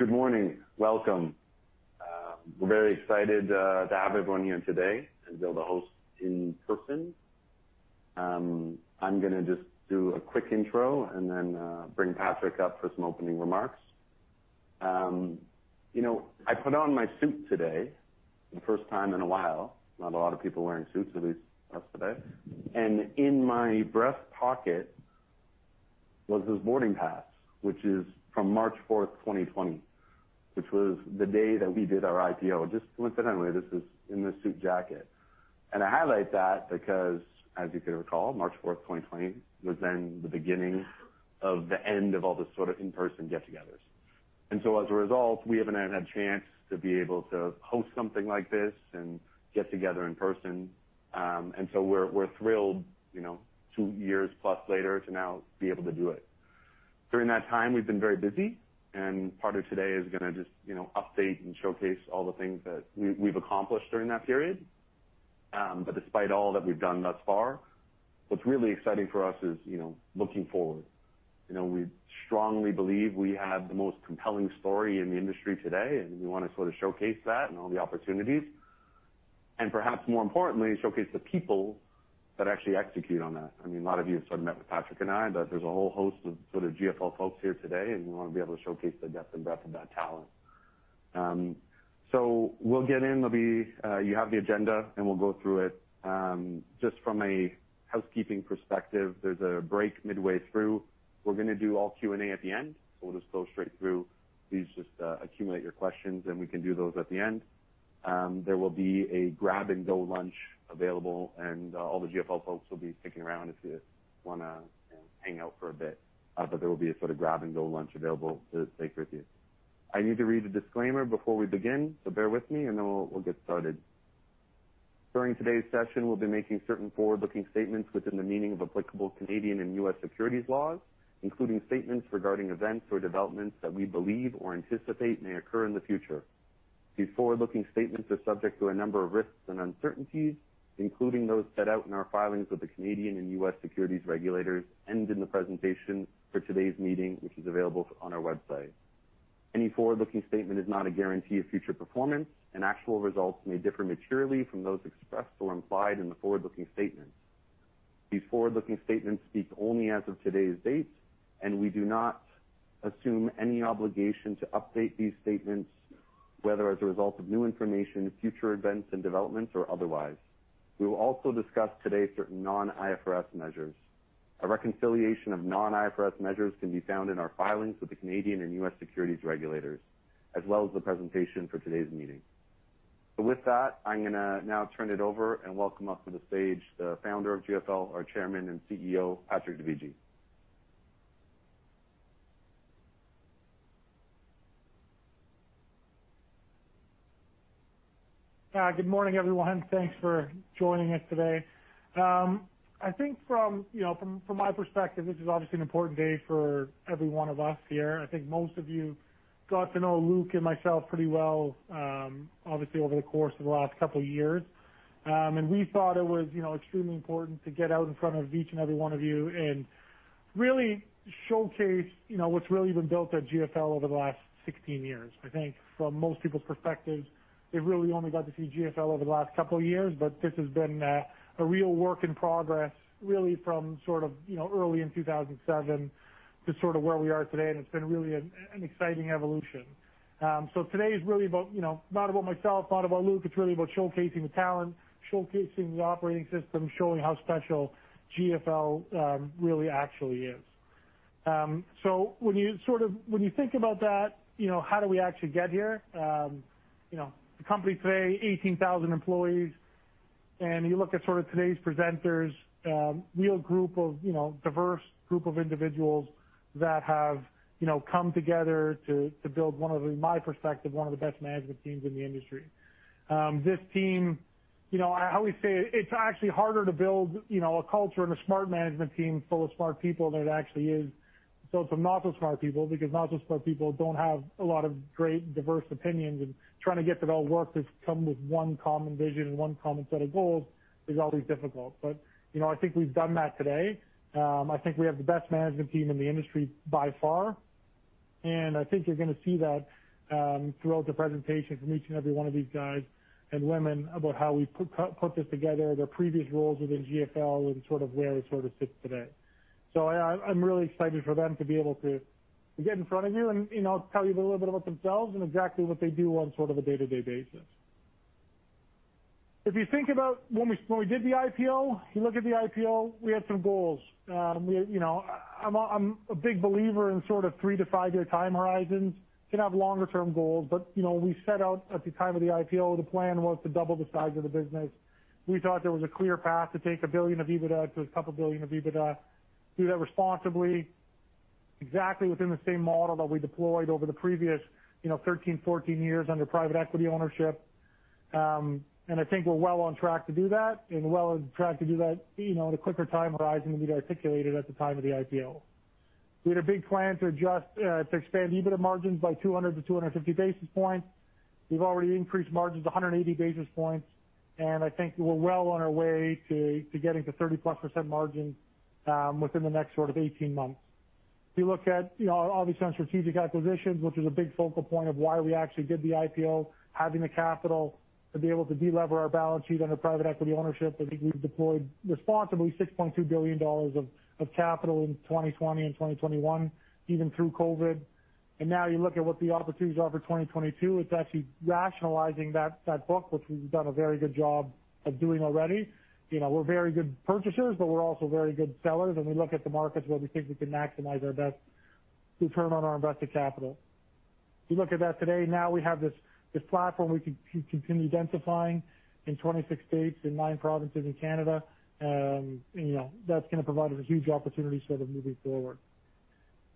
Good morning. Welcome. We're very excited to have everyone here today and be able to host in person. I'm gonna just do a quick intro and then bring Patrick up for some opening remarks. You know, I put on my suit today the first time in a while. Not a lot of people wearing suits, at least us today. In my breast pocket was this boarding pass, which is from March 4, 2020, which was the day that we did our IPO. Just coincidentally, this is in the suit jacket. I highlight that because, as you can recall, March 4, 2020 was then the beginning of the end of all the sort of in-person get-togethers. As a result, we haven't had a chance to be able to host something like this and get together in person. We're thrilled, you know, two years plus later to now be able to do it. During that time, we've been very busy, and part of today is gonna just, you know, update and showcase all the things that we've accomplished during that period. Despite all that we've done thus far, what's really exciting for us is, you know, looking forward. You know, we strongly believe we have the most compelling story in the industry today, and we wanna sort of showcase that and all the opportunities, and perhaps more importantly, showcase the people that actually execute on that. I mean, a lot of you have sort of met with Patrick and I, but there's a whole host of sort of GFL folks here today, and we wanna be able to showcase the depth and breadth of that talent. We'll get in. There'll be, you have the agenda, and we'll go through it. Just from a housekeeping perspective, there's a break midway through. We're gonna do all Q&A at the end, so we'll just go straight through. Please just accumulate your questions, and we can do those at the end. There will be a grab-and-go lunch available, and all the GFL folks will be sticking around if you wanna, you know, hang out for a bit. There will be a sort of grab-and-go lunch available to take with you. I need to read a disclaimer before we begin, so bear with me, and then we'll get started. During today's session, we'll be making certain forward-looking statements within the meaning of applicable Canadian and U.S. securities laws, including statements regarding events or developments that we believe or anticipate may occur in the future. These forward-looking statements are subject to a number of risks and uncertainties, including those set out in our filings with the Canadian and U.S. securities regulators and in the presentation for today's meeting, which is available on our website. Any forward-looking statement is not a guarantee of future performance, and actual results may differ materially from those expressed or implied in the forward-looking statement. These forward-looking statements speak only as of today's date, and we do not assume any obligation to update these statements, whether as a result of new information, future events and developments or otherwise. We will also discuss today certain non-IFRS measures. A reconciliation of non-IFRS measures can be found in our filings with the Canadian and U.S. securities regulators, as well as the presentation for today's meeting. With that, I'm gonna now turn it over and welcome up to the stage the founder of GFL, our Chairman and CEO, Patrick Dovigi. Good morning, everyone. Thanks for joining us today. I think from, you know, my perspective, this is obviously an important day for every one of us here. I think most of you got to know Luke and myself pretty well, obviously over the course of the last couple years. We thought it was, you know, extremely important to get out in front of each and every one of you and really showcase, you know, what's really been built at GFL over the last 16 years. I think from most people's perspectives, they've really only got to see GFL over the last couple years, but this has been a real work in progress, really from sort of, you know, early in 2007 to sort of where we are today, and it's been really an exciting evolution. Today is really about, you know, not about myself, not about Luke. It's really about showcasing the talent, showcasing the operating system, showing how special GFL, really actually is. When you think about that, you know, how do we actually get here? You know, the company today, 18,000 employees, and you look at sort of today's presenters, real group of, you know, diverse group of individuals that have, you know, come together to build one of the, my perspective, one of the best management teams in the industry. This team, you know, I always say it's actually harder to build, you know, a culture and a smart management team full of smart people than it actually is built from not-so-smart people, because not-so-smart people don't have a lot of great, diverse opinions, and trying to get them all to work to come with one common vision and one common set of goals is always difficult. You know, I think we've done that today. I think we have the best management team in the industry by far, and I think you're gonna see that, throughout the presentation from each and every one of these guys and women about how we put this together, their previous roles within GFL, and sort of where it sort of sits today. I'm really excited for them to be able to get in front of you and, you know, tell you a little bit about themselves and exactly what they do on sort of a day-to-day basis. If you think about when we did the IPO, you look at the IPO, we had some goals. You know, I'm a big believer in sort of three to five year time horizons. You can have longer-term goals, but you know, we set out at the time of the IPO, the plan was to double the size of the business. We thought there was a clear path to take $1 billion of EBITDA to $2 billion of EBITDA, do that responsibly, exactly within the same model that we deployed over the previous, you know, 13-14 years under private equity ownership. I think we're well on track to do that, you know, in a quicker time horizon than we'd articulated at the time of the IPO. We had a big plan to expand EBITDA margins by 200-250 basis points. We've already increased margins 180 basis points, and I think we're well on our way to getting to +30% margin within the next sort of 18 months. If you look at, you know, obviously on strategic acquisitions, which is a big focal point of why we actually did the IPO, having the capital to be able to delever our balance sheet under private equity ownership, I think we've deployed responsibly $6.2 billion of capital in 2020 and 2021, even through COVID. Now you look at what the opportunities are for 2022, it's actually rationalizing that book, which we've done a very good job of doing already. You know, we're very good purchasers, but we're also very good sellers, and we look at the markets where we think we can maximize our best return on our invested capital. If you look at that today, now we have this platform we can continue densifying in 26 states, in nine provinces in Canada, you know, that's gonna provide us a huge opportunity sort of moving forward.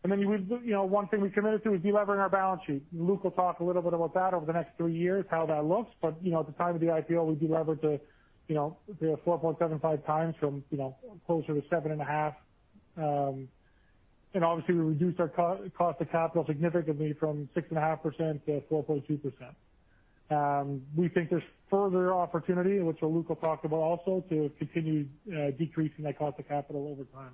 Then we've, you know, one thing we committed to is delevering our balance sheet. Luke will talk a little bit about that over the next three years, how that looks. You know, at the time of the IPO, we delevered to, you know, 4.75x from, you know, closer to 7.5. And obviously, we reduced our cost of capital significantly from 6.5% to 4.2%. We think there's further opportunity, which, Luke will talk about also, to continue decreasing that cost of capital over time.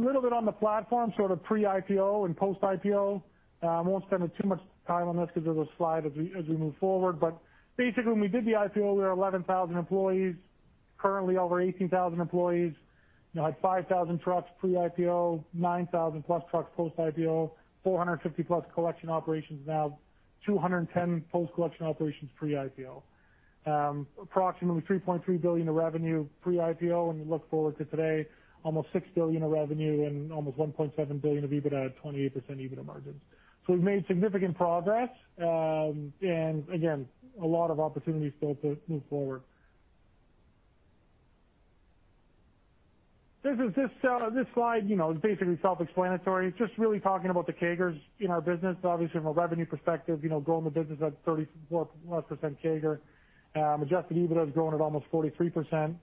A little bit on the platform, sort of pre-IPO and post-IPO. I won't spend too much time on this because there's a slide as we move forward. Basically, when we did the IPO, we were 11,000 employees, currently over 18,000 employees. You know, we had 5,000 trucks pre-IPO, 9,000+ trucks post-IPO, 450+ collection operations now, 210 collection operations pre-IPO. Approximately $3.3 billion of revenue pre-IPO, and we look forward to today almost $6 billion of revenue and almost $1.7 billion of EBITDA at 28% EBITDA margins. We've made significant progress, and again, a lot of opportunities still to move forward. This slide, you know, is basically self-explanatory. It's just really talking about the CAGR in our business. Obviously, from a revenue perspective, you know, growing the business at 34%+ CAGR. Adjusted EBITDA is growing at almost 43%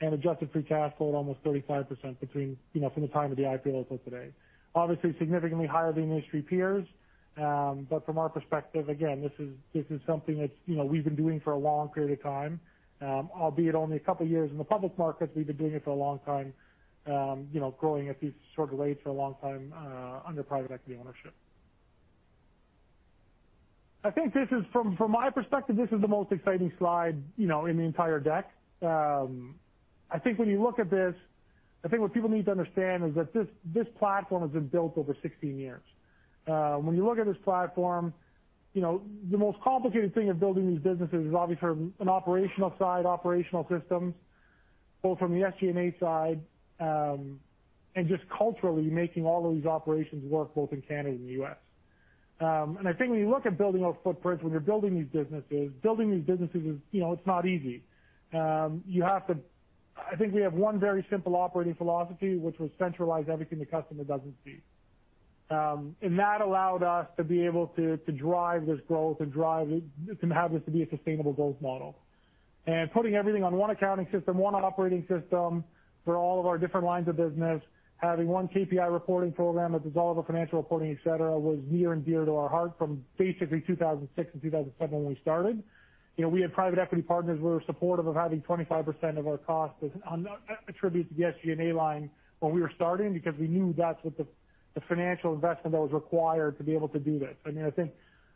and adjusted free cash flow at almost 35% between, you know, from the time of the IPO until today. Obviously, significantly higher than the industry peers, but from our perspective, again, this is something that's, you know, we've been doing for a long period of time. Albeit only a couple years in the public market, we've been doing it for a long time, you know, growing at these sort of rates for a long time, under private equity ownership. I think this is, from my perspective, the most exciting slide, you know, in the entire deck. I think when you look at this, I think what people need to understand is that this platform has been built over 16 years. When you look at this platform, you know, the most complicated thing of building these businesses is obviously from an operational side, operational systems, both from the SG&A side, and just culturally making all of these operations work both in Canada and the U.S. I think when you look at building our footprints, when you're building these businesses, building these businesses is, you know, it's not easy. I think we have one very simple operating philosophy, which was centralize everything the customer doesn't see. That allowed us to be able to drive this growth and drive it, to have this be a sustainable growth model. Putting everything on one accounting system, one operating system for all of our different lines of business, having one KPI reporting program that does all of our financial reporting, et cetera, was near and dear to our heart from basically 2006 and 2007 when we started. You know, we had private equity partners who were supportive of having 25% of our costs as, on, attributed to the SG&A line when we were starting because we knew that's what the financial investment that was required to be able to do this. I mean, I think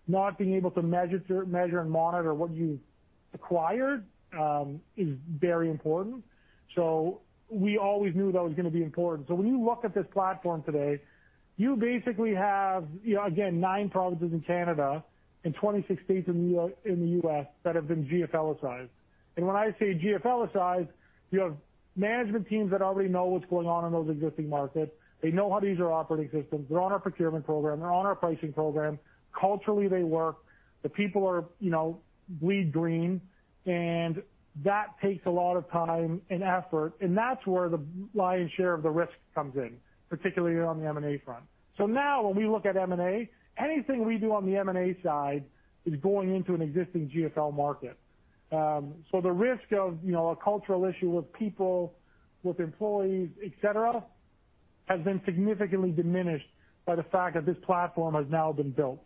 not being able to measure and monitor what you acquired is very important. We always knew that was gonna be important. When you look at this platform today, you basically have, you know, again, nine provinces in Canada and 26 states in the U.S. that have been GFL-ized. When I say GFL-ized, you have management teams that already know what's going on in those existing markets. They know how to use our operating systems. They're on our procurement program. They're on our pricing program. Culturally, they work. The people are, you know, bleed green, and that takes a lot of time and effort, and that's where the lion's share of the risk comes in, particularly on the M&A front. Now when we look at M&A, anything we do on the M&A side is going into an existing GFL market. The risk of, you know, a cultural issue with people, with employees, et cetera, has been significantly diminished by the fact that this platform has now been built.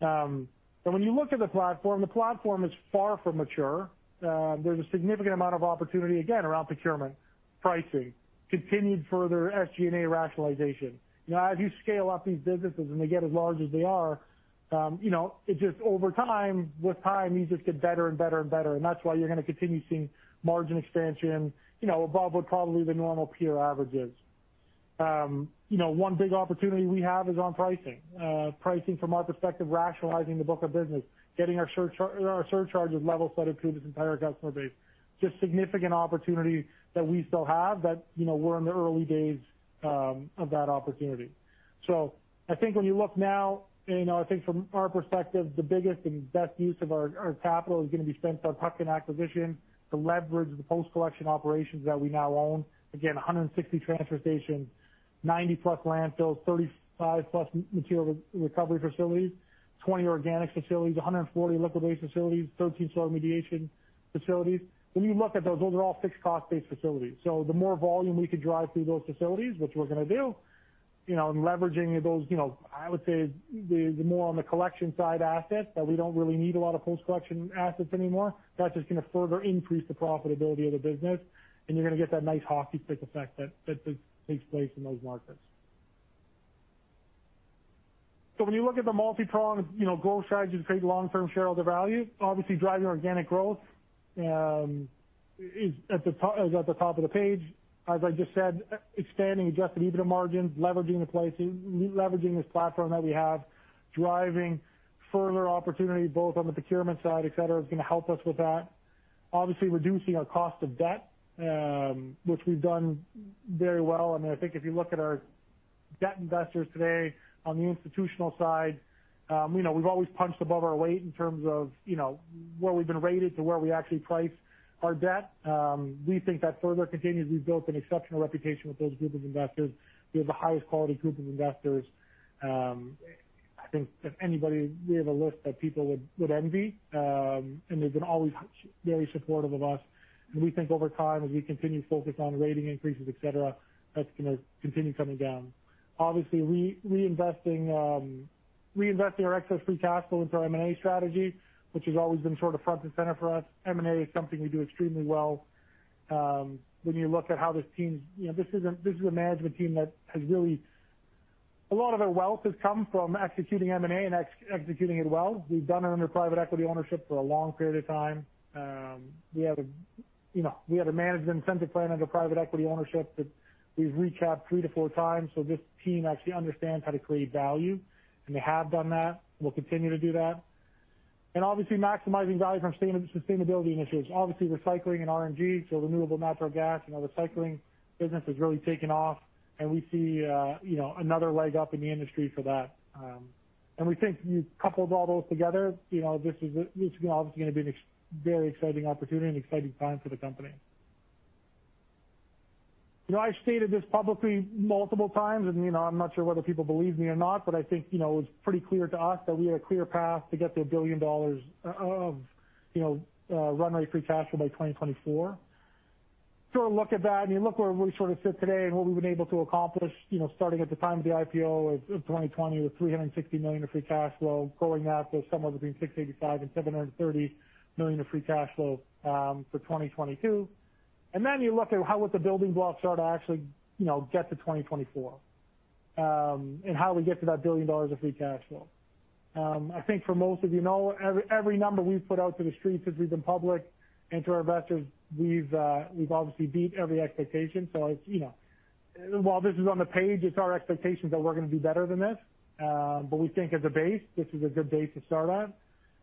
When you look at the platform, the platform is far from mature. There's a significant amount of opportunity, again, around procurement, pricing, continued further SG&A rationalization. You know, as you scale up these businesses and they get as large as they are, you know, it just over time, with time, you just get better and better and better. That's why you're gonna continue seeing margin expansion, you know, above what probably the normal peer average is. You know, one big opportunity we have is on pricing. Pricing from our perspective, rationalizing the book of business, getting our surcharges level-setted through this entire customer base. Just significant opportunity that we still have that, you know, we're in the early days of that opportunity. I think when you look now, you know, I think from our perspective, the biggest and best use of our capital is gonna be spent on trucking acquisition to leverage the post-collection operations that we now own. Again, 160 transfer stations, 90+ landfills, 35+ material recovery facilities, 20 organics facilities, 140 liquid waste facilities, 13 soil remediation facilities. When you look at those are all fixed cost-based facilities. The more volume we can drive through those facilities, which we're gonna do. You know, and leveraging those, you know, I would say the more on the collection side assets that we don't really need a lot of post-collection assets anymore. That's just gonna further increase the profitability of the business, and you're gonna get that nice hockey stick effect that takes place in those markets. When you look at the multi-pronged, you know, growth strategies to create long-term shareholder value, obviously driving organic growth is at the top of the page. As I just said, expanding adjusted EBITDA margins, leveraging this platform that we have, driving further opportunity, both on the procurement side, et cetera, is gonna help us with that. Obviously, reducing our cost of debt, which we've done very well. I mean, I think if you look at our debt investors today on the institutional side, you know, we've always punched above our weight in terms of, you know, where we've been rated to where we actually price our debt. We think that further continues. We've built an exceptional reputation with those group of investors. We have the highest quality group of investors. I think if anybody we have a list that people would envy, and they've been always very supportive of us. We think over time, as we continue to focus on rating increases, et cetera, that's gonna continue coming down. Obviously, reinvesting our excess free cash flow into our M&A strategy, which has always been sort of front and center for us. M&A is something we do extremely well. When you look at how this team's You know, this is a management team that has really a lot of our wealth has come from executing M&A and executing it well. We've done it under private equity ownership for a long period of time. We had a management incentive plan under private equity ownership that we've recapped 3x to 4x, so this team actually understands how to create value, and they have done that, and we'll continue to do that. Obviously maximizing value from sustainability initiatives. Obviously, recycling and RNG, so renewable natural gas. You know, the recycling business has really taken off and we see another leg up in the industry for that. We think you couple all those together, you know, this is obviously gonna be a very exciting opportunity and an exciting time for the company. You know, I've stated this publicly multiple times, and, you know, I'm not sure whether people believe me or not, but I think, you know, it's pretty clear to us that we had a clear path to get to $1 billion of, you know, run-rate free cash flow by 2024. Look at that. I mean, look where we sort of sit today and what we've been able to accomplish, you know, starting at the time of the IPO of 2020 with $360 million of free cash flow, growing that to somewhere between $685 million and $730 million of free cash flow for 2022. Then you look at how the building blocks start to actually, you know, get to 2024, and how we get to that $1 billion of free cash flow. I think for most of you know, every number we've put out to the street since we've been public and to our investors, we've obviously beat every expectation. You know, while this is on the page, it's our expectations that we're gonna do better than this. We think as a base, this is a good base to start at.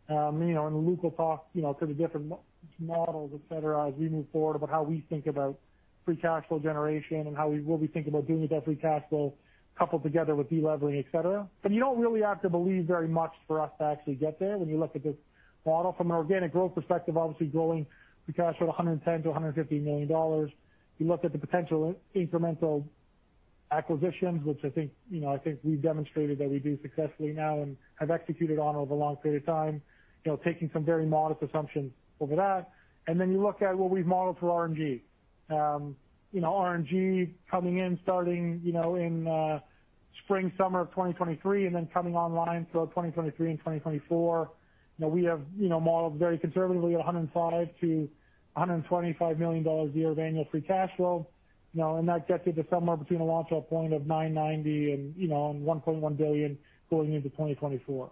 You know, Luke will talk, you know, to the different models, et cetera, as we move forward about how we think about free cash flow generation and how we what we think about doing with that free cash flow coupled together with delevering, et cetera. You don't really have to believe very much for us to actually get there when you look at this model. From an organic growth perspective, obviously growing free cash flow to $110 million to $150 million. You look at the potential incremental acquisitions, which I think, you know, I think we've demonstrated that we do successfully now and have executed on over a long period of time, you know, taking some very modest assumptions over that. You look at what we've modeled for RNG. RNG coming in starting, you know, in spring, summer of 2023, and then coming online throughout 2023 and 2024. You know, we have, you know, modeled very conservatively $105 million to $125 million a year of annual free cash flow. You know, that gets you to somewhere between a launch point of $990 million and $1.1 billion going into 2024.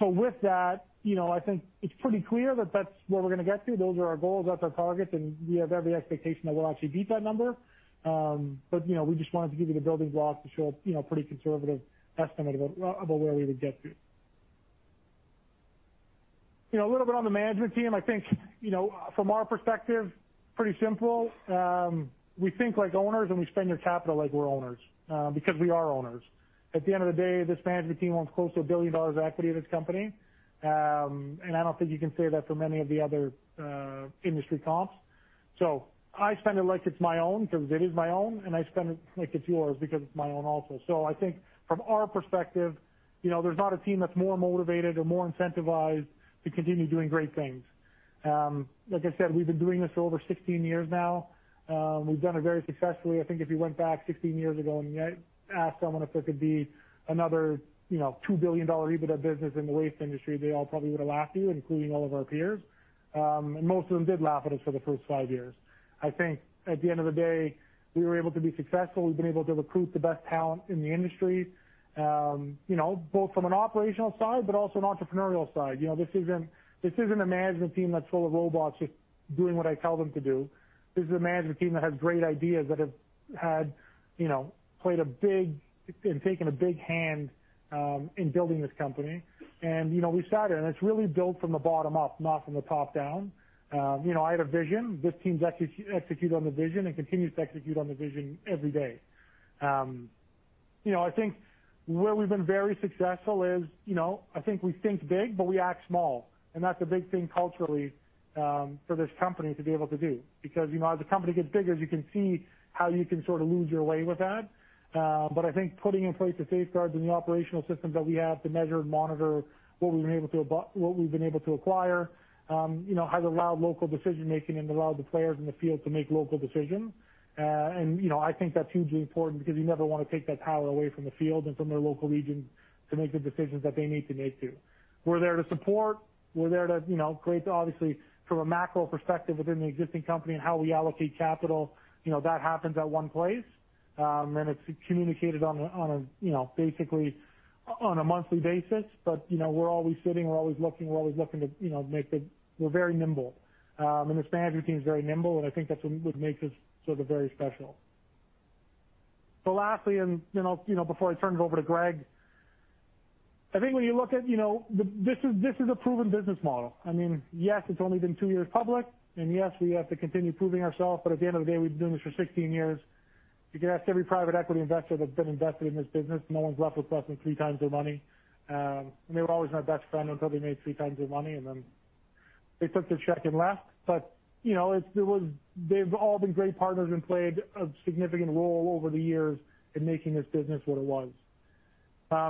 With that, you know, I think it's pretty clear that that's where we're gonna get to. Those are our goals, that's our targets, and we have every expectation that we'll actually beat that number. You know, we just wanted to give you the building blocks to show a pretty conservative estimate of where we would get to. You know, a little bit on the management team. I think, you know, from our perspective, pretty simple. We think like owners, and we spend your capital like we're owners, because we are owners. At the end of the day, this management team owns close to $1 billion of equity in this company. I don't think you can say that for many of the other industry comps. I spend it like it's my own because it is my own, and I spend it like it's yours because it's my own also. I think from our perspective, you know, there's not a team that's more motivated or more incentivized to continue doing great things. Like I said, we've been doing this for over 16 years now. We've done it very successfully. I think if you went back 16 years ago and you asked someone if there could be another, you know, $2 billion EBITDA business in the waste industry, they all probably would've laughed at you, including all of our peers. Most of them did laugh at us for the first five years. I think at the end of the day, we were able to be successful. We've been able to recruit the best talent in the industry, you know, both from an operational side but also an entrepreneurial side. You know, this isn't a management team that's full of robots just doing what I tell them to do. This is a management team that has great ideas that have had, you know, and taken a big hand in building this company. You know, we've sat here, and it's really built from the bottom up, not from the top down. You know, I had a vision. This team's executed on the vision and continues to execute on the vision every day. You know, I think where we've been very successful is, you know, I think we think big, but we act small. That's a big thing culturally, for this company to be able to do. Because, you know, as a company gets bigger, you can see how you can sort of lose your way with that. But I think putting in place the safeguards and the operational systems that we have to measure and monitor what we've been able to acquire, you know, has allowed local decision-making and allowed the players in the field to make local decisions. You know, I think that's hugely important because you never wanna take that power away from the field and from their local regions to make the decisions that they need to make, too. We're there to support, you know, create obviously from a macro perspective within the existing company and how we allocate capital, you know, that happens at one place. It's communicated on a, you know, basically on a monthly basis, but, you know, we're always sitting, we're always looking to, you know, make the. We're very nimble. This management team is very nimble, and I think that's what would make us sort of very special. Lastly, you know, before I turn it over to Greg, I think when you look at, you know, this is, this is a proven business model. I mean, yes, it's only been two years public, and yes, we have to continue proving ourselves, but at the end of the day, we've been doing this for 16 years. You can ask every private equity investor that's been invested in this business, no one's left with less than 3x their money. They were always our best friend until they made three times their money, and then they took the check and left. You know, it was. They've all been great partners and played a significant role over the years in making this business what it was.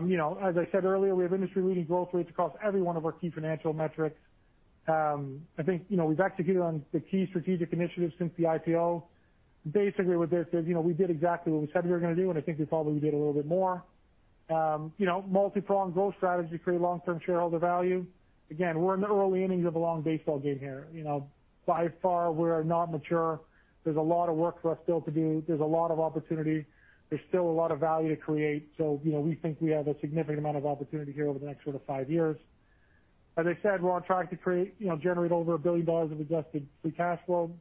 You know, as I said earlier, we have industry-leading growth rates across every one of our key financial metrics. I think, you know, we've executed on the key strategic initiatives since the IPO. Basically, what this says, you know, we did exactly what we said we were gonna do, and I think we probably did a little bit more. You know, multipronged growth strategy to create long-term shareholder value. Again, we're in the early innings of a long baseball game here. You know, by far, we're not mature. There's a lot of work for us still to do. There's a lot of opportunity. There's still a lot of value to create, so, you know, we think we have a significant amount of opportunity here over the next sort of five years. As I said, we're on track to create, you know, generate over $ 1 billion of adjusted free cash flow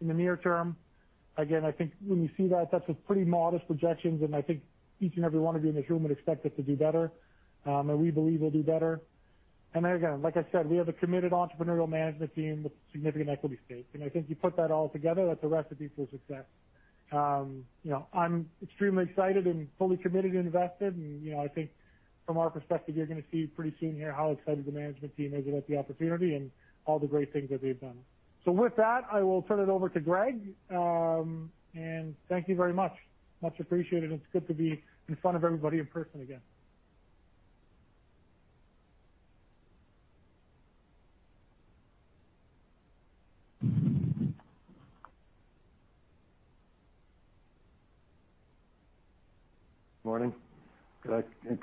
in the near term. Again, I think when you see that's a pretty modest projections, and I think each and every one of you in this room would expect us to do better, and we believe we'll do better. Then again, like I said, we have a committed entrepreneurial management team with significant equity stakes, and I think you put that all together, that's a recipe for success. You know, I'm extremely excited and fully committed and invested, and, you know, I think from our perspective, you're gonna see pretty soon here how excited the management team is about the opportunity and all the great things that they've done. With that, I will turn it over to Greg, and thank you very much. Much appreciated, and it's good to be in front of everybody in person again.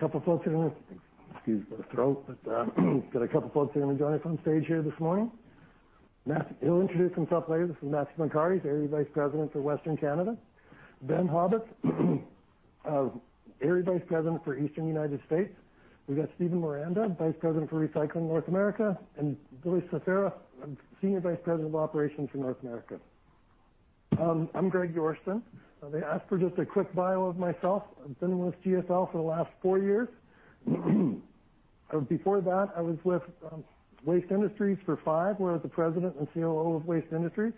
Morning. Excuse my throat, but got a couple folks here that wanna join us on stage here this morning. Matt. He'll introduce himself later. This is Matthew McAra. He's Area Vice President for Western Canada. Ben Habets, Area Vice President for Eastern United States. We've got Steve Miranda, Vice President for Recycling North America, and Billy Soffera, Senior Vice President of Operations for North America. I'm Greg Yorston. They asked for just a quick bio of myself. I've been with GFL for the last four years. Before that, I was with Waste Industries for five, where I was the president and COO of Waste Industries.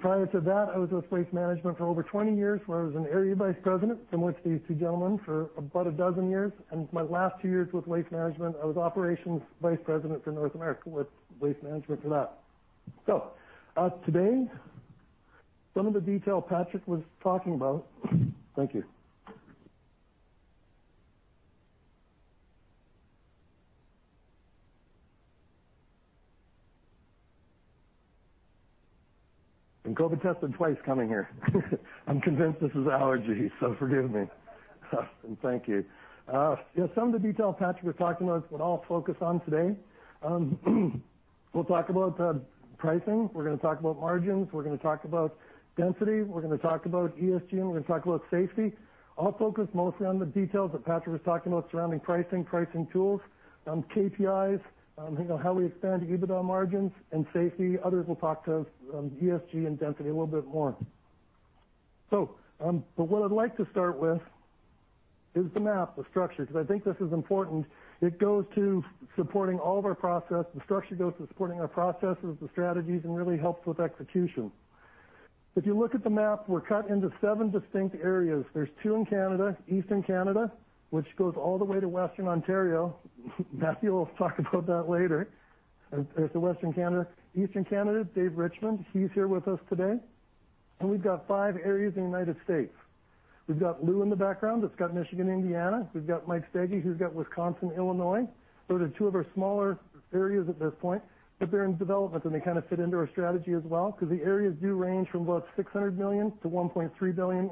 Prior to that, I was with Waste Management for over 20 years, where I was an Area Vice President, similar to these two gentlemen, for about 12 years. My last two years with Waste Management, I was Operations Vice President for North America with Waste Management for that. Today, one of the detail Patrick were talking about, thank you. Been COVID tested twice coming here. I'm convinced this is allergies, so forgive me. Thank you. Some of the detail Patrick was talking about is what I'll focus on today. We'll talk about pricing. We're gonna talk about margins. We're gonna talk about density. We're gonna talk about ESG, and we're gonna talk about safety. I'll focus mostly on the details that Patrick was talking about surrounding pricing tools, KPIs, you know, how we expand EBITDA margins and safety. Others will talk to ESG and density a little bit more. What I'd like to start with is the map, the structure, because I think this is important. It goes to supporting all of our process. The structure goes to supporting our processes, the strategies, and really helps with execution. If you look at the map, we're cut into seven distinct areas. There's two in Canada, Eastern Canada, which goes all the way to Western Ontario. Matthew will talk about that later, as to Western Canada. Eastern Canada, Dave Richmond, he's here with us today. We've got five areas in the United States. We've got Lou in the background that's got Michigan, Indiana. We've got Mike Stege, who's got Wisconsin, Illinois. Those are two of our smaller areas at this point, but they're in development, and they kind of fit into our strategy as well because the areas do range from about 600 million to 1.3 billion.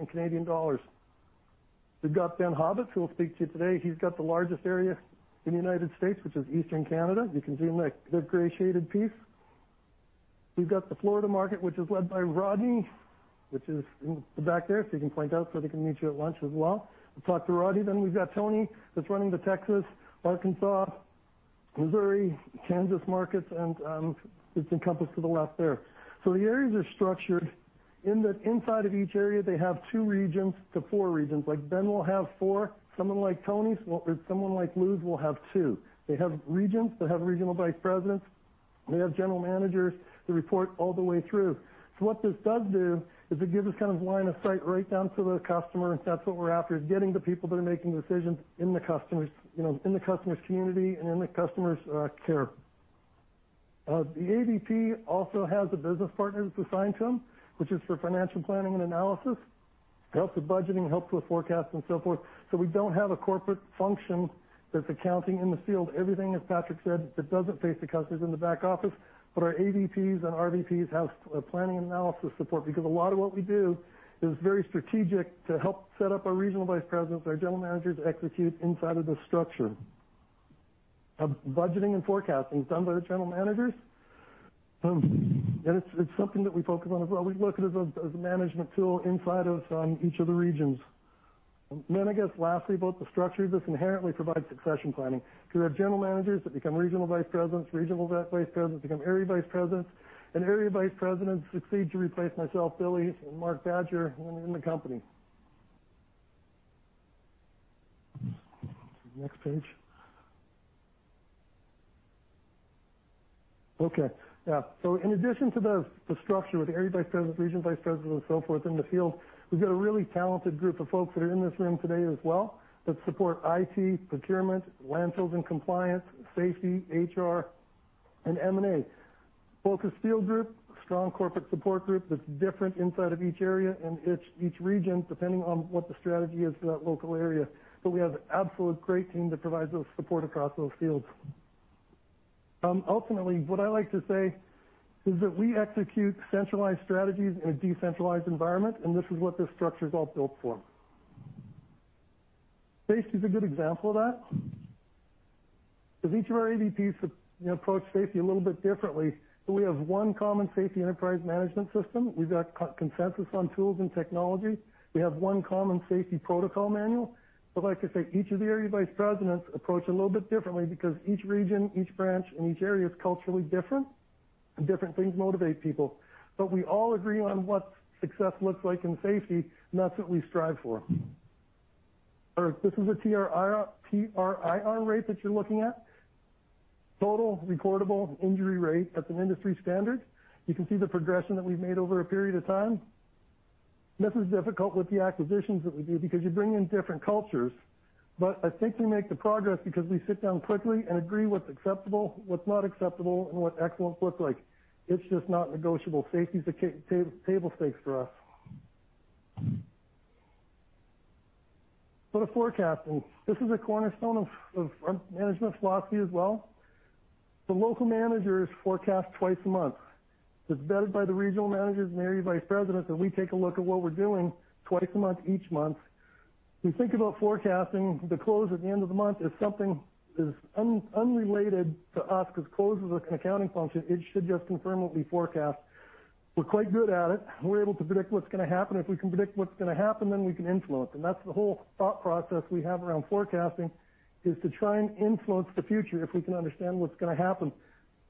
We've got Ben Habets, who will speak to you today. He's got the largest area in the United States, which is Eastern Canada. You can see him in that, the gray shaded piece. We've got the Florida market, which is led by Rodney, which is in the back there, so you can point out so they can meet you at lunch as well. We'll talk to Rodney. We've got Tony that's running the Texas, Arkansas, Missouri, Kansas markets, and it's encompassed to the left there. The areas are structured in that inside of each area, they have two regions to four regions. Like Ben will have four, someone like Tony's, or someone like Lou's will have two. They have regions, they have regional vice presidents, they have general managers that report all the way through. What this does do is it gives us kind of line of sight right down to the customer. That's what we're after, is getting the people that are making the decisions in the customer's, you know, in the customer's community and in the customer's care. The AVP also has a business partner that's assigned to them, which is for financial planning and analysis. It helps with budgeting, helps with forecasts, and so forth. We don't have a corporate function that's accounting in the field. Everything, as Patrick said, that doesn't face the customer is in the back office, but our AVPs and RVPs have planning analysis support because a lot of what we do is very strategic to help set up our regional vice presidents, our general managers execute inside of this structure of budgeting and forecasting is done by our general managers. It's something that we focus on as well. We look at it as a management tool inside of each of the regions. I guess lastly, about the structure. This inherently provides succession planning 'cause our general managers that become regional vice presidents, regional vice presidents become area vice presidents, and area vice presidents succeed to replace myself, Billy, and Mark Badger when we leave the company. Next page. Okay. Yeah. In addition to the structure with the Area Vice Presidents, Regional Vice Presidents and so forth in the field, we've got a really talented group of folks that are in this room today as well, that support IT, procurement, landfills, and compliance, safety, HR, and M&A. Focused field group, strong corporate support group that's different inside of each area and each region, depending on what the strategy is for that local area. We have an absolute great team that provides those support across those fields. Ultimately, what I like to say is that we execute centralized strategies in a decentralized environment, and this is what this structure is all built for. Safety is a good example of that. As each of our AVPs approach safety a little bit differently, but we have one common safety enterprise management system. We've got consensus on tools and technology. We have one common safety protocol manual. Like I say, each of the Area Vice Presidents approach it a little bit differently because each region, each branch and each area is culturally different, and different things motivate people. We all agree on what success looks like in safety, and that's what we strive for. All right, this is a TRIR rate that you're looking at. Total recordable injury rate. That's an industry standard. You can see the progression that we've made over a period of time. This is difficult with the acquisitions that we do because you bring in different cultures. I think we make the progress because we sit down quickly and agree what's acceptable, what's not acceptable, and what excellence looks like. It's just not negotiable. Safety is a table stakes for us. Go to forecasting. This is a cornerstone of our management philosophy as well. The local managers forecast twice a month. It's vetted by the regional managers and area vice presidents, and we take a look at what we're doing twice a month, each month. We think about forecasting the close at the end of the month as something that is unrelated to us because close is an accounting function, it should just confirm what we forecast. We're quite good at it. We're able to predict what's gonna happen. If we can predict what's gonna happen, then we can influence. That's the whole thought process we have around forecasting, is to try and influence the future if we can understand what's gonna happen.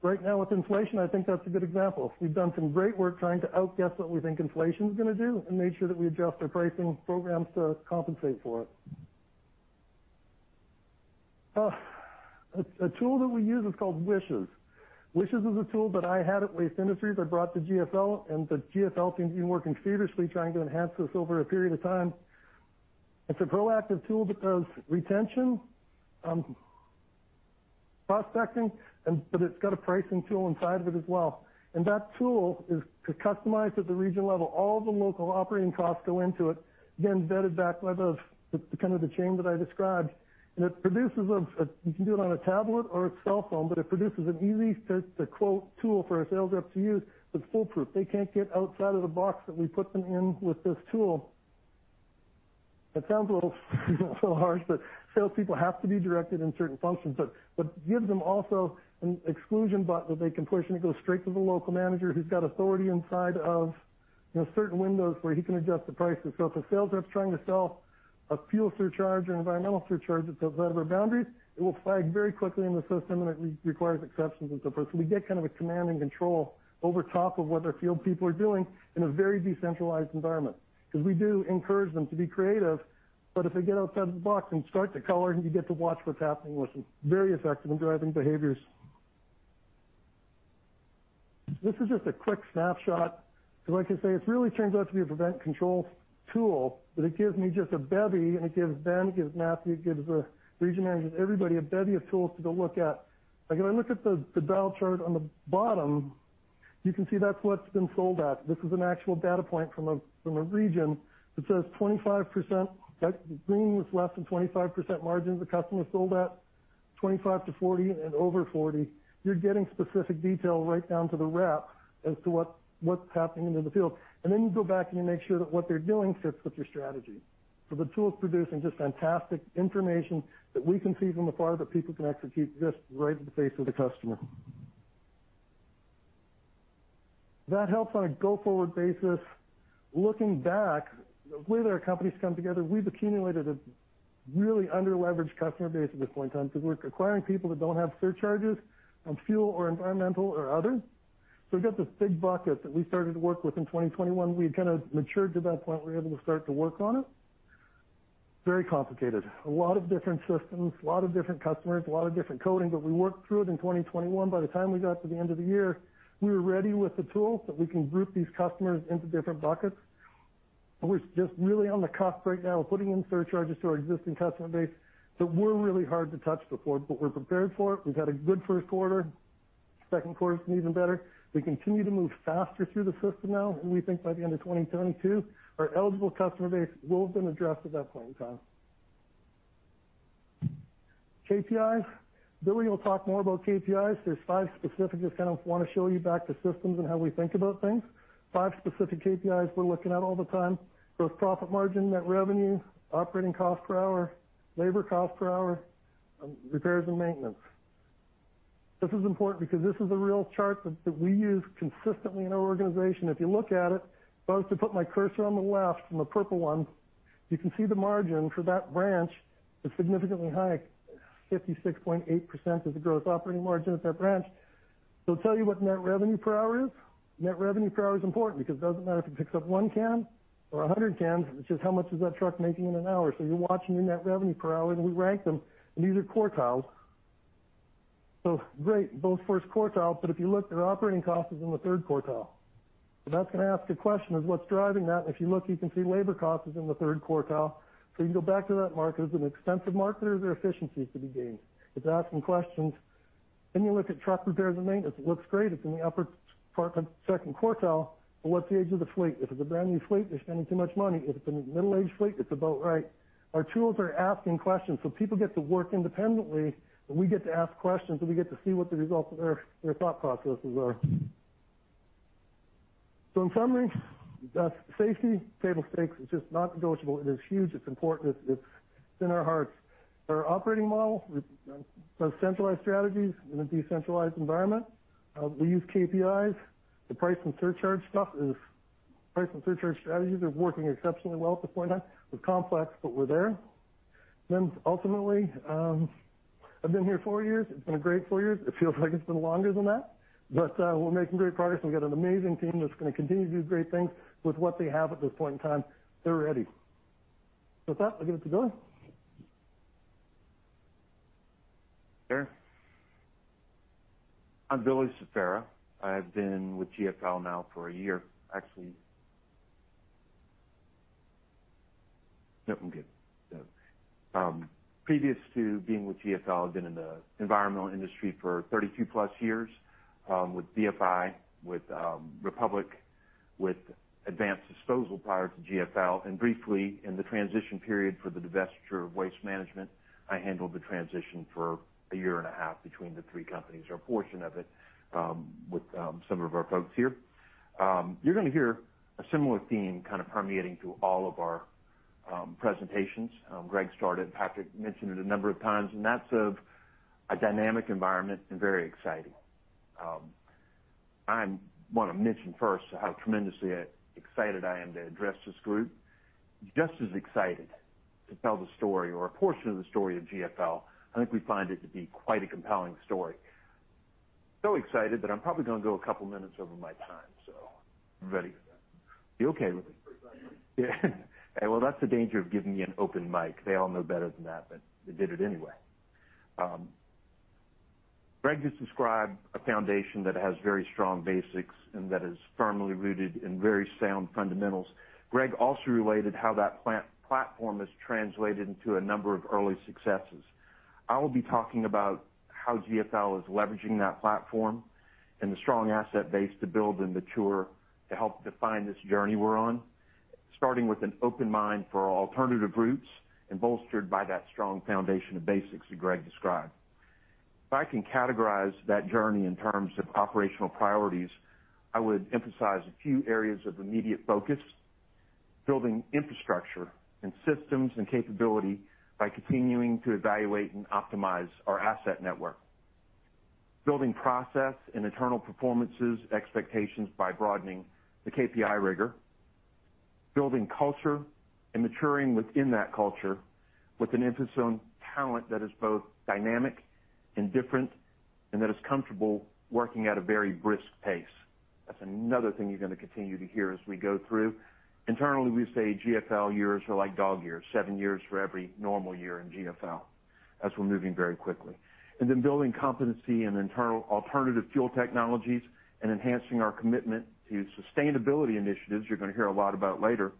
Right now with inflation, I think that's a good example. We've done some great work trying to outguess what we think inflation is gonna do and made sure that we adjust our pricing programs to compensate for it. A tool that we use is called WISHES. WISHES is a tool that I had at Waste Industries I brought to GFL, and the GFL team's been working furiously trying to enhance this over a period of time. It's a proactive tool that does retention, prospecting, but it's got a pricing tool inside of it as well. That tool is customized at the region level. All the local operating costs go into it, again, vetted back by the kind of chain that I described. You can do it on a tablet or a cell phone, but it produces an easy-to-quote tool for our sales rep to use that's foolproof. They can't get outside of the box that we put them in with this tool. It sounds a little harsh, but salespeople have to be directed in certain functions, but gives them also an exclusion button that they can push, and it goes straight to the local manager who's got authority inside of, you know, certain windows where he can adjust the prices. If a sales rep's trying to sell a fuel surcharge or environmental surcharge that's outside of our boundaries, it will flag very quickly in the system, and it re-requires exceptions and so forth. We get kind of a command and control over top of what our field people are doing in a very decentralized environment, 'cause we do encourage them to be creative, but if they get outside of the box and start to color, you get to watch what's happening with them. Very effective in driving behaviors. This is just a quick snapshot, 'cause like I say, it really turns out to be a prevent control tool, but it gives me just a bevy, and it gives Ben, gives Matthew, gives the region managers, everybody, a bevy of tools to go look at. Like, if I look at the bell chart on the bottom, you can see that's what's been sold at. This is an actual data point from a region that says 25%. That green was less than 25% margin the customer sold at. 25 to 40 and over 40. You're getting specific detail right down to the rep as to what's happening in the field. Then you go back, and you make sure that what they're doing fits with your strategy. The tool's producing just fantastic information that we can see from afar, that people can execute just right at the face of the customer. That helps on a go-forward basis. Looking back, the way that our company's come together, we've accumulated a really under-leveraged customer base at this point in time because we're acquiring people that don't have surcharges on fuel or environmental or other. We've got this big bucket that we started to work with in 2021. We had kinda matured to that point, we were able to start to work on it. Very complicated. A lot of different systems, a lot of different customers, a lot of different coding, but we worked through it in 2021. By the time we got to the end of the year, we were ready with the tools that we can group these customers into different buckets. We're just really on the cusp right now of putting in surcharges to our existing customer base that were really hard to touch before. We're prepared for it. We've had a good first quarter. Second quarter's even better. We continue to move faster through the system now, and we think by the end of 2022, our eligible customer base will have been addressed at that point in time. KPIs. Billy will talk more about KPIs. There's five specific. Just kinda wanna show you back the systems and how we think about things. Five specific KPIs we're looking at all the time. Gross profit margin, net revenue, operating cost per hour, labor cost per hour, repairs and maintenance. This is important because this is a real chart that we use consistently in our organization. If you look at it, if I was to put my cursor on the left, on the purple one, you can see the margin for that branch is significantly high, 56.8% is the gross operating margin at that branch. It'll tell you what net revenue per hour is. Net revenue per hour is important because it doesn't matter if it picks up one can or 100 cans, it's just how much is that truck making in an hour. You're watching your net revenue per hour, and we rank them, and these are quartiles. Great, both first quartiles, but if you look, their operating cost is in the third quartile. That's gonna ask a question of what's driving that. And if you look, you can see labor cost is in the third quartile. You can go back to that market. Is it an expensive market or is there efficiencies to be gained? It's asking questions. You look at truck repairs and maintenance. It looks great. It's in the upper part, second quartile, but what's the age of the fleet? If it's a brand-new fleet, they're spending too much money. If it's a middle-aged fleet, it's about right. Our tools are asking questions, so people get to work independently, but we get to ask questions, and we get to see what the results of their thought processes are. In summary, that's safety, table stakes. It's just non-negotiable. It is huge. It's important. It's in our hearts. Our operating model with centralized strategies in a decentralized environment. We use KPIs. The price and surcharge stuff is. Price and surcharge strategies are working exceptionally well at this point in time. We're complex, but we're there. Ultimately, I've been here four years. It's been a great four years. It feels like it's been longer than that. We're making great progress, and we've got an amazing team that's gonna continue to do great things with what they have at this point in time. They're ready. With that, I'll give it to Billy. Sure. I'm Billy Soffera. I've been with GFL now for a year actually. Previous to being with GFL, I've been in the environmental industry for 32+ years, with BFI, with Republic, with Advanced Disposal prior to GFL, and briefly in the transition period for the divestiture of Waste Management, I handled the transition for a year and a half between the three companies or a portion of it, with some of our folks here. You're gonna hear a similar theme kind of permeating through all of our presentations. Greg started, Patrick mentioned it a number of times, and that's of a dynamic environment and very exciting. I want to mention first how tremendously excited I am to address this group. Just as excited to tell the story or a portion of the story of GFL. I think we find it to be quite a compelling story. Excited that I'm probably gonna go a couple minutes over my time, so I'm ready. You okay with it? Well, that's the danger of giving me an open mic. They all know better than that, but they did it anyway. Greg just described a foundation that has very strong basics and that is firmly rooted in very sound fundamentals. Greg also related how that plant platform has translated into a number of early successes. I will be talking about how GFL is leveraging that platform and the strong asset base to build and mature to help define this journey we're on, starting with an open mind for alternative routes and bolstered by that strong foundation of basics that Greg described. If I can categorize that journey in terms of operational priorities, I would emphasize a few areas of immediate focus, building infrastructure and systems and capability by continuing to evaluate and optimize our asset network, building processes and internal performance expectations by broadening the KPI rigor, building culture and maturing within that culture with an emphasis on talent that is both dynamic and different, and that is comfortable working at a very brisk pace. That's another thing you're gonna continue to hear as we go through. Internally, we say GFL years are like dog years, seven years for every normal year in GFL, as we're moving very quickly. Then building competency in internal alternative fuel technologies and enhancing our commitment to sustainability initiatives, you're gonna hear a lot about later,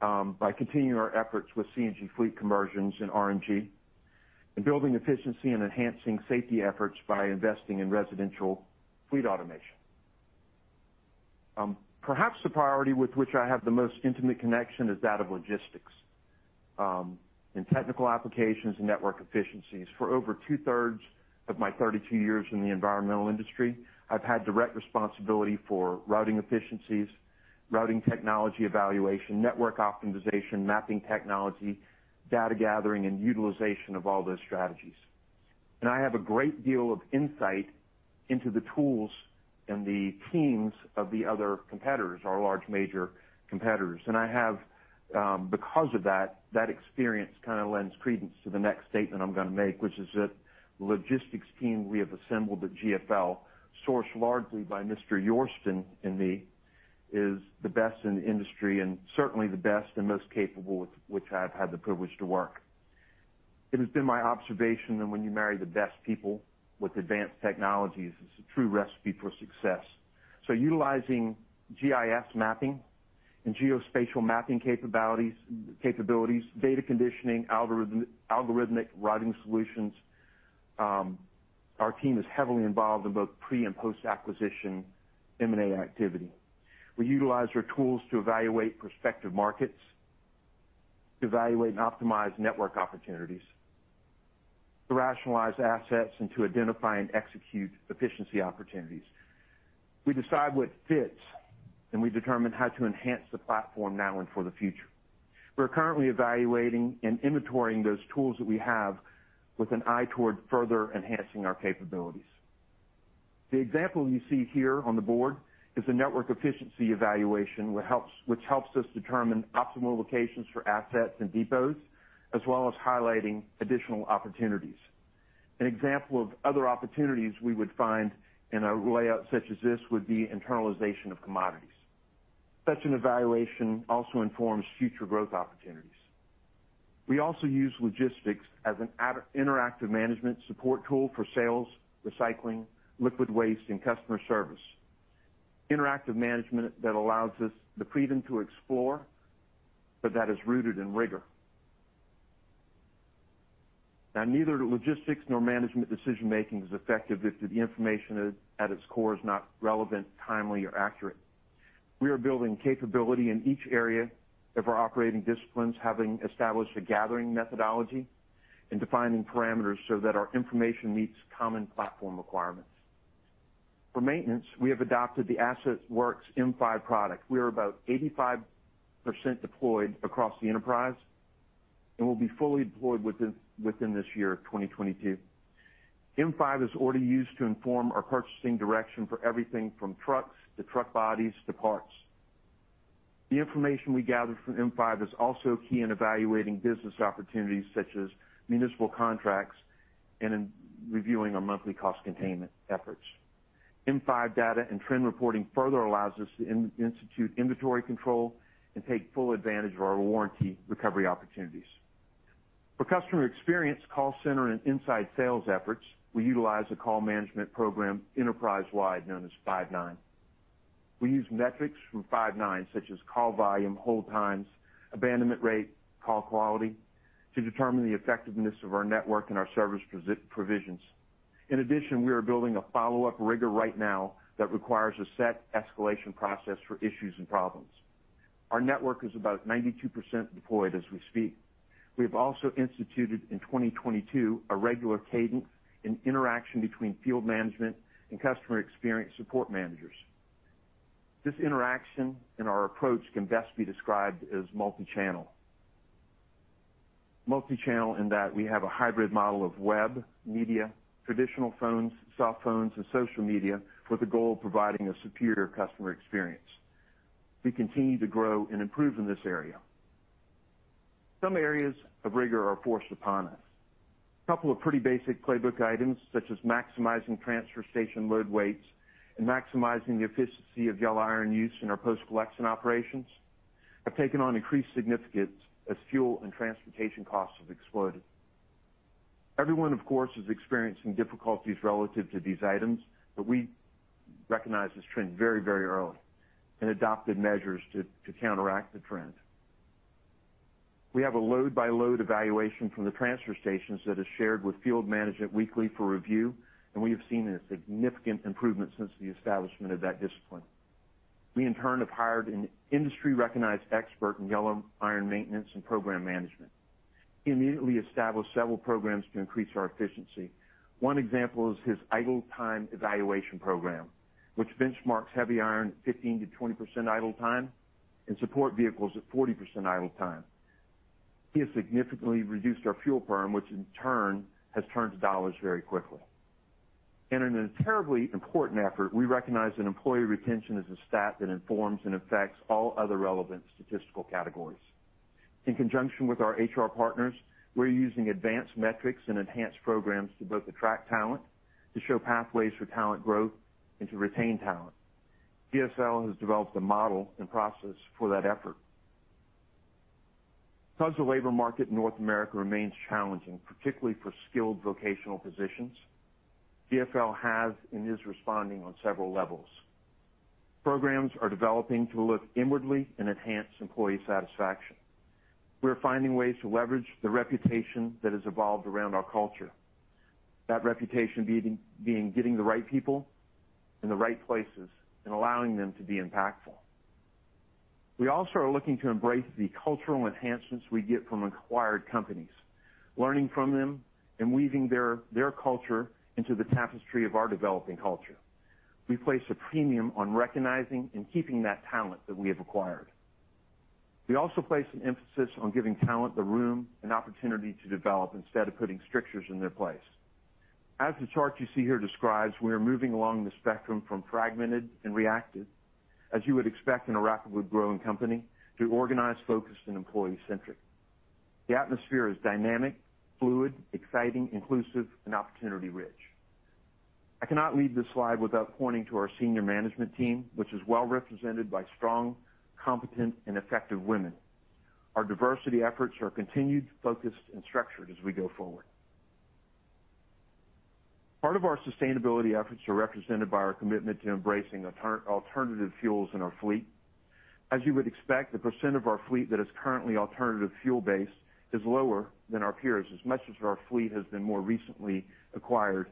by continuing our efforts with CNG fleet conversions and RNG, and building efficiency and enhancing safety efforts by investing in residential fleet automation. Perhaps the priority with which I have the most intimate connection is that of logistics, and technical applications and network efficiencies. For over 2/3 of my 32 years in the environmental industry, I've had direct responsibility for routing efficiencies, routing technology evaluation, network optimization, mapping technology, data gathering, and utilization of all those strategies. I have a great deal of insight into the tools and the teams of the other competitors, our large major competitors. I have, because of that experience kinda lends credence to the next statement I'm gonna make, which is that the logistics team we have assembled at GFL, sourced largely by Mr. Yorston and me, is the best in the industry and certainly the best and most capable with which I've had the privilege to work. It has been my observation that when you marry the best people with advanced technologies, it's a true recipe for success. Utilizing GIS mapping and geospatial mapping capabilities, data conditioning, algorithmic routing solutions, our team is heavily involved in both pre and post-acquisition M&A activity. We utilize our tools to evaluate prospective markets, evaluate and optimize network opportunities, to rationalize assets, and to identify and execute efficiency opportunities. We decide what fits and we determine how to enhance the platform now and for the future. We're currently evaluating and inventorying those tools that we have with an eye toward further enhancing our capabilities. The example you see here on the board is the network efficiency evaluation, which helps us determine optimal locations for assets and depots, as well as highlighting additional opportunities. An example of other opportunities we would find in a layout such as this would be internalization of commodities. Such an evaluation also informs future growth opportunities. We also use logistics as an interactive management support tool for sales, recycling, liquid waste, and customer service. Interactive management that allows us the freedom to explore, but that is rooted in rigor. Now, neither logistics nor management decision-making is effective if the information at its core is not relevant, timely, or accurate. We are building capability in each area of our operating disciplines, having established a gathering methodology and defining parameters so that our information meets common platform requirements. For maintenance, we have adopted the AssetWorks M5 product. We are about 85% deployed across the enterprise, and we'll be fully deployed within this year of 2022. M5 is already used to inform our purchasing direction for everything from trucks to truck bodies to parts. The information we gather from M5 is also key in evaluating business opportunities such as municipal contracts and in reviewing our monthly cost containment efforts. M5 data and trend reporting further allows us to institute inventory control and take full advantage of our warranty recovery opportunities. For customer experience call center and inside sales efforts, we utilize a call management program enterprise-wide known as Five9. We use metrics from Five9 such as call volume, hold times, abandonment rate, call quality to determine the effectiveness of our network and our service provisions. In addition, we are building a follow-up rigor right now that requires a set escalation process for issues and problems. Our network is about 92% deployed as we speak. We have also instituted in 2022 a regular cadence in interaction between field management and customer experience support managers. This interaction in our approach can best be described as multi-channel. Multi-channel in that we have a hybrid model of web, media, traditional phones, soft phones, and social media with the goal of providing a superior customer experience. We continue to grow and improve in this area. Some areas of rigor are forced upon us. A couple of pretty basic playbook items such as maximizing transfer station load weights and maximizing the efficiency of yellow iron use in our post-collection operations have taken on increased significance as fuel and transportation costs have exploded. Everyone, of course, is experiencing difficulties relative to these items, but we recognized this trend very, very early and adopted measures to counteract the trend. We have a load-by-load evaluation from the transfer stations that is shared with field management weekly for review, and we have seen a significant improvement since the establishment of that discipline. We, in turn, have hired an industry-recognized expert in yellow iron maintenance and program management. He immediately established several programs to increase our efficiency. One example is his idle time evaluation program, which benchmarks heavy iron 15% to 20% idle time and support vehicles at 40% idle time. He has significantly reduced our fuel burn, which in turn has turned to dollars very quickly. In a terribly important effort, we recognize that employee retention is a stat that informs and affects all other relevant statistical categories. In conjunction with our HR partners, we're using advanced metrics and enhanced programs to both attract talent, to show pathways for talent growth, and to retain talent. GFL has developed a model and process for that effort. Because the labor market in North America remains challenging, particularly for skilled vocational positions, GFL has and is responding on several levels. Programs are developing to look inwardly and enhance employee satisfaction. We're finding ways to leverage the reputation that has evolved around our culture, that reputation being getting the right people in the right places and allowing them to be impactful. We also are looking to embrace the cultural enhancements we get from acquired companies, learning from them and weaving their culture into the tapestry of our developing culture. We place a premium on recognizing and keeping that talent that we have acquired. We also place an emphasis on giving talent the room and opportunity to develop instead of putting strictures in their place. As the chart you see here describes, we are moving along the spectrum from fragmented and reactive, as you would expect in a rapidly growing company, to organized, focused, and employee-centric. The atmosphere is dynamic, fluid, exciting, inclusive, and opportunity-rich. I cannot leave this slide without pointing to our senior management team, which is well represented by strong, competent, and effective women. Our diversity efforts are continued, focused, and structured as we go forward. Part of our sustainability efforts are represented by our commitment to embracing alternative fuels in our fleet. As you would expect, the percent of our fleet that is currently alternative fuel-based is lower than our peers, as much as our fleet has been more recently acquired.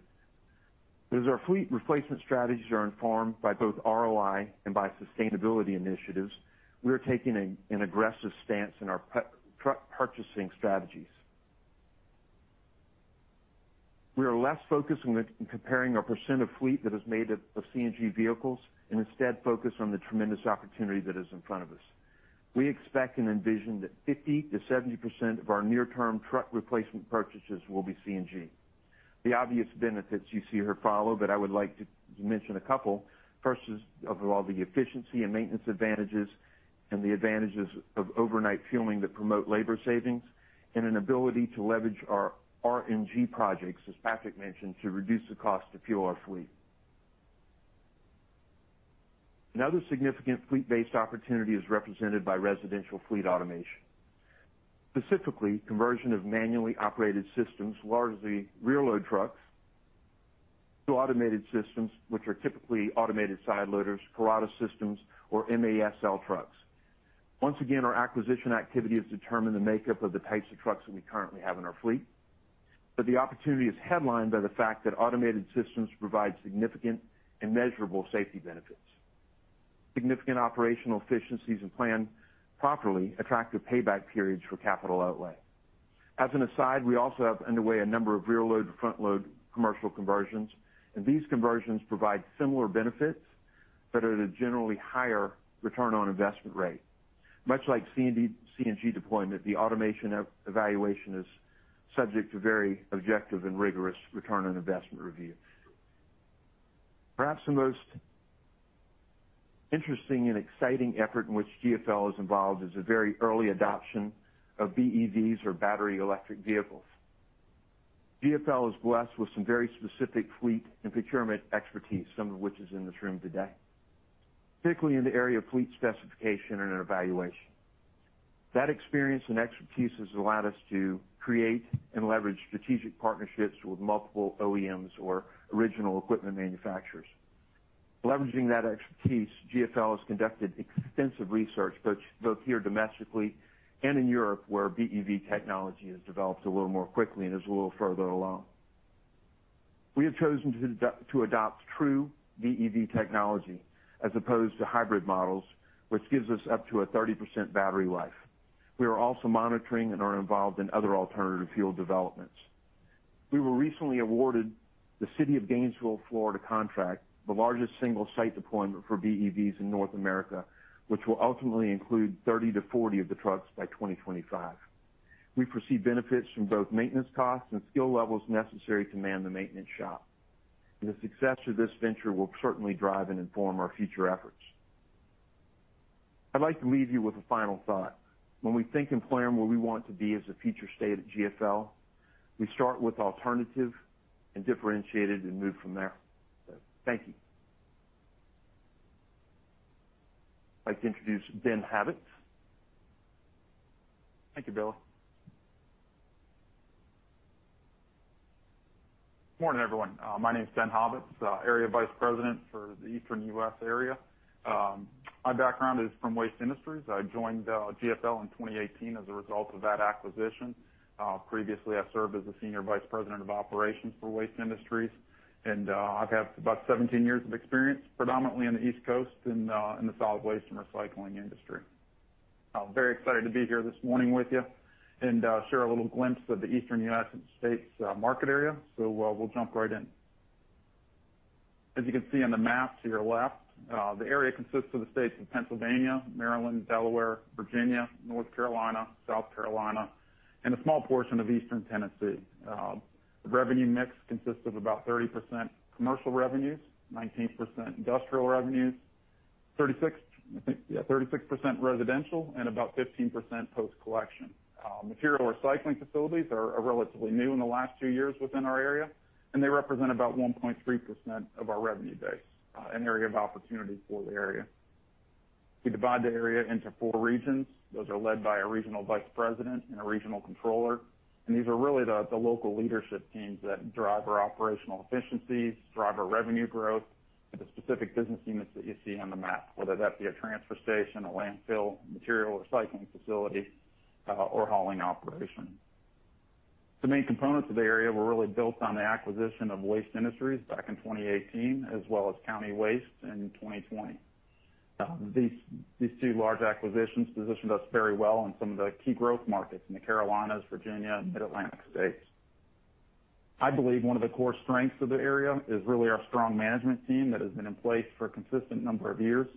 As our fleet replacement strategies are informed by both ROI and by sustainability initiatives, we are taking an aggressive stance in our purchasing strategies. We are less focused on comparing our percent of fleet that is made of CNG vehicles, and instead focus on the tremendous opportunity that is in front of us. We expect and envision that 50% to 70% of our near-term truck replacement purchases will be CNG. The obvious benefits you see here follow, but I would like to mention a couple. First of all, the efficiency and maintenance advantages, and the advantages of overnight fueling that promote labor savings, and an ability to leverage our RNG projects, as Patrick mentioned, to reduce the cost to fuel our fleet. Another significant fleet-based opportunity is represented by residential fleet automation. Specifically, conversion of manually operated systems, largely rear load trucks, to automated systems, which are typically automated side loaders, Curotto-Can systems or MASL trucks. Once again, our acquisition activity has determined the makeup of the types of trucks that we currently have in our fleet. The opportunity is headlined by the fact that automated systems provide significant and measurable safety benefits, significant operational efficiencies and potentially attractive payback periods for capital outlay. As an aside, we also have underway a number of rear load, front load commercial conversions, and these conversions provide similar benefits but at a generally higher return on investment rate. Much like CNG deployment, the automation evaluation is subject to very objective and rigorous return on investment review. Perhaps the most interesting and exciting effort in which GFL is involved is a very early adoption of BEVs or battery electric vehicles. GFL is blessed with some very specific fleet and procurement expertise, some of which is in this room today, particularly in the area of fleet specification and an evaluation. That experience and expertise has allowed us to create and leverage strategic partnerships with multiple OEMs or original equipment manufacturers. Leveraging that expertise, GFL has conducted extensive research, both here domestically and in Europe, where BEV technology has developed a little more quickly and is a little further along. We have chosen to adopt true BEV technology as opposed to hybrid models, which gives us up to a 30% battery life. We are also monitoring and are involved in other alternative fuel developments. We were recently awarded the City of Gainesville, Florida contract, the largest single site deployment for BEVs in North America, which will ultimately include 30 to 40 of the trucks by 2025. We foresee benefits from both maintenance costs and skill levels necessary to man the maintenance shop. The success of this venture will certainly drive and inform our future efforts. I'd like to leave you with a final thought. When we think and plan where we want to be as a future state at GFL, we start with alternative and differentiated and move from there. Thank you. I'd like to introduce Ben Habets. Thank you, Bill. Morning, everyone. My name is Ben Habets, Area Vice President for the Eastern U.S. area. My background is from Waste Industries. I joined GFL in 2018 as a result of that acquisition. Previously, I served as the Senior Vice President of Operations for Waste Industries, and I've had about 17 years of experience, predominantly on the East Coast in the solid waste and recycling industry. I'm very excited to be here this morning with you and share a little glimpse of the Eastern United States market area. We'll jump right in. As you can see on the map to your left, the area consists of the states of Pennsylvania, Maryland, Delaware, Virginia, North Carolina, South Carolina, and a small portion of Eastern Tennessee. The revenue mix consists of about 30% commercial revenues, 19% industrial revenues, 36% residential, and about 15% post-collection. Material recycling facilities are relatively new in the last two years within our area, and they represent about 1.3% of our revenue base, an area of opportunity for the area. We divide the area into four regions. Those are led by a regional vice president and a regional controller. These are really the local leadership teams that drive our operational efficiencies, drive our revenue growth at the specific business units that you see on the map, whether that be a transfer station, a landfill, material recycling facility, or hauling operation. The main components of the area were really built on the acquisition of Waste Industries back in 2018, as well as County Waste in 2020. These two large acquisitions positioned us very well in some of the key growth markets in the Carolinas, Virginia, and Mid-Atlantic states. I believe one of the core strengths of the area is really our strong management team that has been in place for a consistent number of years,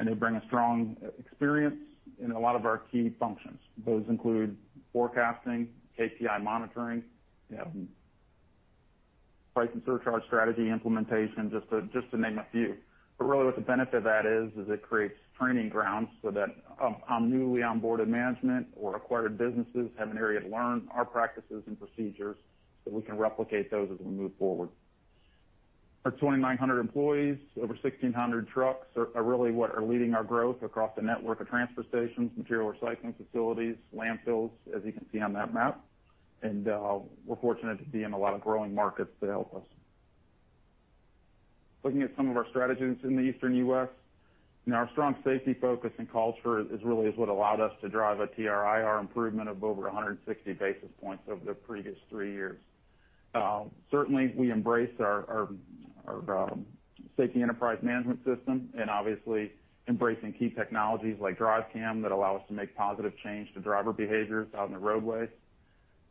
and they bring a strong experience in a lot of our key functions. Those include forecasting, KPI monitoring, we have price and surcharge strategy implementation, just to name a few. Really what the benefit of that is it creates training grounds so that, our newly onboarded management or acquired businesses have an area to learn our practices and procedures, so we can replicate those as we move forward. Our 2,900 employees, over 1,600 trucks are really what are leading our growth across the network of transfer stations, material recycling facilities, landfills, as you can see on that map. We're fortunate to be in a lot of growing markets to help us. Looking at some of our strategies in the Eastern U.S., and our strong safety focus and culture is really what allowed us to drive a TRIR improvement of over 160 basis points over the previous three years. Certainly we embrace our safety enterprise management system and obviously embracing key technologies like DriveCam that allow us to make positive change to driver behaviors out in the roadways.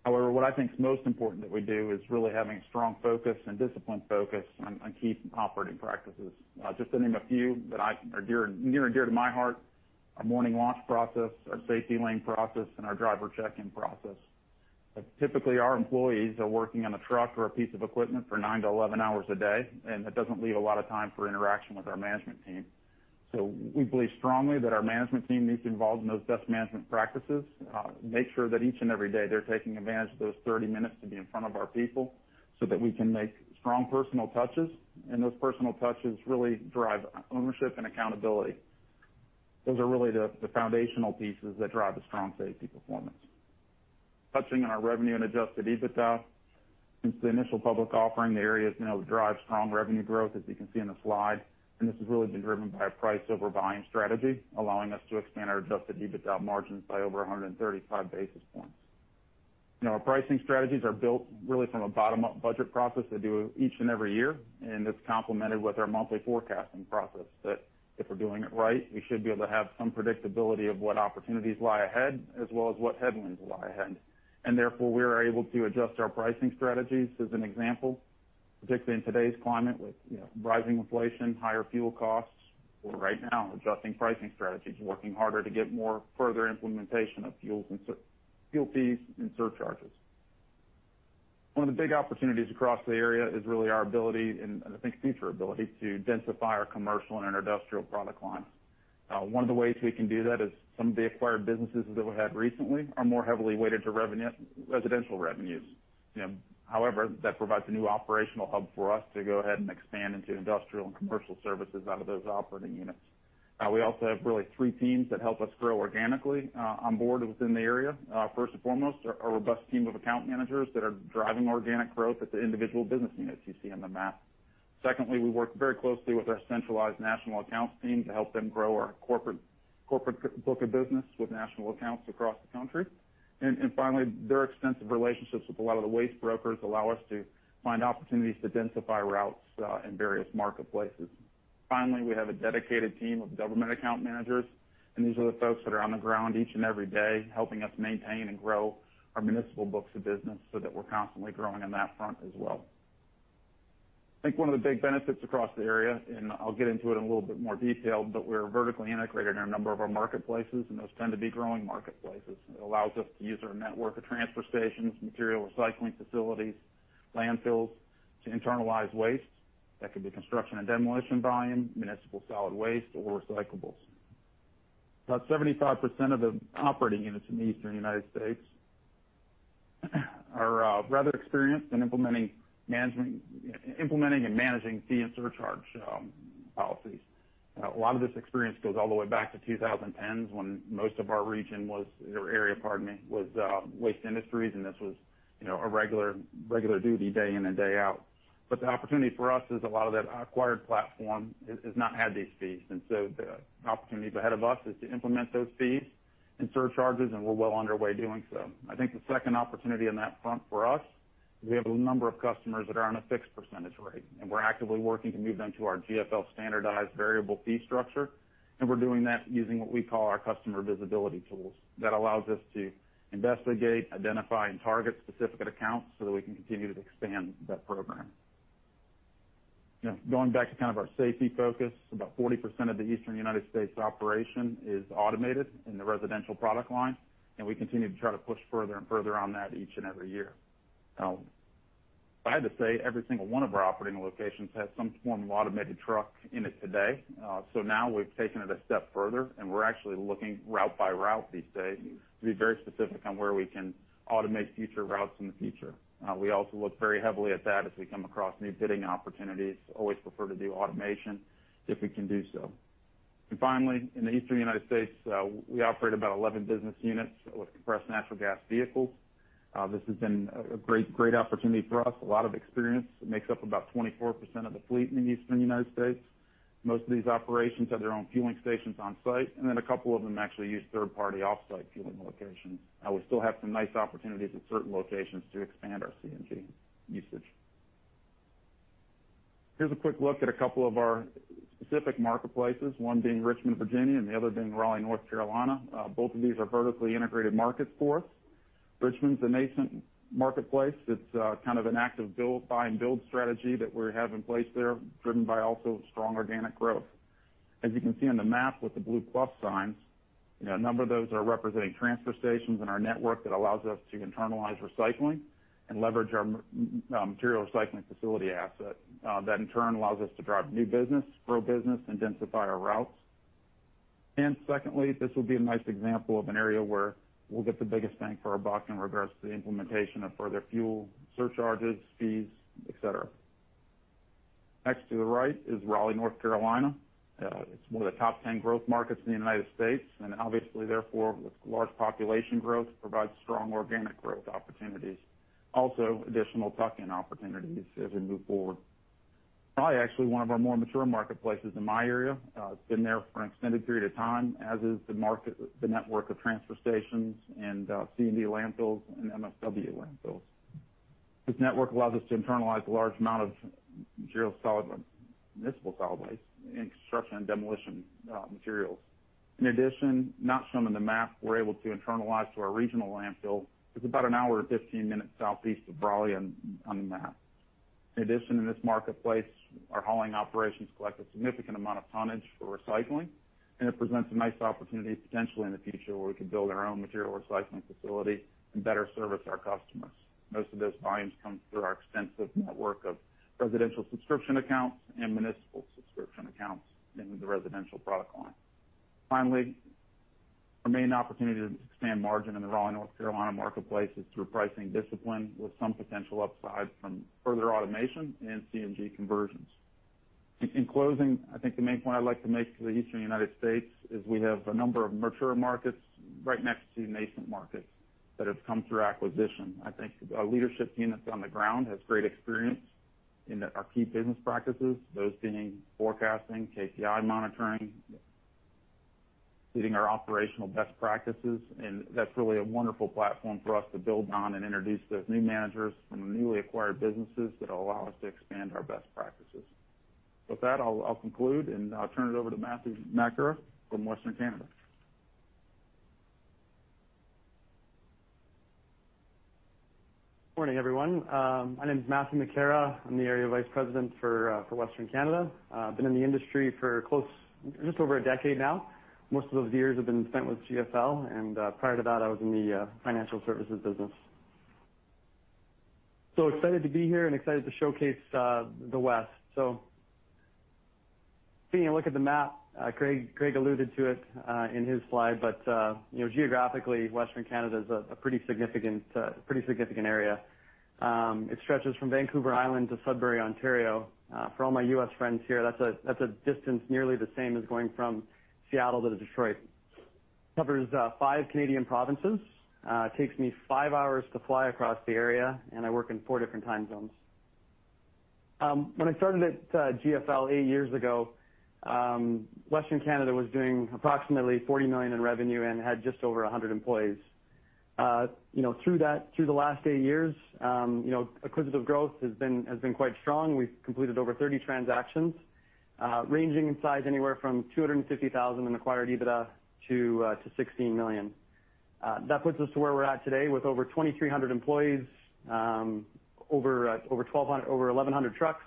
However, what I think is most important that we do is really having a strong focus and disciplined focus on key operating practices. Just to name a few that are near and dear to my heart, our morning launch process, our safety lane process, and our driver check-in process. Typically, our employees are working on a truck or a piece of equipment for 9 to 11 hours a day, and that doesn't leave a lot of time for interaction with our management team. We believe strongly that our management team needs to involve in those best management practices, make sure that each and every day they're taking advantage of those 30 minutes to be in front of our people so that we can make strong personal touches, and those personal touches really drive ownership and accountability. Those are really the foundational pieces that drive a strong safety performance. Touching on our revenue and adjusted EBITDA. Since the initial public offering, the area has now driven strong revenue growth, as you can see in the slide. This has really been driven by a price over buying strategy, allowing us to expand our adjusted EBITDA margins by over 135 basis points. Our pricing strategies are built really from a bottom-up budget process they do each and every year, and it's complemented with our monthly forecasting process that if we're doing it right, we should be able to have some predictability of what opportunities lie ahead as well as what headwinds lie ahead. Therefore, we are able to adjust our pricing strategies as an example, particularly in today's climate with, you know, rising inflation, higher fuel costs. We're right now adjusting pricing strategies, working harder to get more further implementation of fuel surcharges. One of the big opportunities across the area is really our ability and I think future ability to densify our commercial and industrial product lines. One of the ways we can do that is some of the acquired businesses that we've had recently are more heavily weighted to residential revenues. You know, however, that provides a new operational hub for us to go ahead and expand into industrial and commercial services out of those operating units. We also have really three teams that help us grow organically on board within the area. First and foremost, a robust team of account managers that are driving organic growth at the individual business units you see on the map. Secondly, we work very closely with our centralized national accounts team to help them grow our corporate book of business with national accounts across the country. Finally, their extensive relationships with a lot of the waste brokers allow us to find opportunities to densify routes in various marketplaces. Finally, we have a dedicated team of government account managers, and these are the folks that are on the ground each and every day helping us maintain and grow our municipal books of business so that we're constantly growing on that front as well. I think one of the big benefits across the area, and I'll get into it in a little bit more detail, but we're vertically integrated in a number of our marketplaces, and those tend to be growing marketplaces. It allows us to use our network of transfer stations, material recycling facilities, landfills to internalize waste. That could be construction and demolition volume, municipal solid waste or recyclables. About 75% of the operating units in the Eastern United States are rather experienced in implementing and managing fee and surcharge policies. A lot of this experience goes all the way back to 2010 when most of our area was Waste Industries, and this was, you know, a regular duty day in and day out. The opportunity for us is a lot of that acquired platform has not had these fees. The opportunities ahead of us is to implement those fees and surcharges, and we're well underway doing so. I think the second opportunity on that front for us is we have a number of customers that are on a fixed percentage rate, and we're actively working to move them to our GFL standardized variable fee structure. We're doing that using what we call our customer visibility tools. That allows us to investigate, identify, and target specific accounts so that we can continue to expand that program. Now going back to kind of our safety focus, about 40% of the Eastern United States operation is automated in the residential product line, and we continue to try to push further and further on that each and every year. If I had to say, every single one of our operating locations has some form of automated truck in it today. Now we've taken it a step further, and we're actually looking route by route these days to be very specific on where we can automate future routes in the future. We also look very heavily at that as we come across new bidding opportunities. Always prefer to do automation if we can do so. Finally, in the Eastern United States, we operate about 11 business units with compressed natural gas vehicles. This has been a great opportunity for us. A lot of experience. It makes up about 24% of the fleet in the Eastern United States. Most of these operations have their own fueling stations on site, and then a couple of them actually use third-party off-site fueling locations. We still have some nice opportunities at certain locations to expand our CNG usage. Here's a quick look at a couple of our specific marketplaces, one being Richmond, Virginia, and the other being Raleigh, North Carolina. Both of these are vertically integrated markets for us. Richmond's a nascent marketplace. It's kind of an active build, buy, and build strategy that we have in place there, driven by also strong organic growth. As you can see on the map with the blue plus signs, you know, a number of those are representing transfer stations in our network that allows us to internalize recycling and leverage our material recycling facility asset. That in turn allows us to drive new business, grow business, and densify our routes. Secondly, this will be a nice example of an area where we'll get the biggest bang for our buck in regards to the implementation of further fuel surcharges, fees, et cetera. Next to the right is Raleigh, North Carolina. It's one of the top 10 growth markets in the United States, and obviously, therefore, with large population growth provides strong organic growth opportunities. Also, additional tuck-in opportunities as we move forward. Probably actually one of our more mature marketplaces in my area. It's been there for an extended period of time, as is the market, the network of transfer stations and C&D landfills and MSW landfills. This network allows us to internalize a large amount of municipal solid waste and construction and demolition materials. In addition, not shown in the map, we're able to internalize to our regional landfill. It's about an hour and 15 minutes southeast of Raleigh on the map. In addition, in this marketplace, our hauling operations collect a significant amount of tonnage for recycling, and it presents a nice opportunity potentially in the future where we can build our own material recycling facility and better service our customers. Most of those volumes come through our extensive network of residential subscription accounts and municipal subscription accounts in the residential product line. Finally, our main opportunity to expand margin in the Raleigh, North Carolina marketplace is through pricing discipline with some potential upside from further automation and CNG conversions. In closing, I think the main point I'd like to make for the Eastern United States is we have a number of mature markets right next to nascent markets that have come through acquisition. I think our leadership team that's on the ground has great experience in our key business practices, those being forecasting, KPI monitoring, hitting our operational best practices, and that's really a wonderful platform for us to build on and introduce those new managers from the newly acquired businesses that'll allow us to expand our best practices. With that, I'll conclude, and I'll turn it over to Matthew McAra from Western Canada. Morning, everyone. My name's Matthew McAra. I'm the Area Vice President for Western Canada. Been in the industry for just over a decade now. Most of those years have been spent with GFL, and prior to that, I was in the financial services business. Excited to be here and excited to showcase the West. Seeing a look at the map, Greg alluded to it in his slide, but you know, geographically, Western Canada is a pretty significant area. It stretches from Vancouver Island to Sudbury, Ontario. For all my U.S. friends here, that's a distance nearly the same as going from Seattle to Detroit. Covers five Canadian provinces. It takes me five hours to fly across the area, and I work in four different time zones. When I started at GFL eight years ago, Western Canada was doing approximately $49 million in revenue and had just over 100 employees. You know, through that, through the last eight years, you know, acquisitive growth has been quite strong. We've completed over 30 transactions, ranging in size anywhere from $250,000 in acquired EBITDA to $ 16 million. That puts us to where we're at today with over 2,300 employees, over 1,100 trucks,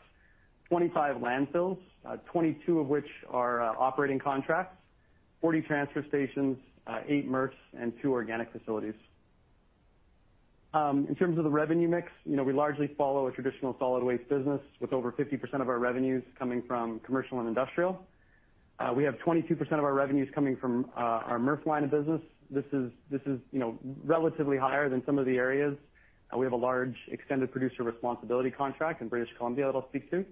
25 landfills, 22 of which are operating contracts, 40 transfer stations, eight MRFs, and two organic facilities. In terms of the revenue mix, you know, we largely follow a traditional solid waste business with over 50% of our revenues coming from commercial and industrial. We have 22% of our revenues coming from our MRF line of business. This is, you know, relatively higher than some of the areas. We have a large extended producer responsibility contract in British Columbia that I'll speak to.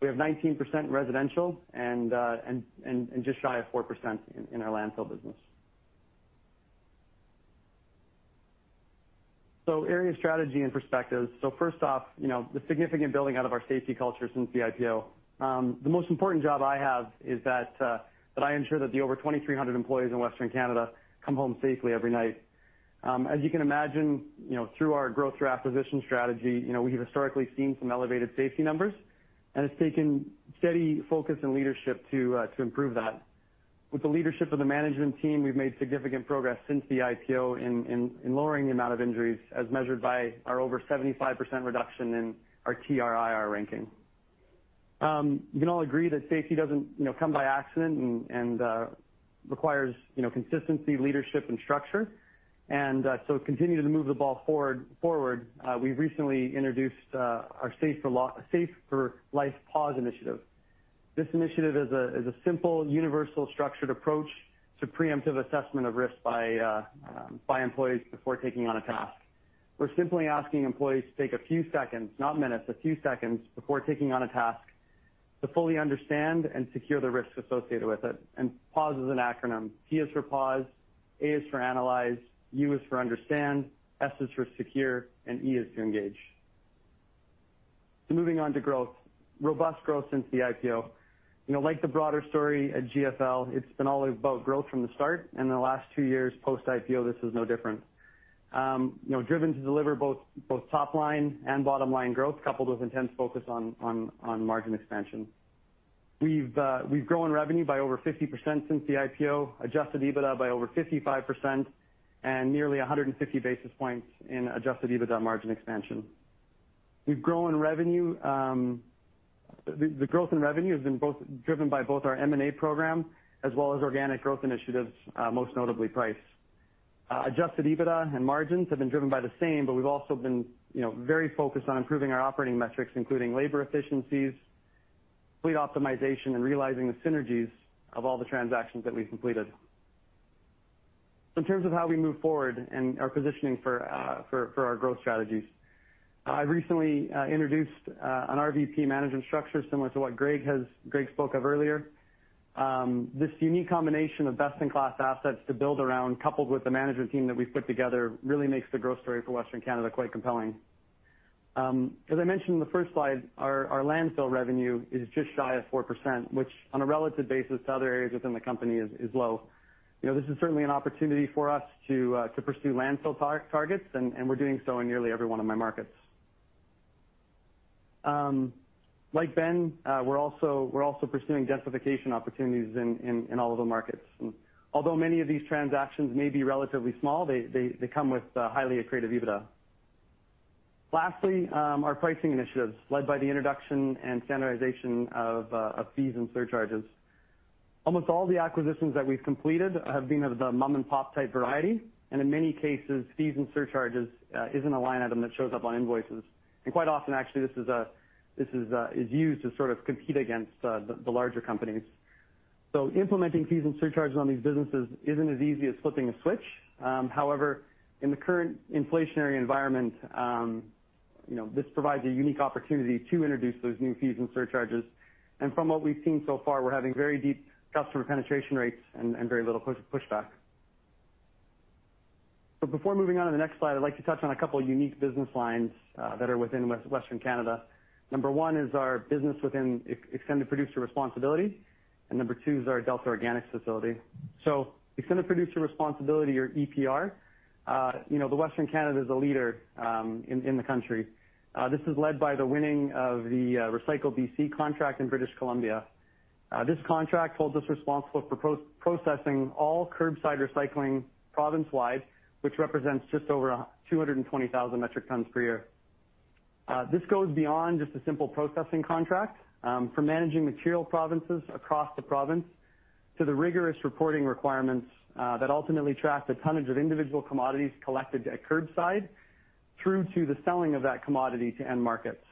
We have 19% residential and just shy of 4% in our landfill business. Area strategy and perspectives. First off, you know, the significant building out of our safety culture since the IPO. The most important job I have is that I ensure that the over 2,300 employees in Western Canada come home safely every night. As you can imagine, you know, through our growth through acquisition strategy, you know, we have historically seen some elevated safety numbers, and it's taken steady focus and leadership to improve that. With the leadership of the management team, we've made significant progress since the IPO in lowering the amount of injuries as measured by our over 75% reduction in our TRIR ranking. You can all agree that safety doesn't, you know, come by accident and requires, you know, consistency, leadership and structure. So continuing to move the ball forward, we've recently introduced our Safe for Life P.A.U.S.E. initiative. This initiative is a simple, universal, structured approach to preemptive assessment of risk by employees before taking on a task. We're simply asking employees to take a few seconds, not minutes, a few seconds before taking on a task to fully understand and secure the risks associated with it. P.A.U.S.E. is an acronym. P is for pause, A is for analyze, U is for understand, S is for secure, and E is to engage. Moving on to growth. Robust growth since the IPO. You know, like the broader story at GFL, it's been all about growth from the start, and the last two years post-IPO, this is no different. You know, driven to deliver both top line and bottom line growth, coupled with intense focus on margin expansion. We've grown revenue by over 50% since the IPO, adjusted EBITDA by over 55%, and nearly 150 basis points in adjusted EBITDA margin expansion. The growth in revenue has been driven by both our M&A program as well as organic growth initiatives, most notably price. Adjusted EBITDA and margins have been driven by the same, but we've also been, you know, very focused on improving our operating metrics, including labor efficiencies, fleet optimization, and realizing the synergies of all the transactions that we've completed. In terms of how we move forward and our positioning for our growth strategies, I recently introduced an RVP management structure similar to what Greg has, Greg spoke of earlier. This unique combination of best-in-class assets to build around, coupled with the management team that we've put together, really makes the growth story for Western Canada quite compelling. As I mentioned in the first slide, our landfill revenue is just shy of 4%, which on a relative basis to other areas within the company is low. You know, this is certainly an opportunity for us to pursue landfill targets, and we're doing so in nearly every one of my markets. Like Ben, we're also pursuing densification opportunities in all of the markets. Although many of these transactions may be relatively small, they come with highly accretive EBITDA. Lastly, our pricing initiatives led by the introduction and standardization of fees and surcharges. Almost all the acquisitions that we've completed have been of the mom-and-pop type variety, and in many cases, fees and surcharges isn't a line item that shows up on invoices. Quite often, actually, this is used to sort of compete against the larger companies. Implementing fees and surcharges on these businesses isn't as easy as flipping a switch. However, in the current inflationary environment, you know, this provides a unique opportunity to introduce those new fees and surcharges. From what we've seen so far, we're having very deep customer penetration rates and very little pushback. Before moving on to the next slide, I'd like to touch on a couple unique business lines that are within Western Canada. Number one is our business within Extended Producer Responsibility, and number two is our Delta Organics facility. Extended Producer Responsibility or EPR, you know, Western Canada is a leader in the country. This is led by the winning of the Recycle BC contract in British Columbia. This contract holds us responsible for pre-processing all curbside recycling province-wide, which represents just over 220,000 metric tons per year. This goes beyond just a simple processing contract for managing materials province-wide across the province to the rigorous reporting requirements that ultimately track the tonnage of individual commodities collected at curbside through to the selling of that commodity to end markets.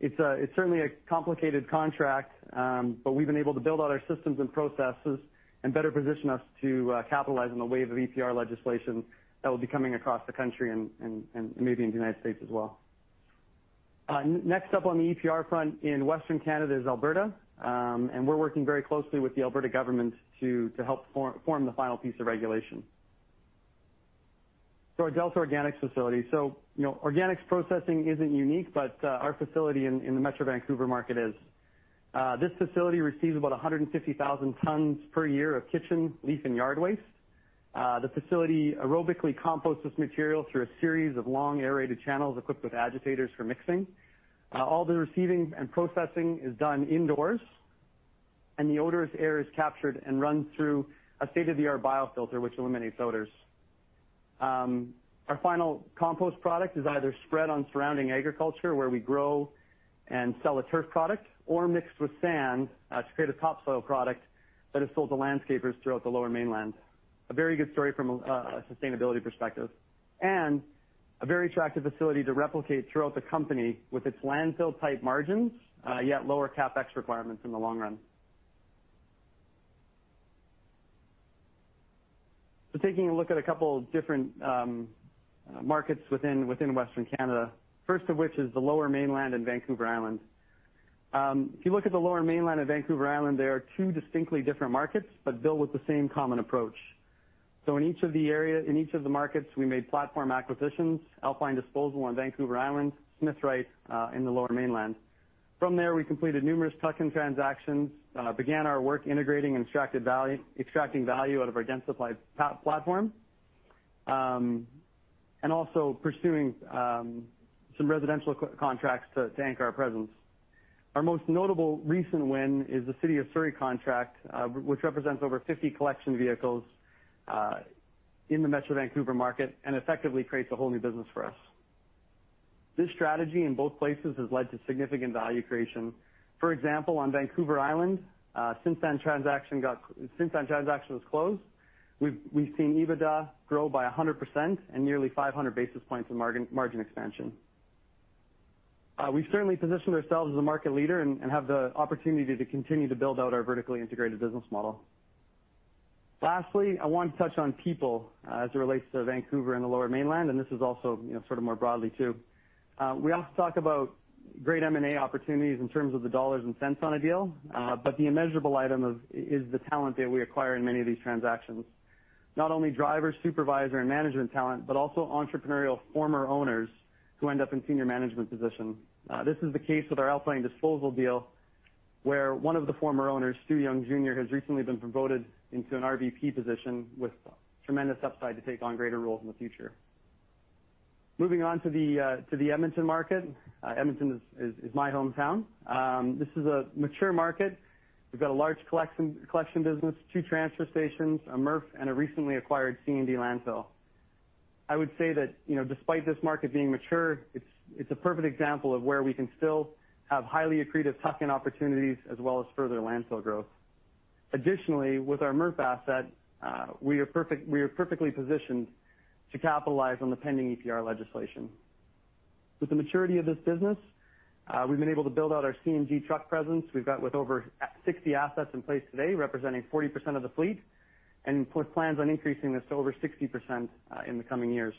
It's certainly a complicated contract, but we've been able to build out our systems and processes and better position us to capitalize on the wave of EPR legislation that will be coming across the country and maybe in the United States as well. Next up on the EPR front in Western Canada is Alberta, and we're working very closely with the Alberta government to help form the final piece of regulation. Our Delta Organics facility. You know, organics processing isn't unique, but our facility in the Metro Vancouver market is. This facility receives about 150,000 tons per year of kitchen, leaf, and yard waste. The facility aerobically composts this material through a series of long aerated channels equipped with agitators for mixing. All the receiving and processing is done indoors, and the odorous air is captured and run through a state-of-the-art biofilter which eliminates odors. Our final compost product is either spread on surrounding agriculture, where we grow and sell a turf product or mixed with sand, to create a topsoil product that is sold to landscapers throughout the Lower Mainland. A very good story from a sustainability perspective, and a very attractive facility to replicate throughout the company with its landfill-type margins, yet lower CapEx requirements in the long run. Taking a look at a couple different markets within Western Canada, first of which is the Lower Mainland in Vancouver Island. If you look at the Lower Mainland of Vancouver Island, there are two distinctly different markets, but built with the same common approach. In each of the markets, we made platform acquisitions, Alpine Disposal on Vancouver Island, Smithrite, in the Lower Mainland. From there, we completed numerous tuck-in transactions, began our work integrating and extracting value out of our densified platform, and also pursuing some residential co-contracts to anchor our presence. Our most notable recent win is the City of Surrey contract, which represents over 50 collection vehicles in the Metro Vancouver market and effectively creates a whole new business for us. This strategy in both places has led to significant value creation. For example, on Vancouver Island, since that transaction was closed, we've seen EBITDA grow by 100% and nearly 500 basis points in margin expansion. We've certainly positioned ourselves as a market leader and have the opportunity to continue to build out our vertically integrated business model. Lastly, I want to touch on people, as it relates to Vancouver and the Lower Mainland, and this is also, you know, sort of more broadly too. We often talk about great M&A opportunities in terms of the dollars and cents on a deal, but the immeasurable item is the talent that we acquire in many of these transactions. Not only drivers, supervisor, and management talent, but also entrepreneurial former owners who end up in senior management positions. This is the case with our Alpine Disposal deal, where one of the former owners, Stu Young Jr., has recently been promoted into an RVP position with tremendous upside to take on greater roles in the future. Moving on to the Edmonton market. Edmonton is my hometown. This is a mature market. We've got a large collection business, two transfer stations, a MRF, and a recently acquired C&D landfill. I would say that, you know, despite this market being mature, it's a perfect example of where we can still have highly accretive tuck-in opportunities as well as further landfill growth. Additionally, with our MRF asset, we are perfectly positioned to capitalize on the pending EPR legislation. With the maturity of this business, we've been able to build out our C&D truck presence. We've got over 60 assets in place today, representing 40% of the fleet, and plans to increase this to over 60% in the coming years.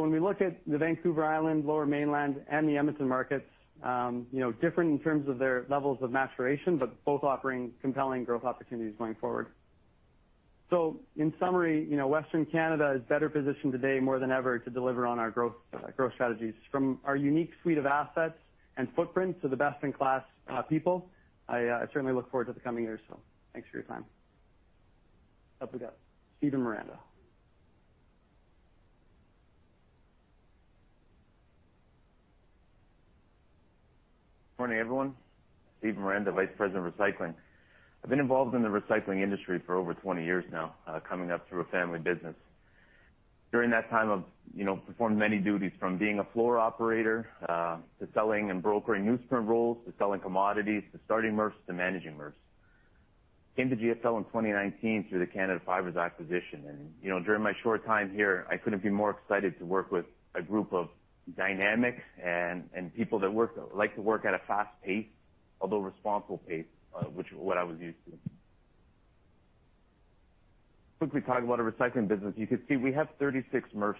When we look at the Vancouver Island, Lower Mainland, and the Edmonton markets, you know, different in terms of their levels of maturation, but both offering compelling growth opportunities going forward. In summary, you know, Western Canada is better positioned today more than ever to deliver on our growth strategies from our unique suite of assets and footprint to the best-in-class, people. I certainly look forward to the coming years, so thanks for your time. Up we go, Steve Miranda. Morning, everyone. Steve Miranda, Vice President of Recycling. I've been involved in the recycling industry for over 20 years now, coming up through a family business. During that time, I've, you know, performed many duties from being a floor operator to selling and brokering newsprint rolls, to selling commodities, to starting MRFs, to managing MRFs. Came to GFL in 2019 through the Canada Fibers acquisition, and you know, during my short time here, I couldn't be more excited to work with a group of dynamic and people that like to work at a fast pace, although responsible pace, which is what I was used to. Quickly talk about our recycling business. You could see we have 36 MRFs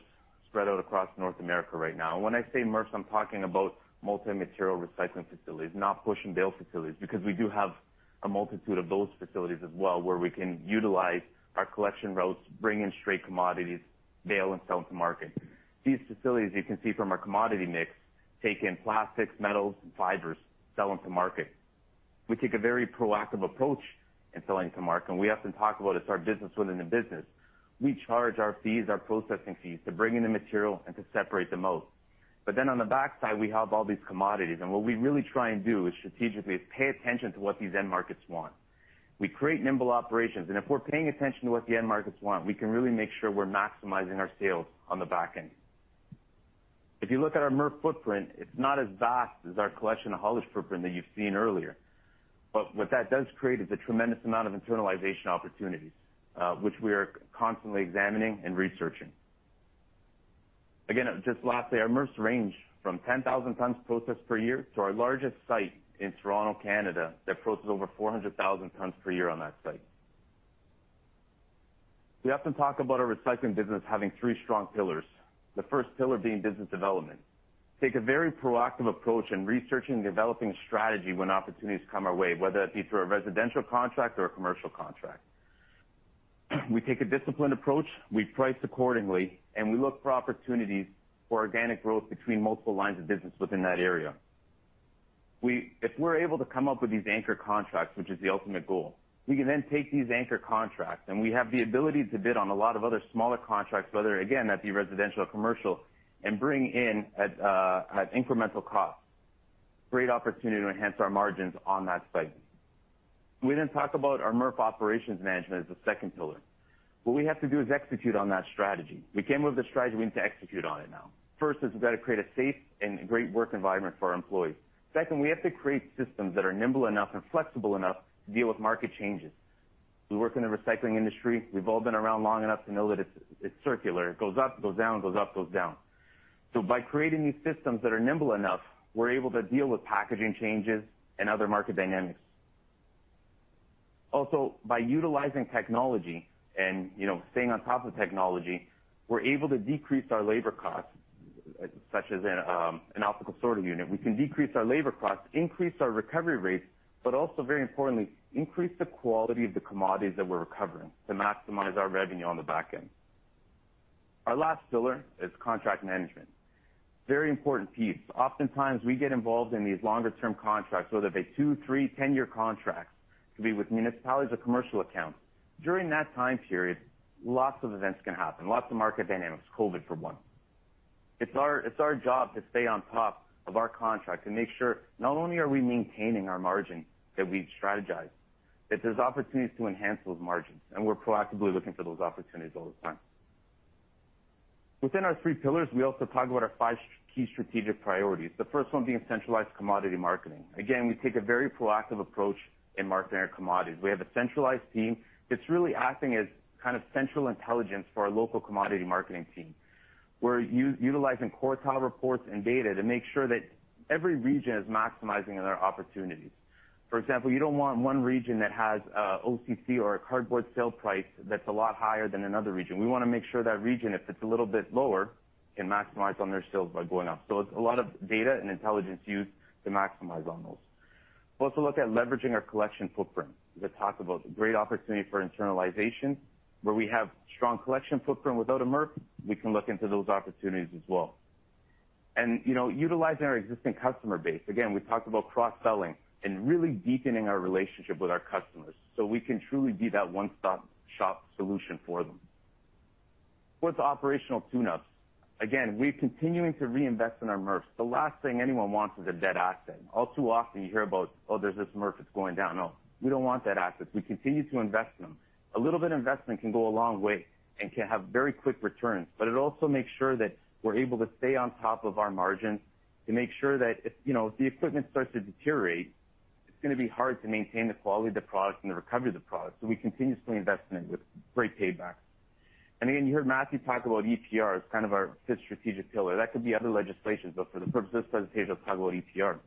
spread out across North America right now. When I say MRFs, I'm talking about multi-material recycling facilities, not push and bale facilities, because we do have a multitude of those facilities as well, where we can utilize our collection routes, bring in straight commodities, bale and sell them to market. These facilities, you can see from our commodity mix, take in plastics, metals and fibers, sell them to market. We take a very proactive approach in selling to market, and we often talk about it's our business within a business. We charge our fees, our processing fees, to bring in the material and to separate them out. Then on the backside, we have all these commodities, and what we really try and do is strategically is pay attention to what these end markets want. We create nimble operations, and if we're paying attention to what the end markets want, we can really make sure we're maximizing our sales on the back end. If you look at our MRF footprint, it's not as vast as our collection and haulage footprint that you've seen earlier. What that does create is a tremendous amount of internalization opportunities, which we are constantly examining and researching. Again, just lastly, our MRFs range from 10,000 tons processed per year to our largest site in Toronto, Canada, that processes over 400,000 tons per year on that site. We often talk about our recycling business having three strong pillars, the first pillar being business development. Take a very proactive approach in researching and developing strategy when opportunities come our way, whether that be through a residential contract or a commercial contract. We take a disciplined approach, we price accordingly, and we look for opportunities for organic growth between multiple lines of business within that area. If we're able to come up with these anchor contracts, which is the ultimate goal, we can then take these anchor contracts, and we have the ability to bid on a lot of other smaller contracts, whether again, that be residential or commercial, and bring in at incremental cost, great opportunity to enhance our margins on that site. We then talk about our MRF operations management as the second pillar. What we have to do is execute on that strategy. We came up with a strategy, we need to execute on it now. First, we've got to create a safe and great work environment for our employees. Second, we have to create systems that are nimble enough and flexible enough to deal with market changes. We work in the recycling industry. We've all been around long enough to know that it's circular. It goes up, it goes down, it goes up, it goes down. By creating these systems that are nimble enough, we're able to deal with packaging changes and other market dynamics. Also, by utilizing technology and, you know, staying on top of technology, we're able to decrease our labor costs, such as an optical sorting unit. We can decrease our labor costs, increase our recovery rates, but also very importantly, increase the quality of the commodities that we're recovering to maximize our revenue on the back end. Our last pillar is contract management. Very important piece. Oftentimes we get involved in these longer-term contracts, whether they're two, three, 10-year contracts, could be with municipalities or commercial accounts. During that time period, lots of events can happen, lots of market dynamics, COVID for one. It's our job to stay on top of our contract to make sure not only are we maintaining our margin that we've strategized, that there's opportunities to enhance those margins, and we're proactively looking for those opportunities all the time. Within our three pillars, we also talk about our five key strategic priorities, the first one being centralized commodity marketing. Again, we take a very proactive approach in marketing our commodities. We have a centralized team that's really acting as kind of central intelligence for our local commodity marketing team. We're utilizing quarterly reports and data to make sure that every region is maximizing on their opportunities. For example, you don't want one region that has OCC or a cardboard sale price that's a lot higher than another region. We wanna make sure that region, if it's a little bit lower, can maximize on their sales by going up. It's a lot of data and intelligence used to maximize on those. We also look at leveraging our collection footprint. As I talked about, it's a great opportunity for internalization. Where we have strong collection footprint without a MRF, we can look into those opportunities as well. You know, utilizing our existing customer base, again, we talked about cross-selling and really deepening our relationship with our customers, so we can truly be that one-stop shop solution for them. Fourth, operational tune-ups. Again, we're continuing to reinvest in our MRFs. The last thing anyone wants is a dead asset. All too often, you hear about, "Oh, there's this MRF that's going down." No, we don't want that asset. We continue to invest in them. A little bit of investment can go a long way and can have very quick returns, but it also makes sure that we're able to stay on top of our margins to make sure that if, you know, the equipment starts to deteriorate, it's gonna be hard to maintain the quality of the product and the recovery of the product. We continuously invest in it with great payback. Again, you heard Matthew talk about EPR as kind of our fifth strategic pillar. That could be other legislation, but for the purpose of this presentation, I'll talk about EPR.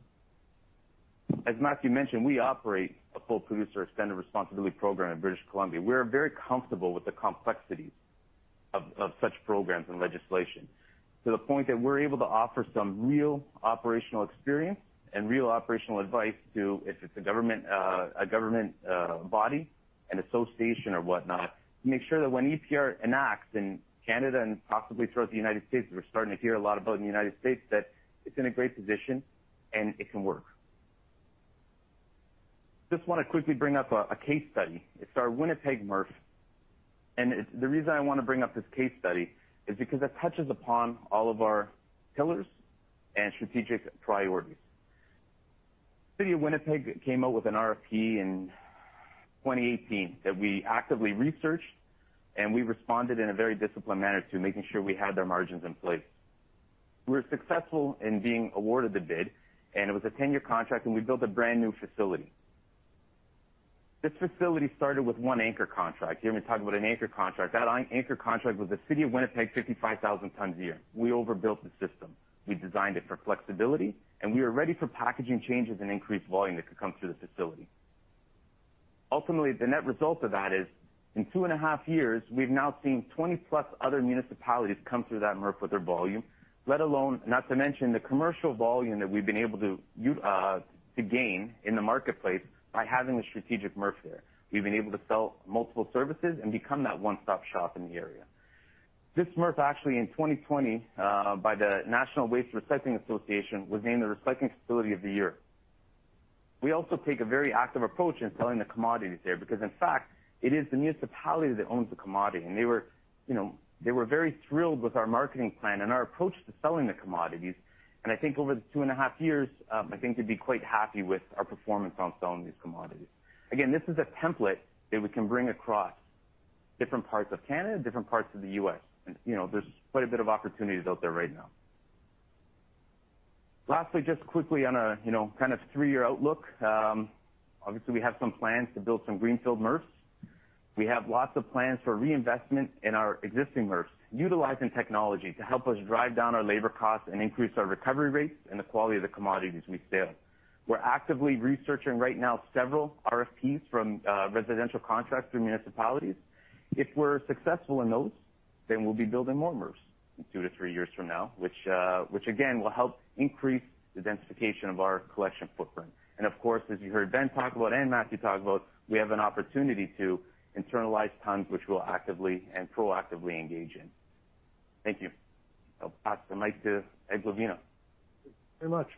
As Matthew mentioned, we operate a full extended producer responsibility program in British Columbia. We're very comfortable with the complexities of such programs and legislation, to the point that we're able to offer some real operational experience and real operational advice to, if it's a government body, an association or whatnot, to make sure that when EPR enacts in Canada and possibly throughout the United States, we're starting to hear a lot about it in the United States, that it's in a great position and it can work. Just wanna quickly bring up a case study. It's our Winnipeg MRF, and the reason I wanna bring up this case study is because it touches upon all of our pillars and strategic priorities. City of Winnipeg came out with an RFP in 2018 that we actively researched, and we responded in a very disciplined manner to making sure we had their margins in place. We were successful in being awarded the bid, and it was a 10-year contract, and we built a brand-new facility. This facility started with one anchor contract. You hear me talk about an anchor contract. That anchor contract was the City of Winnipeg, 55,000 tons a year. We overbuilt the system. We designed it for flexibility, and we are ready for packaging changes and increased volume that could come through the facility. Ultimately, the net result of that is, in two and a half years, we've now seen 20+ other municipalities come through that MRF with their volume, let alone, not to mention the commercial volume that we've been able to gain in the marketplace by having the strategic MRF there. We've been able to sell multiple services and become that one-stop shop in the area. This MRF, actually, in 2020 by the National Waste & Recycling Association, was named the Recycling Facility of the Year. We also take a very active approach in selling the commodities there because, in fact, it is the municipality that owns the commodity, and they were, you know, they were very thrilled with our marketing plan and our approach to selling the commodities. I think over the two and a half years, I think they'd be quite happy with our performance on selling these commodities. Again, this is a template that we can bring across different parts of Canada, different parts of the U.S. You know, there's quite a bit of opportunities out there right now. Lastly, just quickly on a, you know, kind of three year outlook, obviously, we have some plans to build some greenfield MRFs. We have lots of plans for reinvestment in our existing MRFs, utilizing technology to help us drive down our labor costs and increase our recovery rates and the quality of the commodities we sell. We're actively researching right now several RFPs from residential contracts through municipalities. If we're successful in those, then we'll be building more MRFs in two to three years from now, which again, will help increase the densification of our collection footprint. Of course, as you heard Ben talk about and Matthew talk about, we have an opportunity to internalize tons, which we'll actively and proactively engage in. Thank you. I'll pass the mic to Ed Glavina. Thank you very much.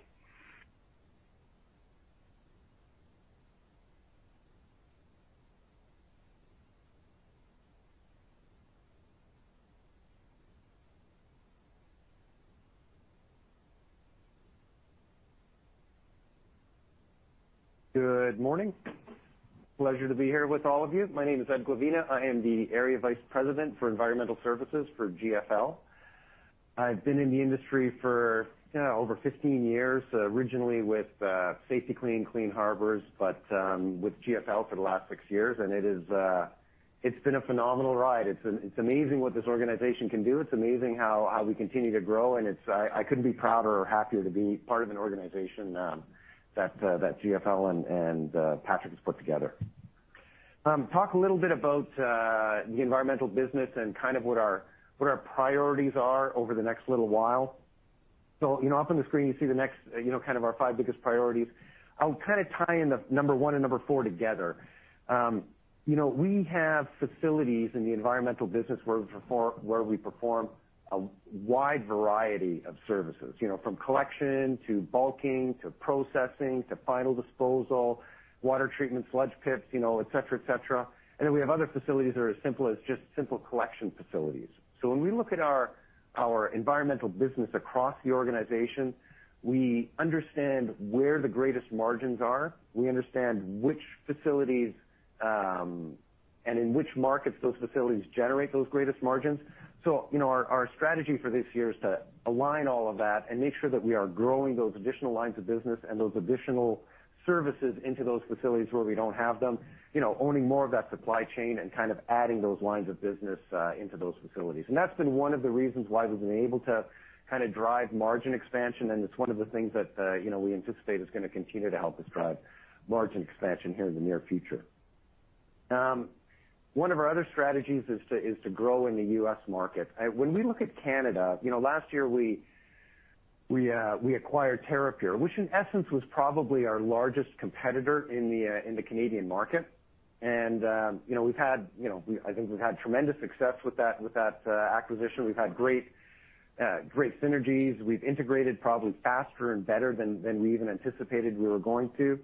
Good morning. Pleasure to be here with all of you. My name is Ed Glavina. I am the Area Vice President for Environmental Services for GFL. I've been in the industry for over 15 years, originally with Safety-Kleen, Clean Harbors, but with GFL for the last six years, and it is, it's been a phenomenal ride. It's amazing what this organization can do. It's amazing how we continue to grow, and it's I couldn't be prouder or happier to be part of an organization that GFL and Patrick has put together. Talk a little bit about the environmental business and kind of what our priorities are over the next little while. You know, up on the screen, you see the next, you know, kind of our five biggest priorities. I'll kind of tie in the number one and number four together. You know, we have facilities in the environmental business where we perform a wide variety of services, you know, from collection to bulking to processing to final disposal, water treatment, sludge pits, you know, et cetera, et cetera. Then we have other facilities that are as simple as just simple collection facilities. When we look at our environmental business across the organization, we understand where the greatest margins are. We understand which facilities and in which markets those facilities generate those greatest margins. You know, our strategy for this year is to align all of that and make sure that we are growing those additional lines of business and those additional services into those facilities where we don't have them. You know, owning more of that supply chain and kind of adding those lines of business into those facilities. That's been one of the reasons why we've been able to kind of drive margin expansion, and it's one of the things that, you know, we anticipate is gonna continue to help us drive margin expansion here in the near future. One of our other strategies is to grow in the U.S. market. When we look at Canada, you know, last year, we acquired Terrapure, which in essence was probably our largest competitor in the Canadian market. I think we've had tremendous success with that acquisition. We've had great synergies. We've integrated probably faster and better than we even anticipated we were going to.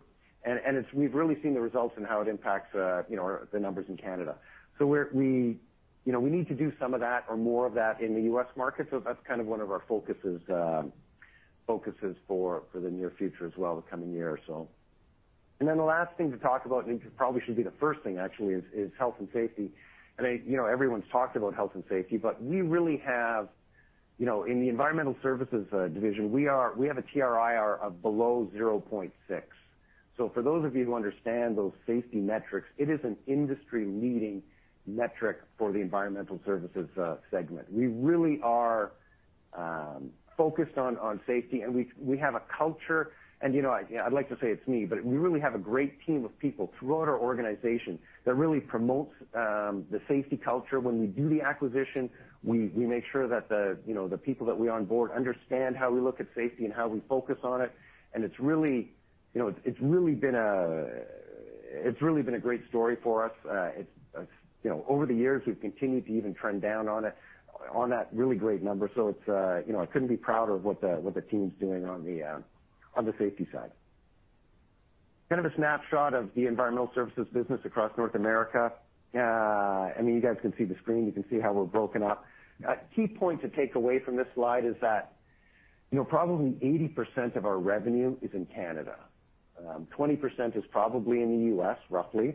We've really seen the results in how it impacts our numbers in Canada. We need to do some of that or more of that in the U.S. market, so that's kind of one of our focuses for the near future as well, the coming year or so. The last thing to talk about, and it probably should be the first thing actually, is health and safety. You know, everyone's talked about health and safety, but we really have you know, in the Environmental Services division, we have a TRIR of below 0.6. For those of you who understand those safety metrics, it is an industry-leading metric for the environmental services segment. We really are focused on safety, and we have a culture, and, you know, I'd like to say it's me, but we really have a great team of people throughout our organization that really promotes the safety culture. When we do the acquisition, we make sure that you know, the people that we onboard understand how we look at safety and how we focus on it. It's really, you know, it's really been a great story for us. It's, you know, over the years, we've continued to even trend down on that really great number. It's, you know, I couldn't be prouder of what the team's doing on the safety side. Kind of a snapshot of the environmental services business across North America. I mean, you guys can see the screen, you can see how we're broken up. A key point to take away from this slide is that, you know, probably 80% of our revenue is in Canada. 20% is probably in the U.S., roughly.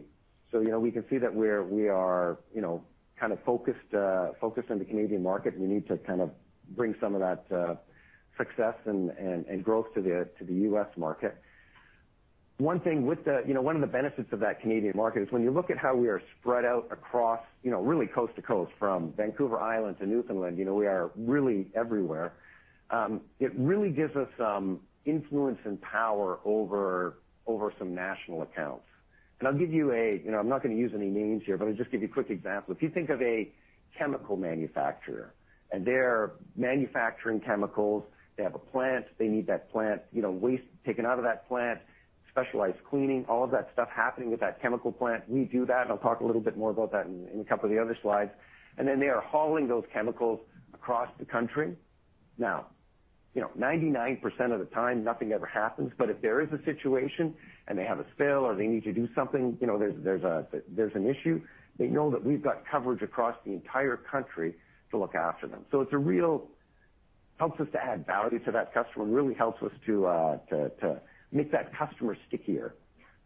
You know, we can see that we are, you know, kind of focused on the Canadian market. We need to kind of bring some of that success and growth to the U.S. market. One thing with the. You know, one of the benefits of that Canadian market is when you look at how we are spread out across, you know, really coast to coast from Vancouver Island to Newfoundland, you know, we are really everywhere. It really gives us some influence and power over some national accounts. You know, I'm not gonna use any names here, but I'll just give you a quick example. If you think of a chemical manufacturer, and they're manufacturing chemicals, they have a plant, they need that plant, you know, waste taken out of that plant, specialized cleaning, all of that stuff happening with that chemical plant, we do that, and I'll talk a little bit more about that in a couple of the other slides. Then they are hauling those chemicals across the country. Now, you know, 99% of the time, nothing ever happens, but if there is a situation and they have a spill or they need to do something, you know, there's an issue. They know that we've got coverage across the entire country to look after them. Helps us to add value to that customer and really helps us to make that customer stickier.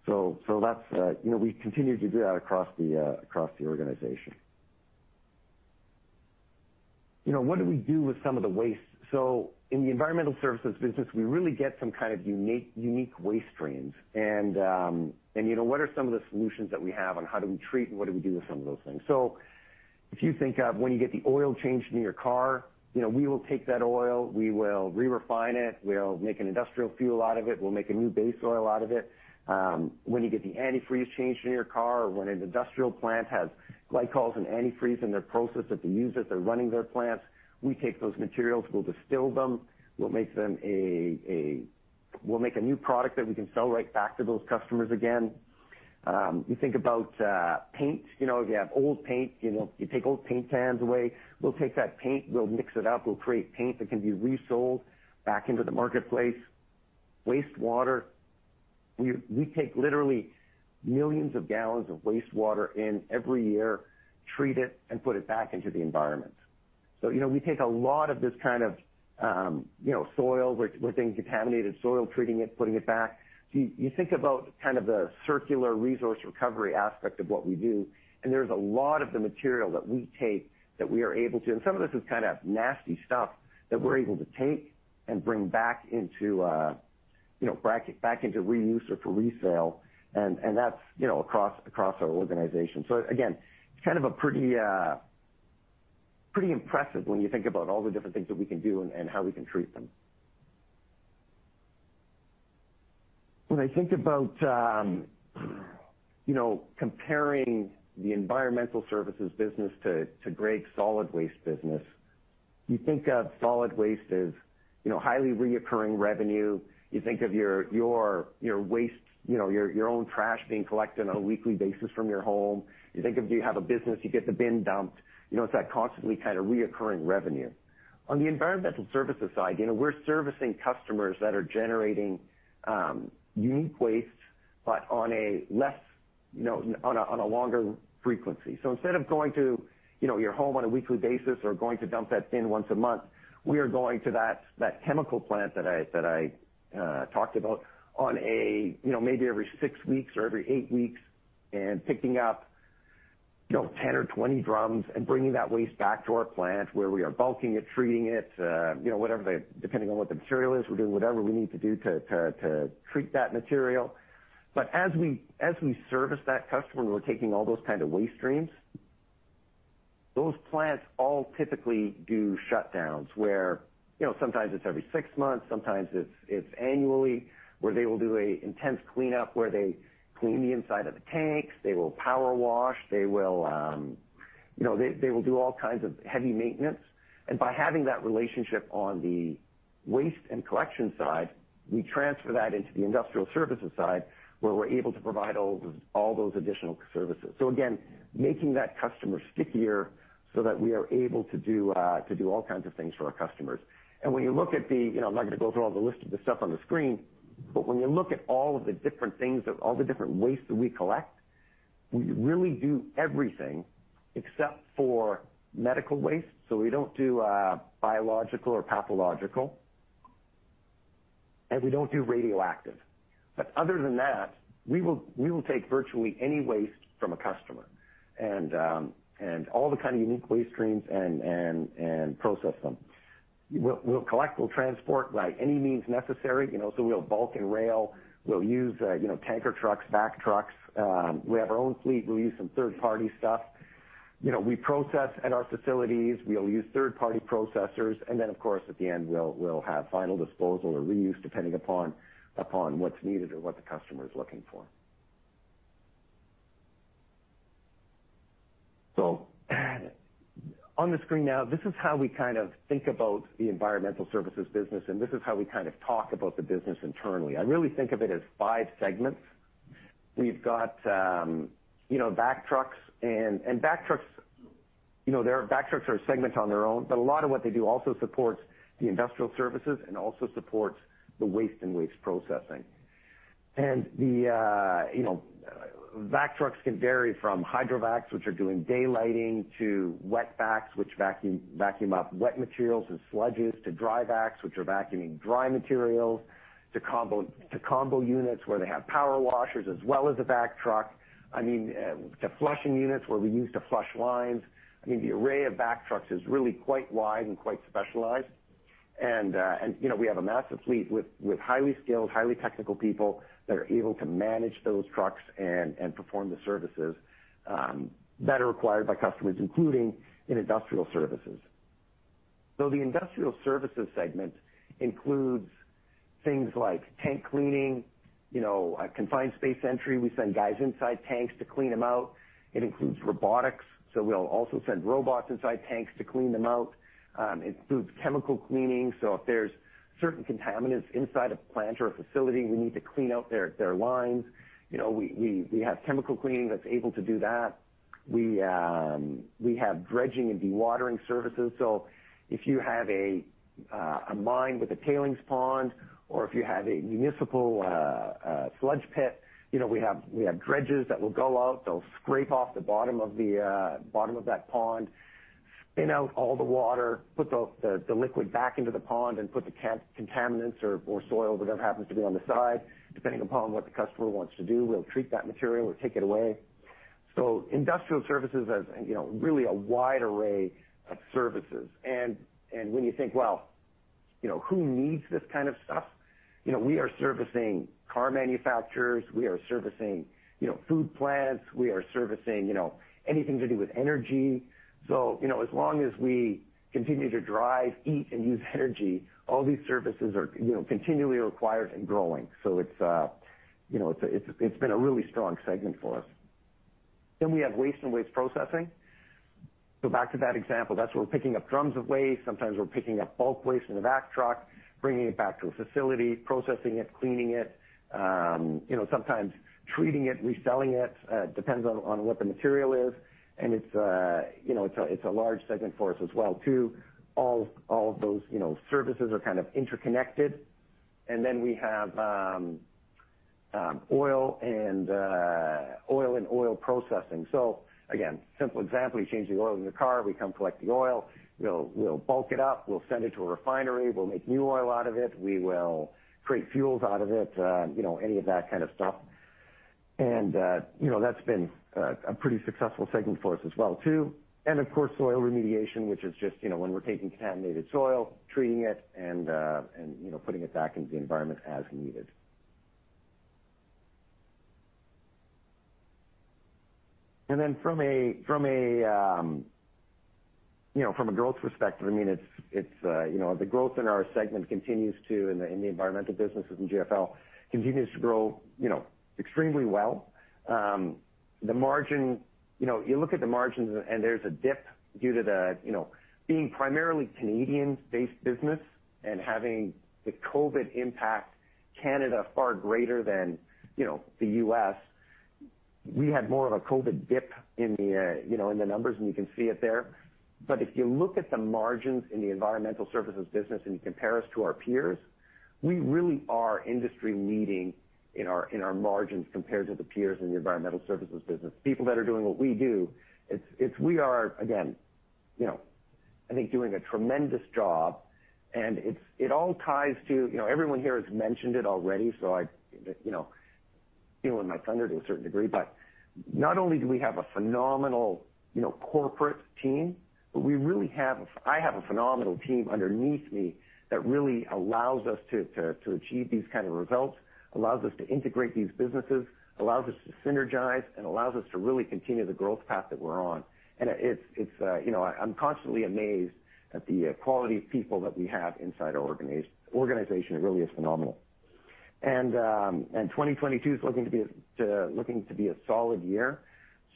So that's, you know, we continue to do that across the organization. You know, what do we do with some of the waste? So in the Environmental Services business, we really get some kind of unique waste streams. You know, what are some of the solutions that we have and how do we treat and what do we do with some of those things? If you think of when you get the oil changed in your car, you know, we will take that oil, we will re-refine it, we'll make an industrial fuel out of it, we'll make a new base oil out of it. When you get the antifreeze changed in your car or when an industrial plant has glycols and antifreeze in their process that they use as they're running their plants, we take those materials, we'll distill them, we'll make a new product that we can sell right back to those customers again. You think about paint. You know, if you have old paint, you know, you take old paint cans away. We'll take that paint, we'll mix it up, we'll create paint that can be resold back into the marketplace. Wastewater. We take literally millions of gallons of wastewater in every year, treat it, and put it back into the environment. You know, we take a lot of this kind of, you know, soil with contaminated soil, treating it, putting it back. You think about kind of the circular resource recovery aspect of what we do, and there's a lot of the material that we take that we are able to. Some of this is kind of nasty stuff that we're able to take and bring back into, you know, back into reuse or for resale, and that's, you know, across our organization. Again, it's kind of a pretty impressive when you think about all the different things that we can do and how we can treat them. When I think about comparing the environmental services business to Greg's solid waste business, you think of solid waste as highly recurring revenue. You think of your waste, you know, your own trash being collected on a weekly basis from your home. You think, if you have a business, you get the bin dumped. You know, it's that constantly kind of recurring revenue. On the environmental services side, you know, we're servicing customers that are generating unique waste, but on a longer frequency. Instead of going to, you know, your home on a weekly basis or going to dump that bin once a month, we are going to that chemical plant that I talked about on a, you know, maybe every six weeks or every eight weeks and picking up, you know, 10 or 20 drums and bringing that waste back to our plant where we are bulking it, treating it, you know, whatever the, depending on what the material is, we're doing whatever we need to do to treat that material. As we service that customer and we're taking all those kind of waste streams, those plants all typically do shutdowns where, you know, sometimes it's every six months, sometimes it's annually, where they will do an intense cleanup, where they clean the inside of the tanks, they will power wash, you know, they will do all kinds of heavy maintenance. By having that relationship on the waste and collection side, we transfer that into the industrial services side, where we're able to provide all those additional services. Again, making that customer stickier so that we are able to do all kinds of things for our customers. When you look at the You know, I'm not gonna go through all the list of the stuff on the screen, but when you look at all of the different wastes that we collect, we really do everything except for medical waste. We don't do biological or pathological, and we don't do radioactive. Other than that, we will take virtually any waste from a customer and all kinds of unique waste streams and process them. We'll collect, we'll transport by any means necessary. You know, so we'll bulk and rail. We'll use, you know, tanker trucks, box trucks. We have our own fleet. We'll use some third-party stuff. You know, we process at our facilities, we'll use third-party processors, and then of course, at the end, we'll have final disposal or reuse depending upon what's needed or what the customer is looking for. On the screen now, this is how we kind of think about the environmental services business, and this is how we kind of talk about the business internally. I really think of it as five segments. We've got you know, vac trucks. Vac trucks are a segment on their own, but a lot of what they do also supports the industrial services and also supports the waste and processing. The vac trucks can vary from hydro vacs, which are doing daylighting, to wet vacs, which vacuum up wet materials and sludges, to dry vacs, which are vacuuming dry materials, to combo units, where they have power washers as well as a vac truck, I mean, to flushing units, where we use to flush lines. I mean, the array of vac trucks is really quite wide and quite specialized. You know, we have a massive fleet with highly skilled, highly technical people that are able to manage those trucks and perform the services that are required by customers, including in industrial services. The industrial services segment includes things like tank cleaning, you know, a confined space entry. We send guys inside tanks to clean them out. It includes robotics, so we'll also send robots inside tanks to clean them out. It includes chemical cleaning, so if there's certain contaminants inside a plant or a facility, we need to clean out their lines. You know, we have chemical cleaning that's able to do that. We have dredging and dewatering services. So if you have a mine with a tailings pond, or if you have a municipal sludge pit, you know, we have dredges that will go out. They'll scrape off the bottom of the bottom of that pond, clean out all the water, put the liquid back into the pond and put the contaminants or soil, whatever happens to be on the side. Depending upon what the customer wants to do, we'll treat that material, we'll take it away. Industrial services has, you know, really a wide array of services. When you think, well, you know, who needs this kind of stuff? You know, we are servicing car manufacturers, we are servicing, you know, food plants, we are servicing, you know, anything to do with energy. As long as we continue to drive, eat, and use energy, all these services are, you know, continually required and growing. It's, you know, been a really strong segment for us. We have waste and waste processing. Back to that example, that's where we're picking up drums of waste. Sometimes we're picking up bulk waste in a vac truck, bringing it back to a facility, processing it, cleaning it, you know, sometimes treating it, reselling it, depends on what the material is, and it's a large segment for us as well, too. All of those services are kind of interconnected. Then we have oil and oil processing. Again, simple example, you change the oil in your car, we come collect the oil. We'll bulk it up. We'll send it to a refinery. We'll make new oil out of it. We will create fuels out of it, any of that kind of stuff. That's been a pretty successful segment for us as well, too. Of course, soil remediation, which is just, you know, when we're taking contaminated soil, treating it, and you know, putting it back into the environment as needed. From a growth perspective, I mean, it's you know. The growth in our segment continues to grow in the environmental businesses in GFL, you know, extremely well. You know, you look at the margins and there's a dip due to you know, being primarily Canadian-based business and having the COVID impact in Canada far greater than you know, the U.S. we had more of a COVID dip in the numbers, and you can see it there. If you look at the margins in the environmental services business and you compare us to our peers, we really are industry-leading in our margins compared to the peers in the environmental services business. People that are doing what we do, we are, again, you know, I think doing a tremendous job and it all ties to. You know, everyone here has mentioned it already, so I, you know, stealing my thunder to a certain degree. Not only do we have a phenomenal, you know, corporate team, but we really have I have a phenomenal team underneath me that really allows us to to achieve these kind of results, allows us to integrate these businesses, allows us to synergize, and allows us to really continue the growth path that we're on. It's, you know. I'm constantly amazed at the quality of people that we have inside our organization. It really is phenomenal. 2022 is looking to be a solid year.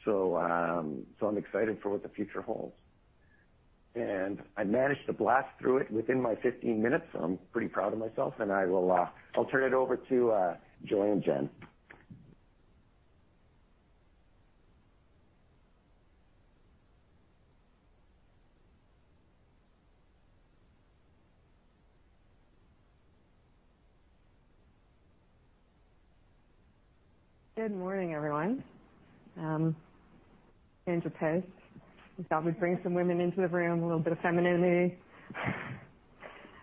I'm excited for what the future holds. I managed to blast through it within my 15 minutes, so I'm pretty proud of myself and I'll turn it over to Joy and Jen. Good morning, everyone. We thought we'd bring some women into the room, a little bit of femininity.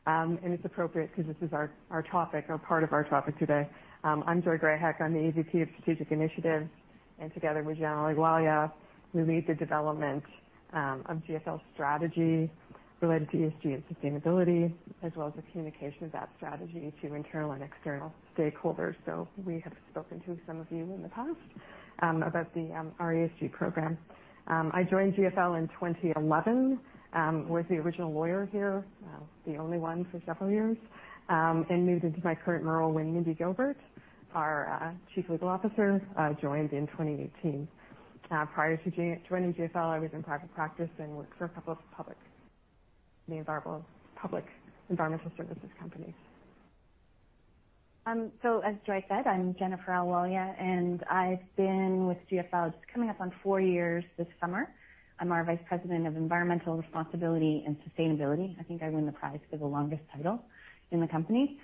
It's appropriate because this is our topic or part of our topic today. I'm Joy Grahek. I'm the EVP of Strategic Initiatives. Together with Jen Ahluwalia, we lead the development of GFL's strategy related to ESG and sustainability, as well as the communication of that strategy to internal and external stakeholders. We have spoken to some of you in the past about our ESG program. I joined GFL in 2011, was the original lawyer here, the only one for several years, and moved into my current role when Mindy Gilbert, our chief legal officer, joined in 2018. Prior to joining GFL, I was in private practice and worked for a couple of public environmental services companies. As Joy said, I'm Jennifer Ahluwalia, and I've been with GFL just coming up on four years this summer. I'm our Vice President of Environmental Responsibility and Sustainability. I think I win the prize for the longest title in the company.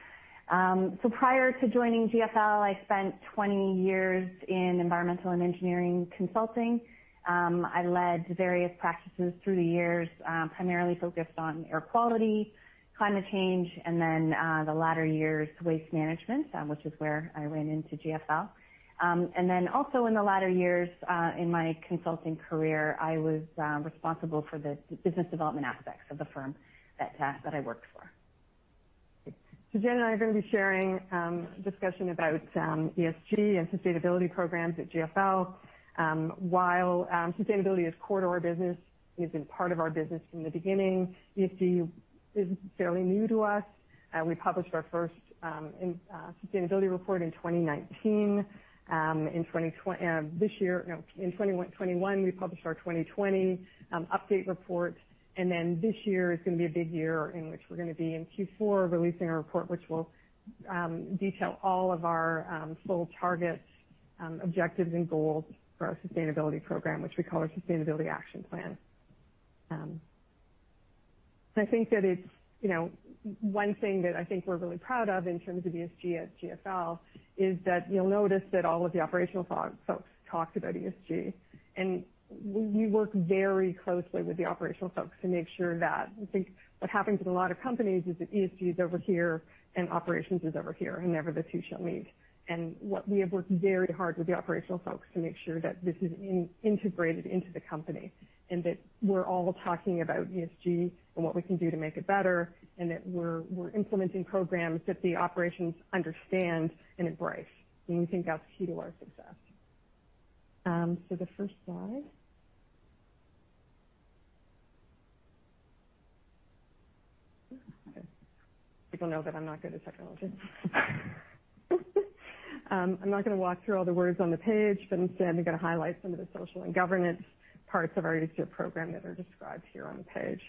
Prior to joining GFL, I spent 20 years in environmental and engineering consulting. I led various practices through the years, primarily focused on air quality, climate change, and then the latter years, waste management, which is where I ran into GFL. Then also in the latter years in my consulting career, I was responsible for the business development aspects of the firm that I worked for. Jen and I are gonna be sharing discussion about ESG and sustainability programs at GFL. While sustainability is core to our business, it's been part of our business from the beginning. ESG is fairly new to us. We published our first sustainability report in 2019. This year, in 2021, we published our 2020 update report. Then this year is gonna be a big year in which we're gonna be in Q4 releasing our report, which will detail all of our full targets, objectives, and goals for our sustainability program, which we call our Sustainability Action Plan. I think that it's, you know, one thing that I think we're really proud of in terms of ESG at GFL is that you'll notice that all of the operational folks talked about ESG. We work very closely with the operational folks to make sure that I think what happens with a lot of companies is that ESG is over here and operations is over here, and never the two shall meet. We have worked very hard with the operational folks to make sure that this is integrated into the company and that we're all talking about ESG and what we can do to make it better, and that we're implementing programs that the operations understand and embrace. We think that's key to our success. The first slide. Okay. People know that I'm not good at technology. I'm not gonna walk through all the words on the page, but instead I'm gonna highlight some of the social and governance parts of our ESG program that are described here on the page.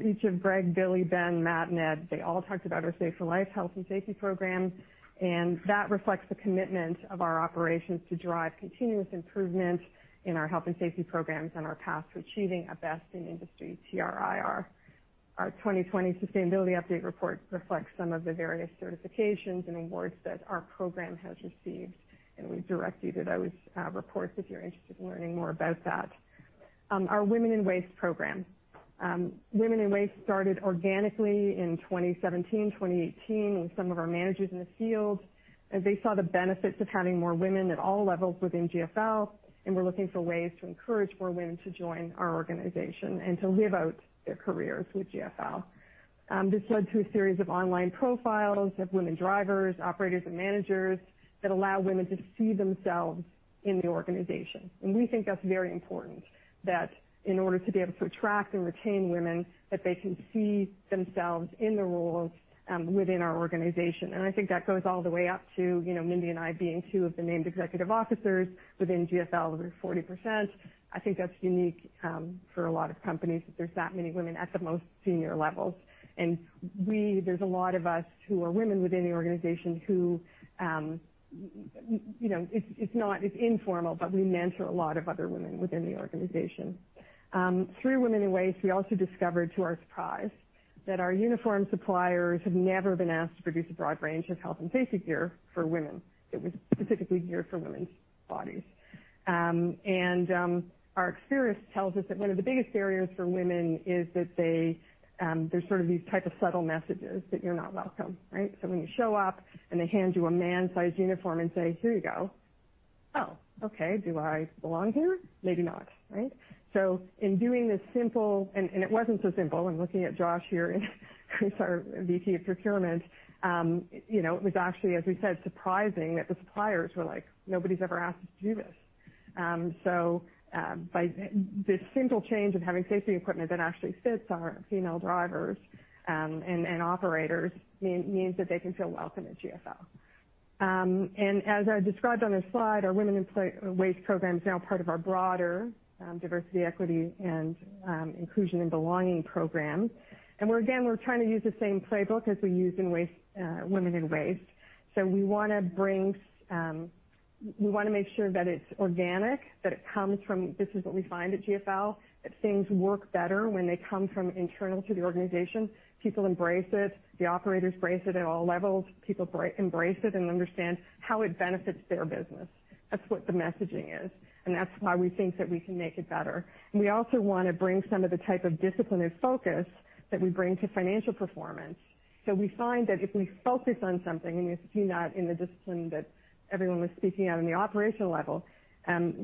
Each of Greg, Billy, Ben, Matt, and Ed, they all talked about our Safe for Life, health and safety program, and that reflects the commitment of our operations to drive continuous improvement in our health and safety programs and our path to achieving a best-in-industry TRIR. Our 2020 sustainability update report reflects some of the various certifications and awards that our program has received, and we direct you to those reports if you're interested in learning more about that. Our Women in Waste program. Women in Waste started organically in 2017, 2018, with some of our managers in the field, as they saw the benefits of having more women at all levels within GFL and were looking for ways to encourage more women to join our organization and to live out their careers with GFL. This led to a series of online profiles of women drivers, operators, and managers that allow women to see themselves in the organization. We think that's very important, that in order to be able to attract and retain women, that they can see themselves in the roles, within our organization. I think that goes all the way up to, you know, Mindy and I being two of the named executive officers within GFL. We're 40%. I think that's unique for a lot of companies that there's that many women at the most senior levels. There's a lot of us who are women within the organization who, you know, it's not as informal, but we mentor a lot of other women within the organization. Through Women in Waste, we also discovered, to our surprise, that our uniform suppliers have never been asked to produce a broad range of health and safety gear for women that was specifically geared for women's bodies. Our experience tells us that one of the biggest barriers for women is that there's sort of these type of subtle messages that you're not welcome, right? When you show up and they hand you a man-sized uniform and say, "Here you go." Oh, okay. Do I belong here? Maybe not, right? In doing this simple. It wasn't so simple. I'm looking at Josh here, who's our VP of Procurement. You know, it was actually, as we said, surprising that the suppliers were like, "Nobody's ever asked us to do this." By this simple change of having safety equipment that actually fits our female drivers, and operators means that they can feel welcome at GFL. As I described on this slide, our Women in Waste program is now part of our broader diversity, equity, and inclusion and belonging program. We're again trying to use the same playbook as we used in Women in Waste. We wanna make sure that it's organic, that it comes from. This is what we find at GFL, that things work better when they come from internal to the organization. People embrace it, the operators embrace it at all levels. People embrace it and understand how it benefits their business. That's what the messaging is, and that's why we think that we can make it better. We also wanna bring some of the type of discipline and focus that we bring to financial performance. We find that if we focus on something, and we've seen that in the discipline that everyone was speaking on in the operational level,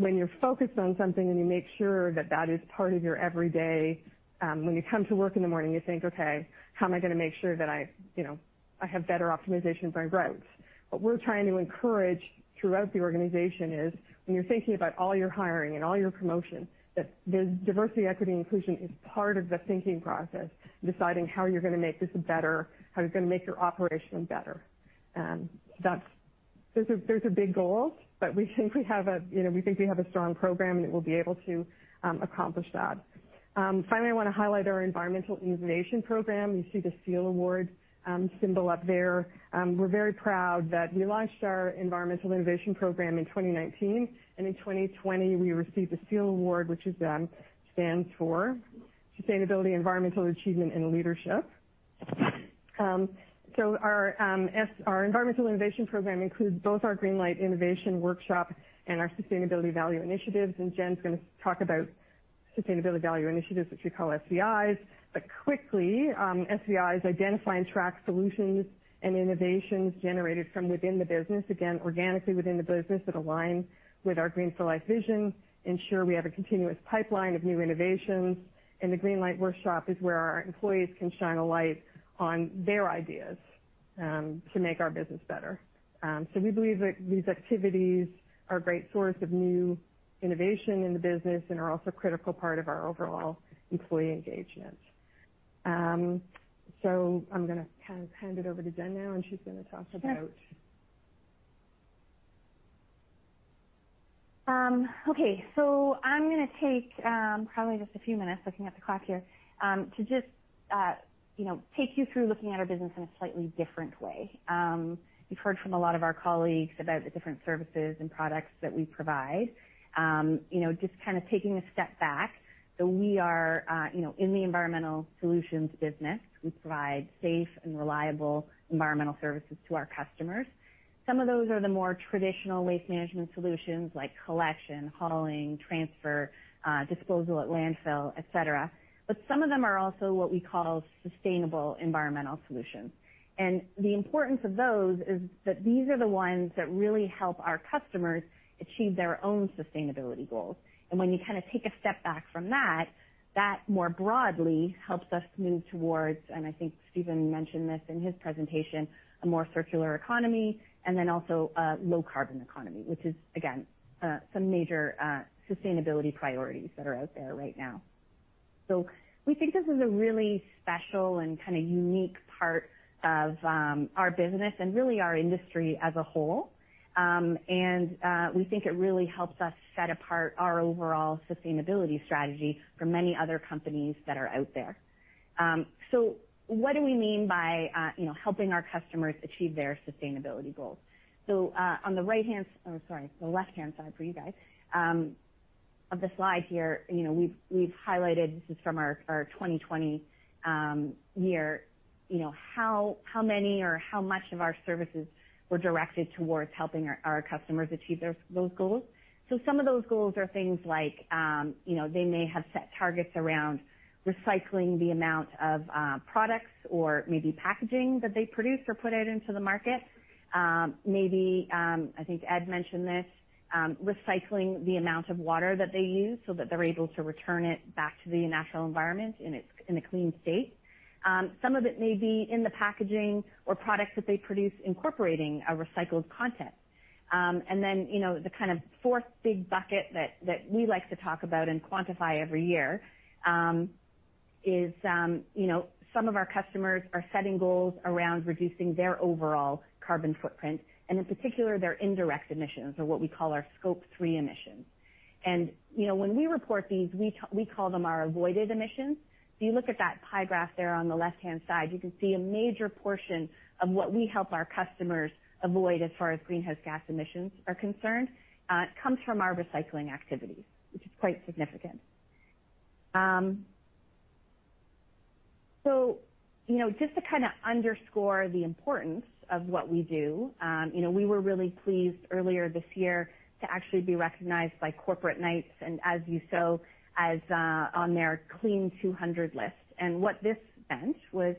when you're focused on something and you make sure that that is part of your every day, when you come to work in the morning, you think, "Okay, how am I gonna make sure that I, you know, I have better optimization of my routes?" What we're trying to encourage throughout the organization is when you're thinking about all your hiring and all your promotion, that the diversity, equity, and inclusion is part of the thinking process in deciding how you're gonna make this better, how you're gonna make your operation better. Those are big goals, but we think we have a, you know, we think we have a strong program, and it will be able to accomplish that. Finally, I wanna highlight our Environmental Innovation Program. You see the SEAL Award symbol up there. We're very proud that we launched our Environmental Innovation Program in 2019, and in 2020 we received the SEAL Award, which stands for Sustainability, Environmental Achievement, and Leadership. Our Environmental Innovation Program includes both our Greenlight Innovation Workshop and our Sustainability Value Initiatives. Jen's gonna talk about Sustainability Value Initiatives, which we call SVIs. Quickly, SVIs identify and track solutions and innovations generated from within the business, again, organically within the business that align with our Green for Life vision, ensure we have a continuous pipeline of new innovations, and the Greenlight Workshop is where our employees can shine a light on their ideas to make our business better. We believe that these activities are a great source of new innovation in the business and are also a critical part of our overall employee engagement. I'm gonna kind of hand it over to Jen now, and she's gonna talk about. Sure. Okay. I'm gonna take, probably just a few minutes, looking at the clock here, to just, you know, take you through looking at our business in a slightly different way. You've heard from a lot of our colleagues about the different services and products that we provide. You know, just kinda taking a step back, we are, you know, in the environmental solutions business. We provide safe and reliable environmental services to our customers. Some of those are the more traditional waste management solutions, like collection, hauling, transfer, disposal at landfill, et cetera. But some of them are also what we call sustainable environmental solutions. The importance of those is that these are the ones that really help our customers achieve their own sustainability goals. When you kinda take a step back from that more broadly helps us move towards, and I think Steven mentioned this in his presentation, a more circular economy and then also a low carbon economy, which is, again, some major sustainability priorities that are out there right now. We think this is a really special and kinda unique part of our business and really our industry as a whole. We think it really helps us set apart our overall sustainability strategy from many other companies that are out there. What do we mean by you know, helping our customers achieve their sustainability goals? On the right-hand. Sorry, the left-hand side for you guys of the slide here, you know, we've highlighted this is from our 2020 year, you know, how many or how much of our services were directed towards helping our customers achieve those goals. Some of those goals are things like, you know, they may have set targets around recycling the amount of products or maybe packaging that they produce or put out into the market. Maybe, I think Ed mentioned this, recycling the amount of water that they use so that they're able to return it back to the natural environment in a clean state. Some of it may be in the packaging or products that they produce incorporating a recycled content. You know, the kind of fourth big bucket that we like to talk about and quantify every year is, you know, some of our customers are setting goals around reducing their overall carbon footprint, and in particular, their indirect emissions or what we call our Scope 3 emissions. You know, when we report these, we call them our avoided emissions. If you look at that pie graph there on the left-hand side, you can see a major portion of what we help our customers avoid as far as greenhouse gas emissions are concerned comes from our recycling activities, which is quite significant. You know, just to kinda underscore the importance of what we do, you know, we were really pleased earlier this year to actually be recognized by Corporate Knights and As You Sow as on their Clean 200 list. What this meant was,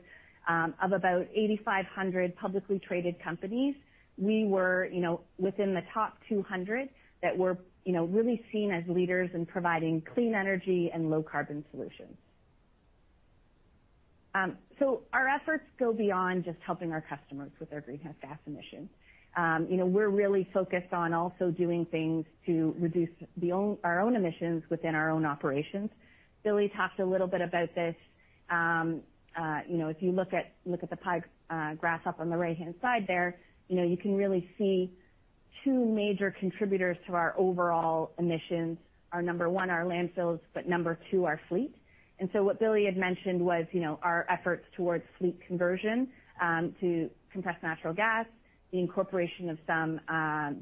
of about 8,500 publicly traded companies, we were, you know, within the top 200 that were, you know, really seen as leaders in providing clean energy and low carbon solutions. Our efforts go beyond just helping our customers with their greenhouse gas emissions. You know, we're really focused on also doing things to reduce our own emissions within our own operations. Billy talked a little bit about this. You know, if you look at the pie graph up on the right-hand side there, you know, you can really see two major contributors to our overall emissions are, number one, our landfills, but number two, our fleet. What Billy had mentioned was, you know, our efforts towards fleet conversion to compressed natural gas, the incorporation of some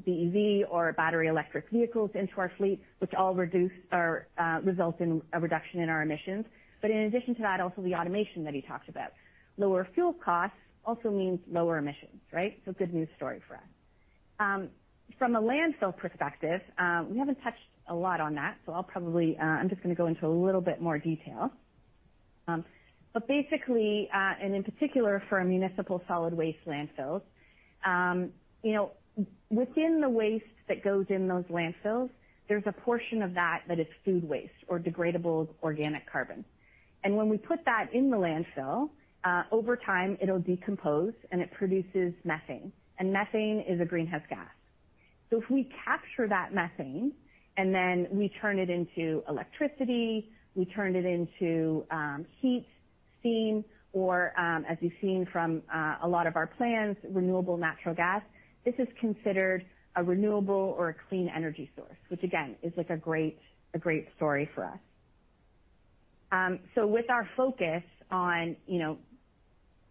BEV or battery electric vehicles into our fleet, which all reduce or result in a reduction in our emissions. But in addition to that, also the automation that he talked about. Lower fuel costs also means lower emissions, right? Good news story for us. From a landfill perspective, we haven't touched a lot on that, so I'll probably, I'm just gonna go into a little bit more detail. Basically, in particular for municipal solid waste landfills, you know, within the waste that goes in those landfills, there's a portion of that that is food waste or degradable organic carbon. When we put that in the landfill, over time, it'll decompose, and it produces methane, and methane is a greenhouse gas. If we capture that methane, and then we turn it into electricity, heat, steam, or, as you've seen from a lot of our plants, renewable natural gas, this is considered a renewable or a clean energy source, which again, is just a great story for us. With our focus on, you know,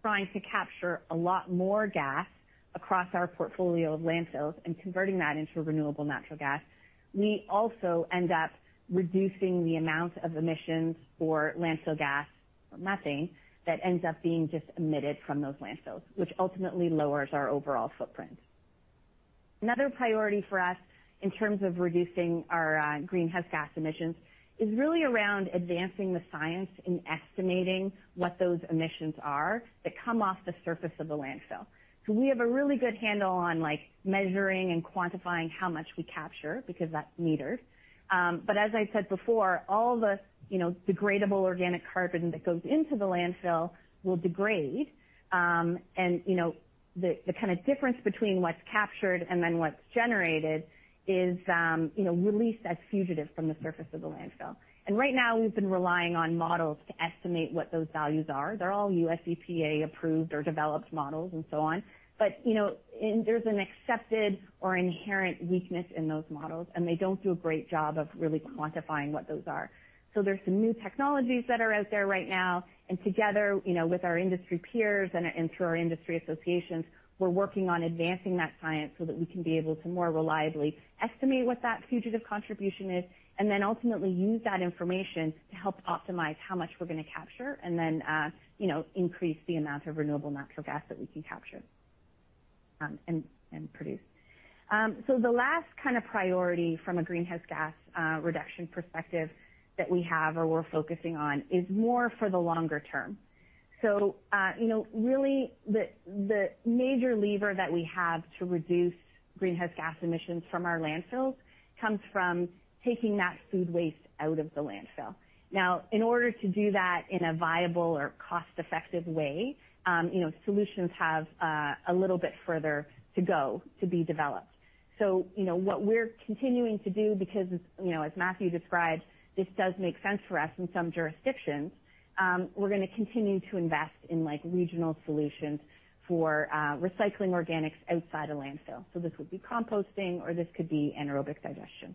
trying to capture a lot more gas across our portfolio of landfills and converting that into renewable natural gas, we also end up reducing the amount of emissions for landfill gas or methane that ends up being just emitted from those landfills, which ultimately lowers our overall footprint. Another priority for us in terms of reducing our greenhouse gas emissions is really around advancing the science in estimating what those emissions are that come off the surface of the landfill. We have a really good handle on, like, measuring and quantifying how much we capture because that's metered. As I said before, all the, you know, degradable organic carbon that goes into the landfill will degrade. You know, the kinda difference between what's captured and then what's generated is, you know, released as fugitive from the surface of the landfill. Right now, we've been relying on models to estimate what those values are. They're all U.S. EPA-approved or developed models and so on. You know, there's an accepted or inherent weakness in those models, and they don't do a great job of really quantifying what those are. There's some new technologies that are out there right now, and together, you know, with our industry peers and through our industry associations, we're working on advancing that science so that we can be able to more reliably estimate what that fugitive contribution is and then ultimately use that information to help optimize how much we're gonna capture and then, you know, increase the amount of renewable natural gas that we can capture, and produce. The last kind of priority from a greenhouse gas reduction perspective that we have or we're focusing on is more for the longer term. You know, really the major lever that we have to reduce greenhouse gas emissions from our landfills comes from taking that food waste out of the landfill. Now, in order to do that in a viable or cost-effective way, you know, solutions have a little bit further to go to be developed. You know, what we're continuing to do because, you know, as Matthew described, this does make sense for us in some jurisdictions, we're gonna continue to invest in, like, regional solutions for recycling organics outside of landfill. This would be composting, or this could be anaerobic digestion.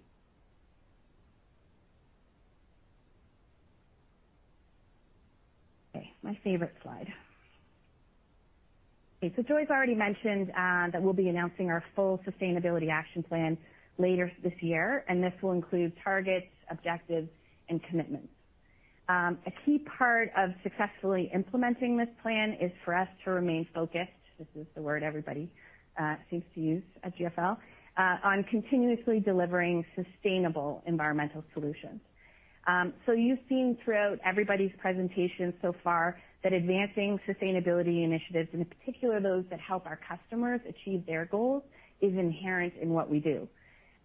Okay, my favorite slide. Okay, so Joy's already mentioned that we'll be announcing our full Sustainability Action Plan later this year, and this will include targets, objectives, and commitments. A key part of successfully implementing this plan is for us to remain focused, this is the word everybody seems to use at GFL, on continuously delivering sustainable environmental solutions. You've seen throughout everybody's presentation so far that advancing sustainability initiatives, and in particular, those that help our customers achieve their goals, is inherent in what we do.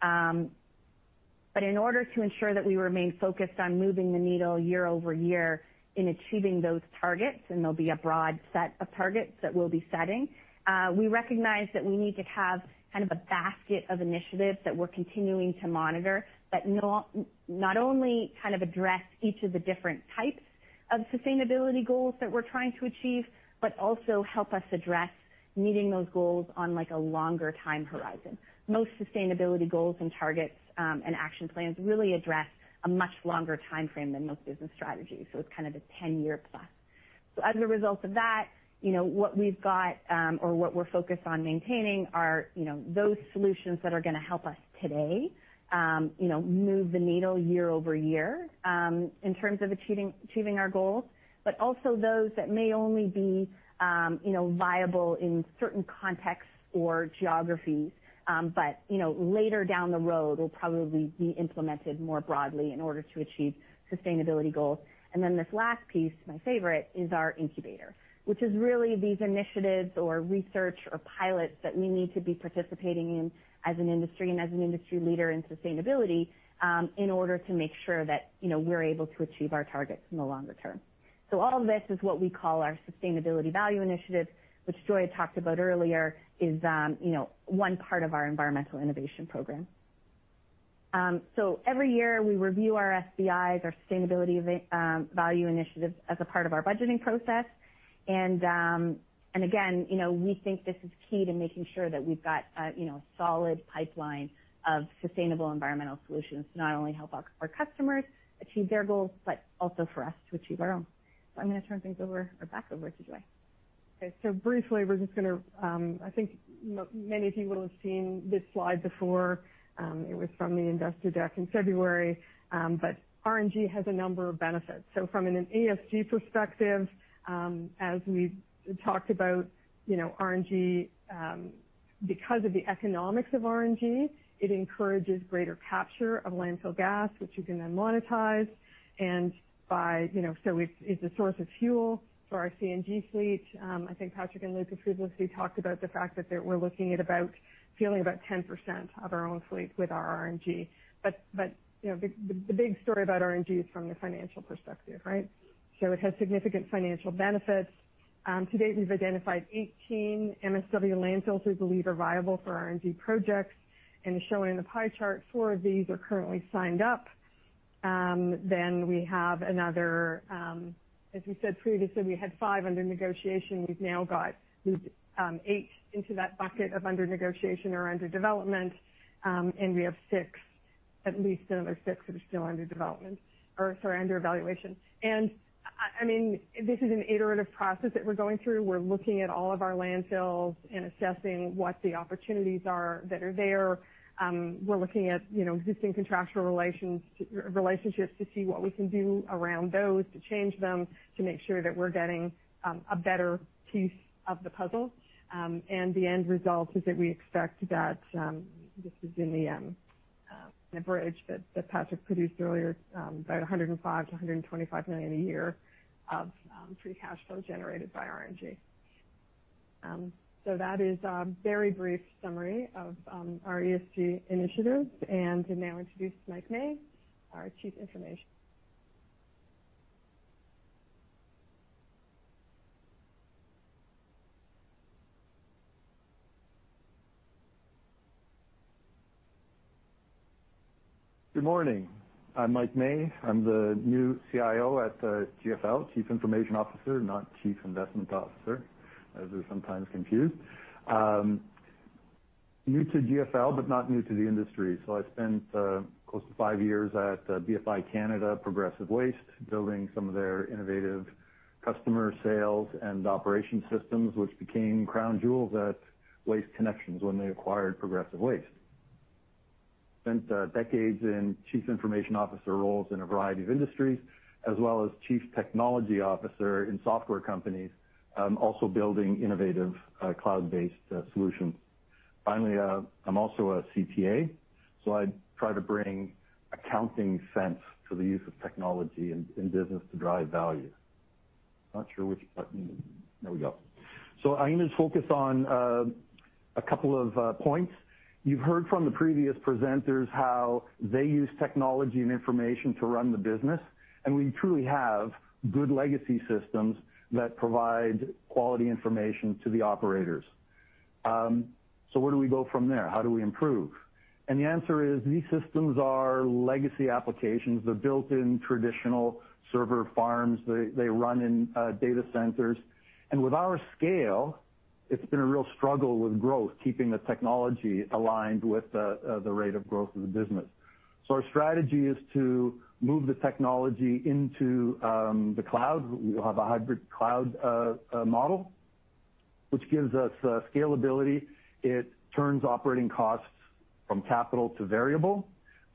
In order to ensure that we remain focused on moving the needle year over year in achieving those targets, and there'll be a broad set of targets that we'll be setting, we recognize that we need to have kind of a basket of initiatives that we're continuing to monitor that not only kind of address each of the different types of sustainability goals that we're trying to achieve, but also help us address meeting those goals on, like, a longer time horizon. Most sustainability goals and targets, and action plans really address a much longer timeframe than most business strategies. It's kind of a 10-year plus. As a result of that, you know, what we've got, or what we're focused on maintaining are, you know, those solutions that are gonna help us today, you know, move the needle year over year, in terms of achieving our goals, but also those that may only be, you know, viable in certain contexts or geographies, but you know, later down the road will probably be implemented more broadly in order to achieve sustainability goals. This last piece, my favorite, is our incubator, which is really these initiatives or research or pilots that we need to be participating in as an industry and as an industry leader in sustainability, in order to make sure that, you know, we're able to achieve our targets in the longer term. All this is what we call our Sustainability Value Initiative, which Joy had talked about earlier, is you know, one part of our Environmental Innovation Program. Every year, we review our SVIs, our Sustainability Value Initiative, as a part of our budgeting process. Again, you know, we think this is key to making sure that we've got a you know, solid pipeline of sustainable environmental solutions to not only help our customers achieve their goals, but also for us to achieve our own. I'm gonna turn things over or back over to Joy. Briefly, I think many of you will have seen this slide before. It was from the investor deck in February, but RNG has a number of benefits. From an ESG perspective, as we talked about, you know, RNG, because of the economics of RNG, it encourages greater capture of landfill gas, which you can then monetize, and, you know, it's a source of fuel for our CNG fleet. I think Patrick and Luke previously talked about the fact that we're looking at fueling about 10% of our own fleet with our RNG. You know, the big story about RNG is from the financial perspective, right? It has significant financial benefits. To date, we've identified 18 MSW landfills we believe are viable for RNG projects. As shown in the pie chart, four of these are currently signed up. We have another, as we said previously, we had five under negotiation. We've now got eight into that bucket of under negotiation or under development, and we have six, at least another six that are still under development or sorry, under evaluation. I mean, this is an iterative process that we're going through. We're looking at all of our landfills and assessing what the opportunities are that are there. We're looking at, you know, existing contractual relations, relationships to see what we can do around those to change them, to make sure that we're getting a better piece of the puzzle. The end result is that we expect that this is in the bridge that Patrick produced earlier, about $105 million to $125 million a year of free cash flow generated by RNG. So that is a very brief summary of our ESG initiative. To now introduce Mike May, our Chief Information Officer. Good morning. I'm Mike May. I'm the new CIO at GFL, Chief Information Officer, not Chief Investment Officer, as they're sometimes confused. New to GFL, but not new to the industry. I spent close to five years at BFI Canada, Progressive Waste, building some of their innovative customer sales and operation systems, which became crown jewels at Waste Connections when they acquired Progressive Waste. Spent decades in Chief Information Officer roles in a variety of industries, as well as Chief Technology Officer in software companies, also building innovative cloud-based solutions. Finally, I'm also a CPA, so I try to bring accounting sense to the use of technology in business to drive value. Not sure which button. There we go. I'm gonna focus on a couple of points. You've heard from the previous presenters how they use technology and information to run the business, and we truly have good legacy systems that provide quality information to the operators. Where do we go from there? How do we improve? The answer is, these systems are legacy applications. They're built in traditional server farms. They run in data centers. With our scale, it's been a real struggle with growth, keeping the technology aligned with the rate of growth of the business. Our strategy is to move the technology into the cloud. We'll have a hybrid cloud model, which gives us scalability. It turns operating costs from capital to variable.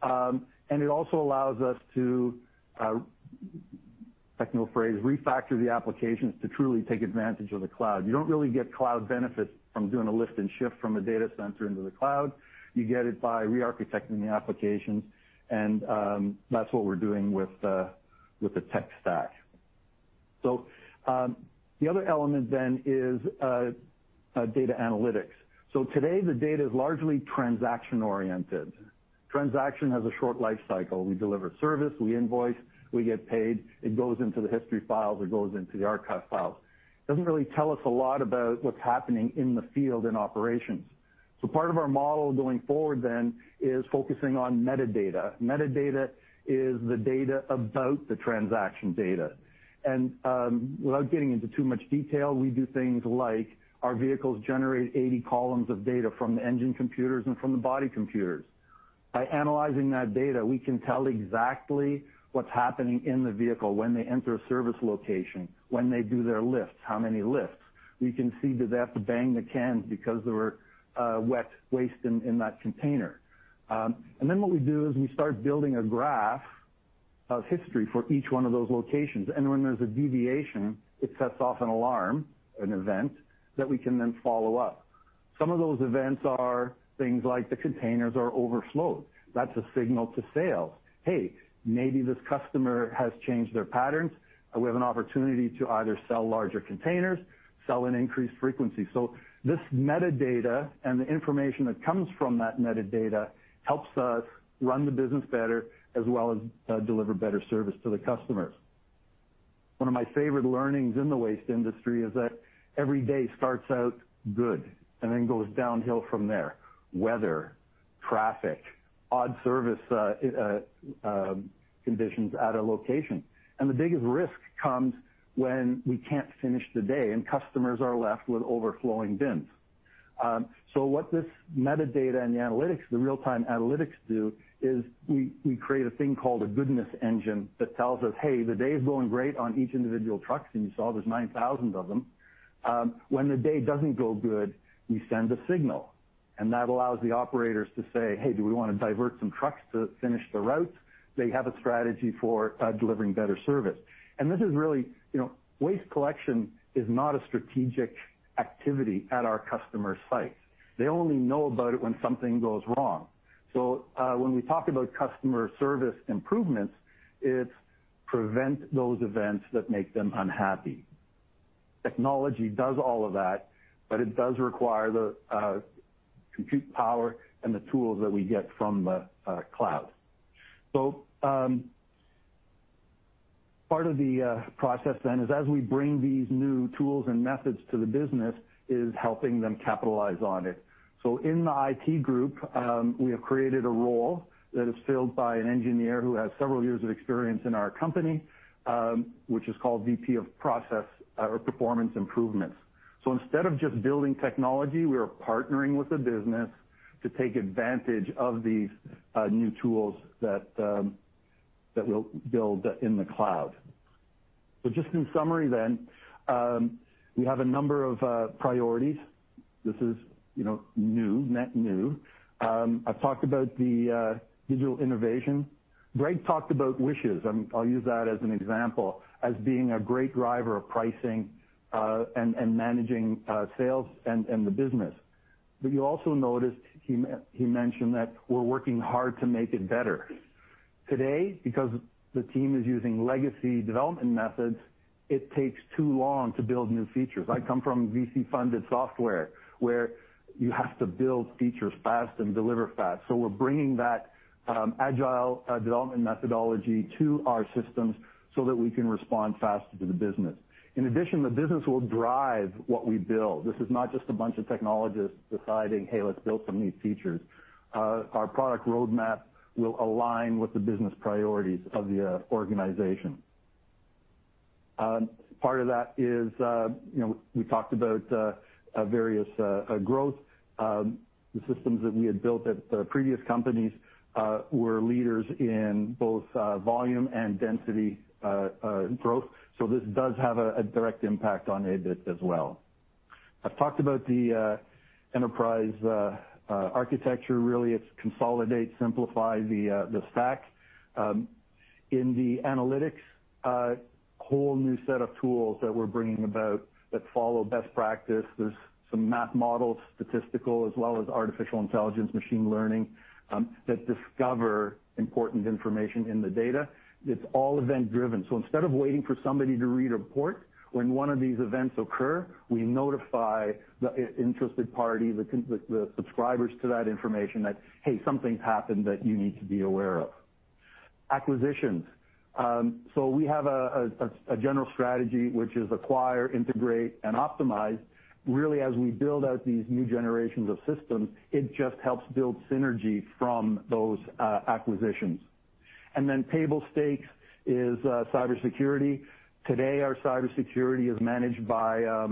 It also allows us to refactor the applications to truly take advantage of the cloud. You don't really get cloud benefits from doing a lift and shift from a data center into the cloud. You get it by re-architecting the applications, and that's what we're doing with the tech stack. The other element then is data analytics. Today, the data is largely transaction-oriented. Transaction has a short life cycle. We deliver service, we invoice, we get paid, it goes into the history files, it goes into the archive files. It doesn't really tell us a lot about what's happening in the field in operations. Part of our model going forward then is focusing on metadata. Metadata is the data about the transaction data. Without getting into too much detail, we do things like our vehicles generate 80 columns of data from the engine computers and from the body computers. By analyzing that data, we can tell exactly what's happening in the vehicle when they enter a service location, when they do their lifts, how many lifts. We can see, did they have to bang the cans because there were wet waste in that container. What we do is we start building a graph of history for each one of those locations, and when there's a deviation, it sets off an alarm, an event, that we can then follow up. Some of those events are things like the containers are overflowed. That's a signal to sales. Hey, maybe this customer has changed their patterns, and we have an opportunity to either sell larger containers, sell in increased frequency. This metadata and the information that comes from that metadata helps us run the business better as well as deliver better service to the customers. One of my favorite learnings in the waste industry is that every day starts out good and then goes downhill from there. Weather, traffic, odd service conditions at a location. The biggest risk comes when we can't finish the day and customers are left with overflowing bins. So what this metadata and the analytics, the real-time analytics do is we create a thing called a goodness engine that tells us, "Hey, the day is going great on each individual trucks." You saw there's 9,000 of them. When the day doesn't go good, we send a signal, and that allows the operators to say, "Hey, do we wanna divert some trucks to finish the routes?" They have a strategy for delivering better service. This is really, you know, waste collection is not a strategic activity at our customer site. They only know about it when something goes wrong. When we talk about customer service improvements, it's prevent those events that make them unhappy. Technology does all of that, but it does require the compute power and the tools that we get from the cloud. Part of the process then is as we bring these new tools and methods to the business, is helping them capitalize on it. In the IT group, we have created a role that is filled by an engineer who has several years of experience in our company, which is called VP of Process or Performance Improvements. Instead of just building technology, we are partnering with the business to take advantage of these new tools that we'll build in the cloud. Just in summary, we have a number of priorities. This is, you know, new, net new. I've talked about the digital innovation. Greg talked about WISHES. I'll use that as an example, as being a great driver of pricing, and managing sales and the business. But you also noticed he mentioned that we're working hard to make it better. Today, because the team is using legacy development methods, it takes too long to build new features. I come from VC-funded software, where you have to build features fast and deliver fast. We're bringing that agile development methodology to our systems so that we can respond faster to the business. In addition, the business will drive what we build. This is not just a bunch of technologists deciding, "Hey, let's build some new features." Our product roadmap will align with the business priorities of the organization. Part of that is, you know, we talked about various growth, the systems that we had built at previous companies were leaders in both volume and density growth. This does have a direct impact on EBIT as well. I've talked about the enterprise architecture. Really, it's consolidate, simplify the stack. In the analytics, a whole new set of tools that we're bringing about that follow best practice. There's some math models, statistical, as well as artificial intelligence, machine learning, that discover important information in the data. It's all event-driven. Instead of waiting for somebody to read a report when one of these events occur, we notify the interested party, the subscribers to that information that, "Hey, something's happened that you need to be aware of." Acquisitions. We have a general strategy, which is acquire, integrate, and optimize. Really, as we build out these new generations of systems, it just helps build synergy from those acquisitions. Table stakes is cybersecurity. Today, our cybersecurity is managed by a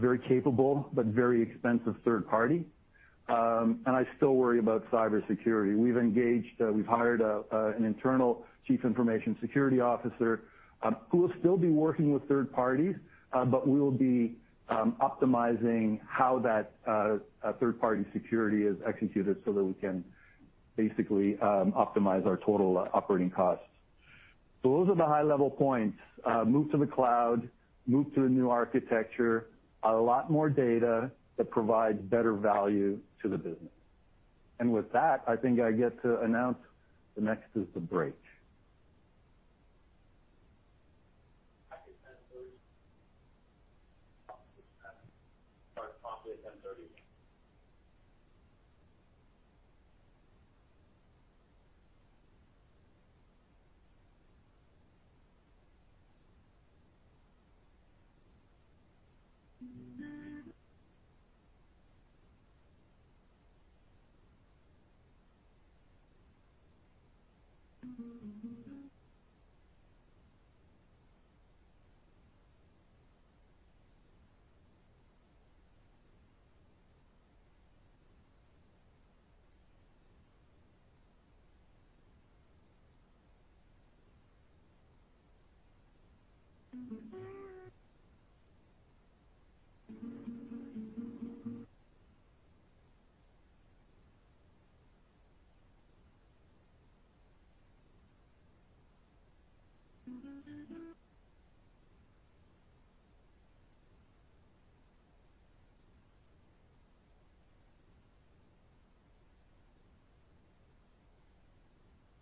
very capable but very expensive third party. I still worry about cybersecurity. We've hired an internal chief information security officer, who will still be working with third parties, but we will be optimizing how that third-party security is executed so that we can basically optimize our total operating costs. Those are the high level points. Move to the cloud, move to a new architecture, a lot more data that provides better value to the business. With that, I think I get to announce the next is to break.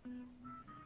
It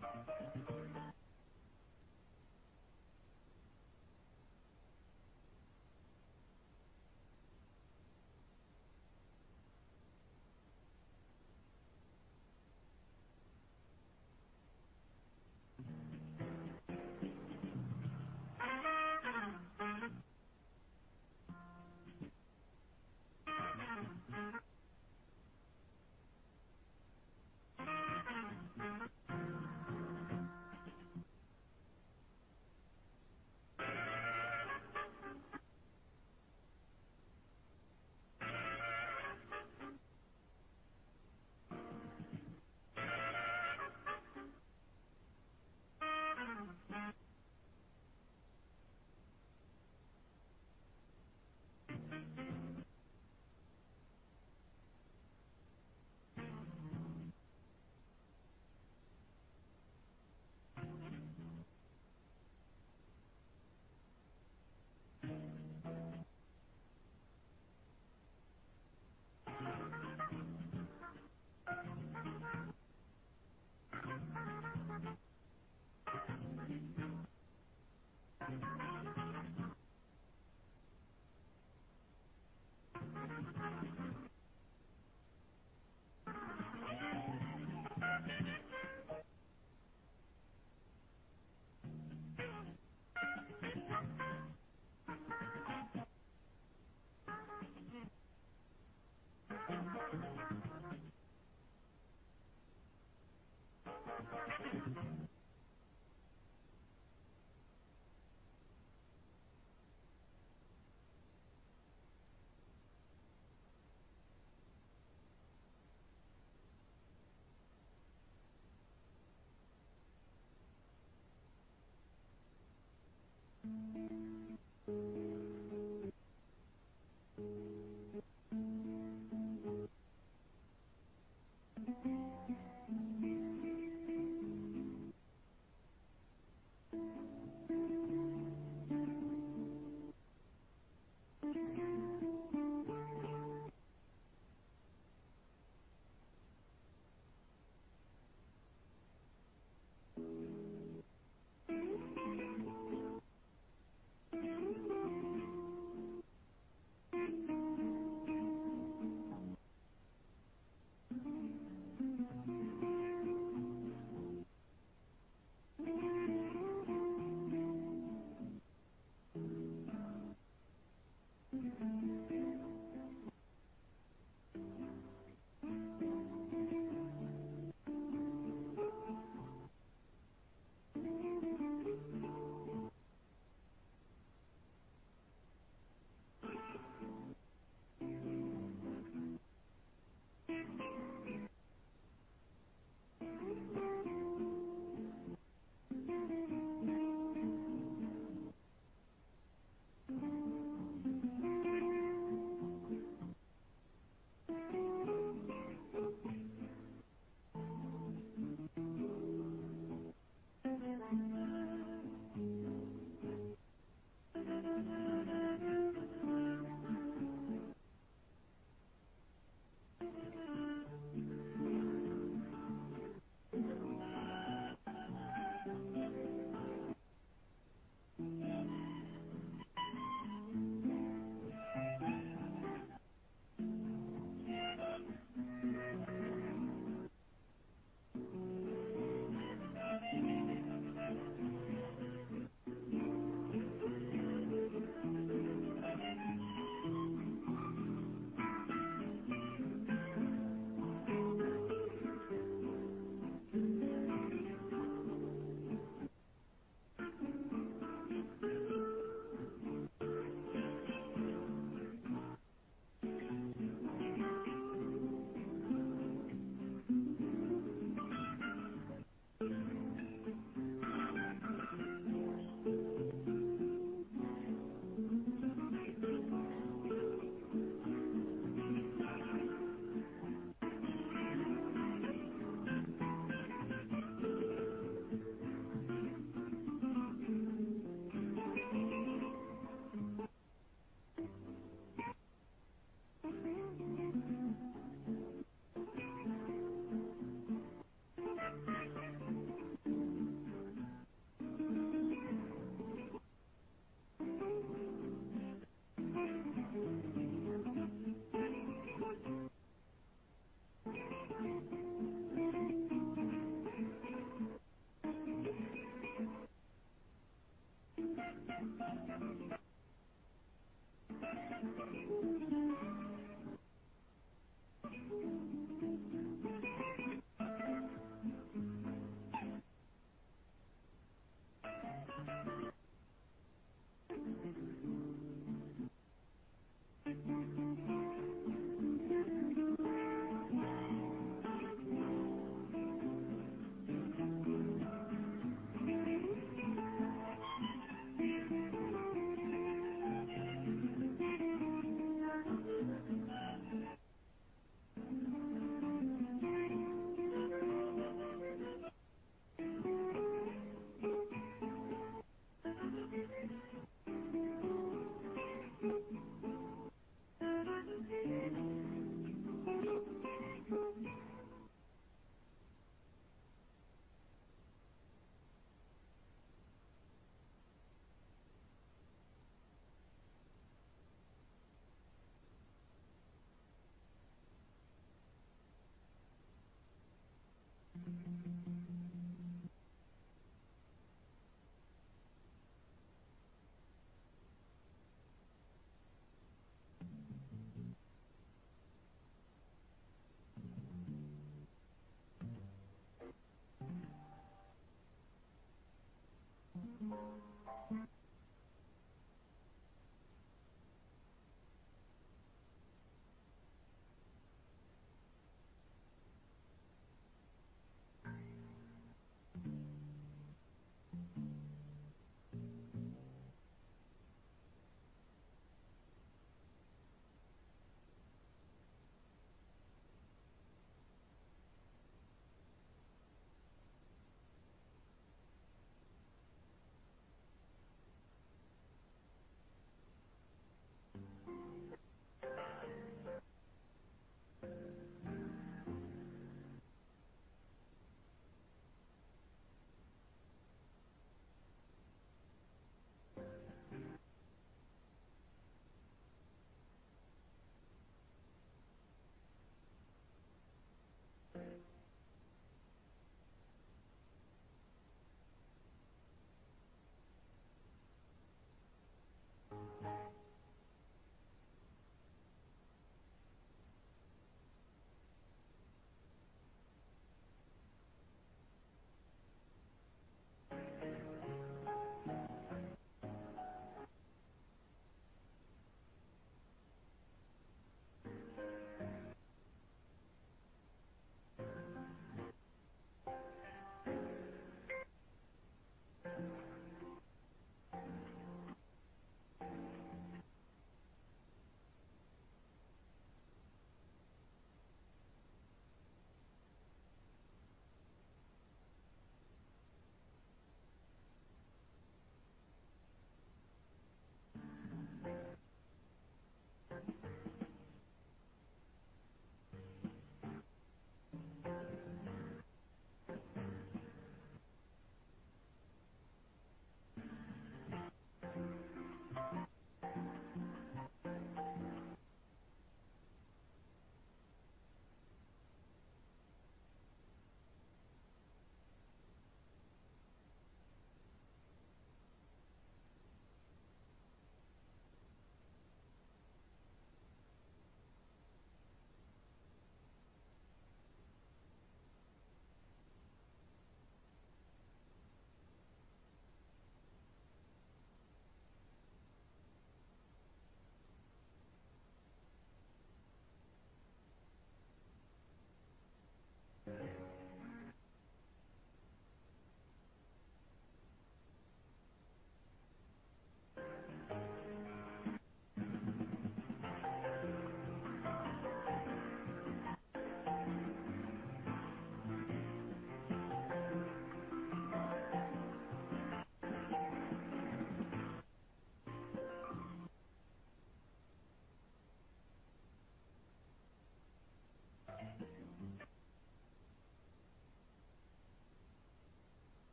starts promptly at 10:30 A.M.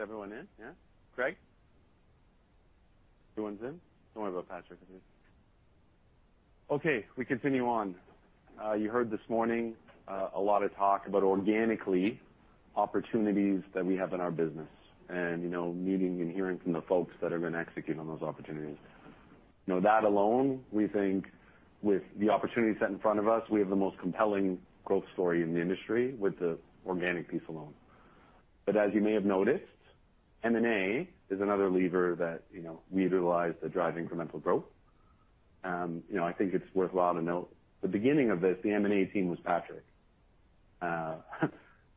Is everyone in? Yeah. Craig? Everyone's in? Don't worry about Patrick. Okay, we continue on. You heard this morning a lot of talk about organically opportunities that we have in our business and, you know, meeting and hearing from the folks that are gonna execute on those opportunities. You know, that alone, we think with the opportunities set in front of us, we have the most compelling growth story in the industry with the organic piece alone. As you may have noticed, M&A is another lever that, you know, we utilize to drive incremental growth. You know, I think it's worthwhile to note at the beginning of this, the M&A team was Patrick.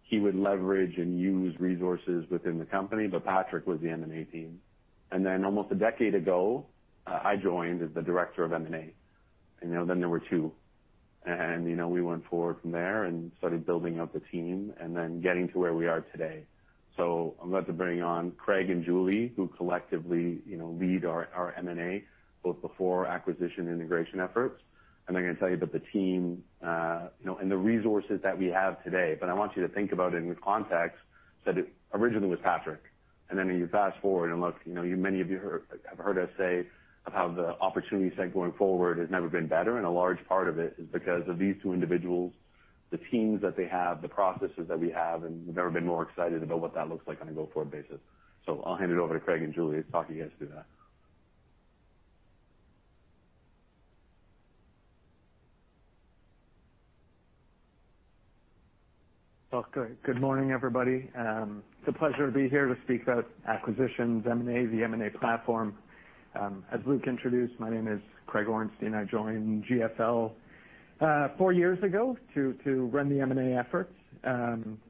He would leverage and use resources within the company, but Patrick was the M&A team. And then, almost a decade ago, I joined as the director of M&A. And then there were two. And you know, we went forward from there and started building up the team and then getting to where we are today. I'm about to bring on Craig and Julie, who collectively, you know, lead our M&A, both pre-acquisition integration efforts. they're gonna tell you about the team, you know, and the resources that we have today. I want you to think about it in the context that it originally was Patrick, and then you fast-forward and look, you know, many of you have heard us say of how the opportunity set going forward has never been better, and a large part of it is because of these two individuals, the teams that they have, the processes that we have, and we've never been more excited about what that looks like on a go-forward basis. I'll hand it over to Craig and Julie to talk you guys through that. Well, good morning, everybody. It's a pleasure to be here to speak about acquisitions, M&A, the M&A platform. As Luke introduced, my name is Craig Orenstein. I joined GFL four years ago to run the M&A efforts.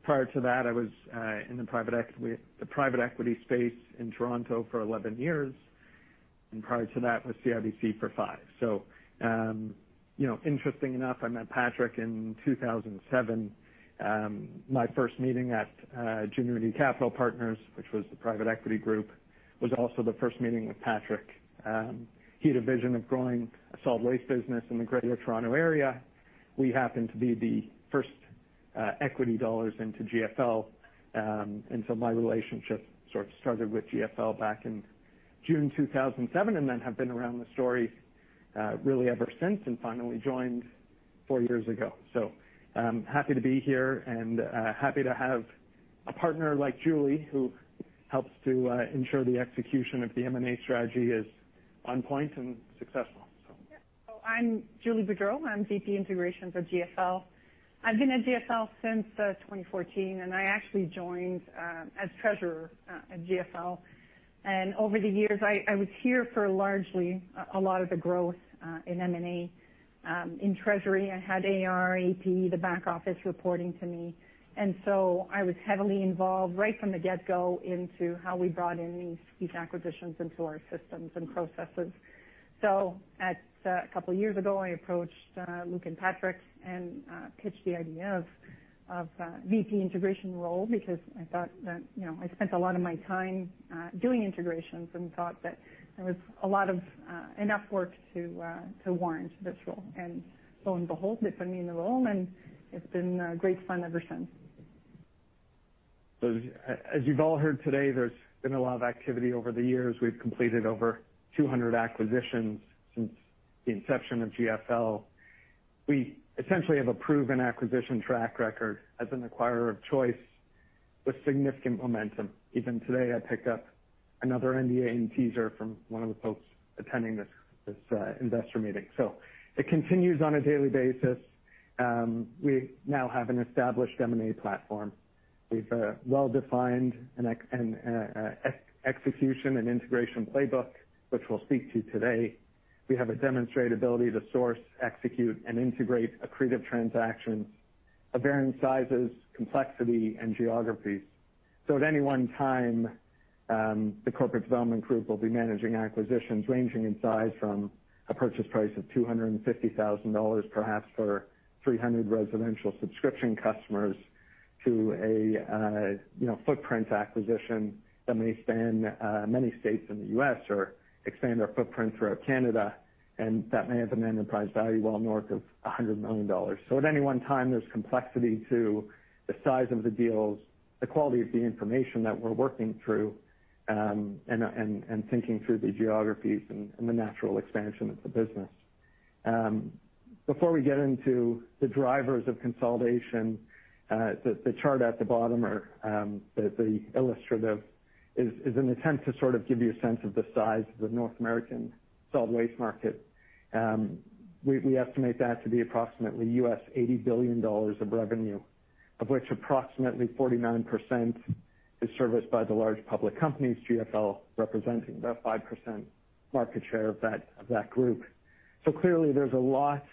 Prior to that, I was in the private equity space in Toronto for 11 years, and prior to that, with CIBC for five. You know, interesting enough, I met Patrick in 2007. My first meeting at Generation Capital Partners, which was the private equity group, was also the first meeting with Patrick. He had a vision of growing a solid waste business in the Greater Toronto Area. We happened to be the first equity dollars into GFL. My relationship sort of started with GFL back in June 2007 and then have been around the story really ever since, and finally joined four years ago. Happy to be here and happy to have a partner like Julie who helps to ensure the execution of the M&A strategy is on point and successful. Yeah. I'm Julie Boudreau, I'm VP, Integrations at GFL. I've been at GFL since 2014, and I actually joined as treasurer at GFL. Over the years, I was here for largely a lot of the growth in M&A. In treasury, I had AR, AP, the back office reporting to me. I was heavily involved right from the get-go into how we brought in these acquisitions into our systems and processes. A couple years ago, I approached Luke and Patrick and pitched the idea of a VP Integration role because I thought that, you know, I spent a lot of my time doing integrations and thought that there was a lot of enough work to warrant this role. Lo and behold, they put me in the role, and it's been great fun ever since. As you've all heard today, there's been a lot of activity over the years. We've completed over 200 acquisitions since the inception of GFL. We essentially have a proven acquisition track record as an acquirer of choice with significant momentum. Even today, I picked up another NDA and teaser from one of the folks attending this investor meeting. It continues on a daily basis. We now have an established M&A platform. We have a well-defined execution and integration playbook, which we'll speak to today. We have a demonstrated ability to source, execute, and integrate accretive transactions of varying sizes, complexity, and geographies. At any one time, the corporate development group will be managing acquisitions ranging in size from a purchase price of $250,000 perhaps for 300 residential subscription customers to a, you know, footprint acquisition that may span many states In the U.S. or expand our footprint throughout Canada, and that may have an enterprise value well north of $100 million. At any one time, there's complexity to the size of the deals, the quality of the information that we're working through, and thinking through the geographies and the natural expansion of the business. Before we get into the drivers of consolidation, the chart at the bottom or the illustrative is an attempt to sort of give you a sense of the size of the North American solid waste market. We estimate that to be approximately $80 billion of revenue, of which approximately 49% is serviced by the large public companies, GFL representing about 5% market share of that group. Clearly, there's a lot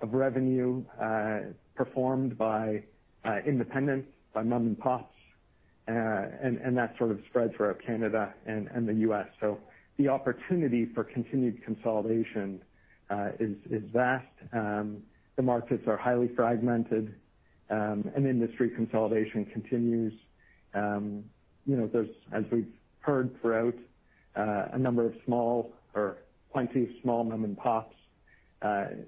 of revenue performed by independents, by mom and pops, and that sort of spreads throughout Canada and the U.S. The opportunity for continued consolidation is vast. The markets are highly fragmented, and industry consolidation continues. You know, there's, as we've heard throughout, a number of small or plenty of small mom and pops.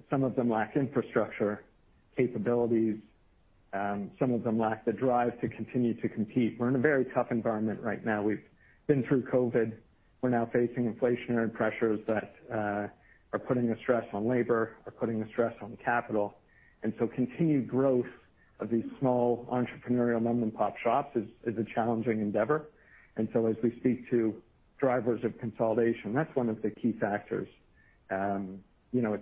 Some of them lack infrastructure capabilities. Some of them lack the drive to continue to compete. We're in a very tough environment right now. We've been through COVID. We're now facing inflationary pressures that are putting a stress on labor, are putting a stress on capital. Continued growth of these small entrepreneurial mom-and-pop shops is a challenging endeavor. As we speak to drivers of consolidation, that's one of the key factors. You know,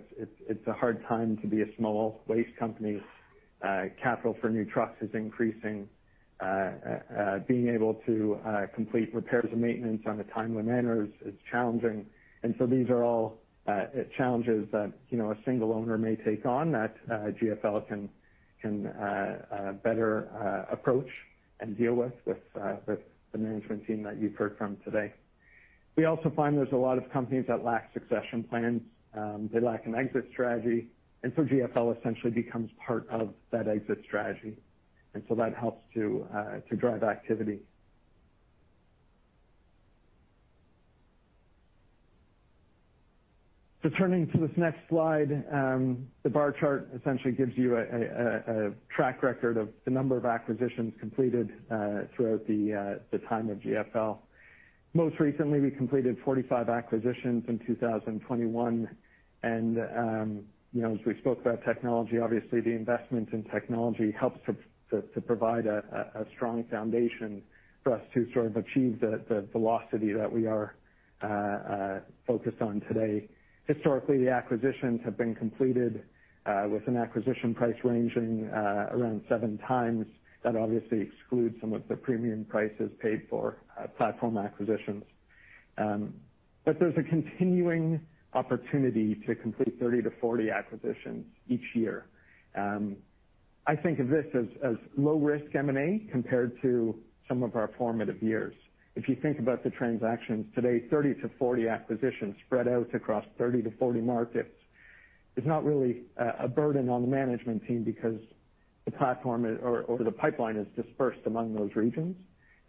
it's a hard time to be a small waste company. Capital for new trucks is increasing. Being able to complete repairs and maintenance on a timely manner is challenging. These are all challenges that, you know, a single owner may take on that GFL can better approach and deal with with the management team that you've heard from today. We also find there's a lot of companies that lack succession plans. They lack an exit strategy, and so GFL essentially becomes part of that exit strategy. That helps to drive activity. Turning to this next slide, the bar chart essentially gives you a track record of the number of acquisitions completed throughout the time of GFL. Most recently, we completed 45 acquisitions in 2021, and as we spoke about technology, obviously the investment in technology helps to provide a strong foundation for us to sort of achieve the velocity that we are focused on today. Historically, the acquisitions have been completed with an acquisition price ranging around 7x. That obviously excludes some of the premium prices paid for platform acquisitions. There's a continuing opportunity to complete 30 to 40 acquisitions each year. I think of this as low risk M&A compared to some of our formative years. If you think about the transactions today, 30 to 40 acquisitions spread out across 30 to 40 markets is not really a burden on the management team because the platform is. The pipeline is dispersed among those regions.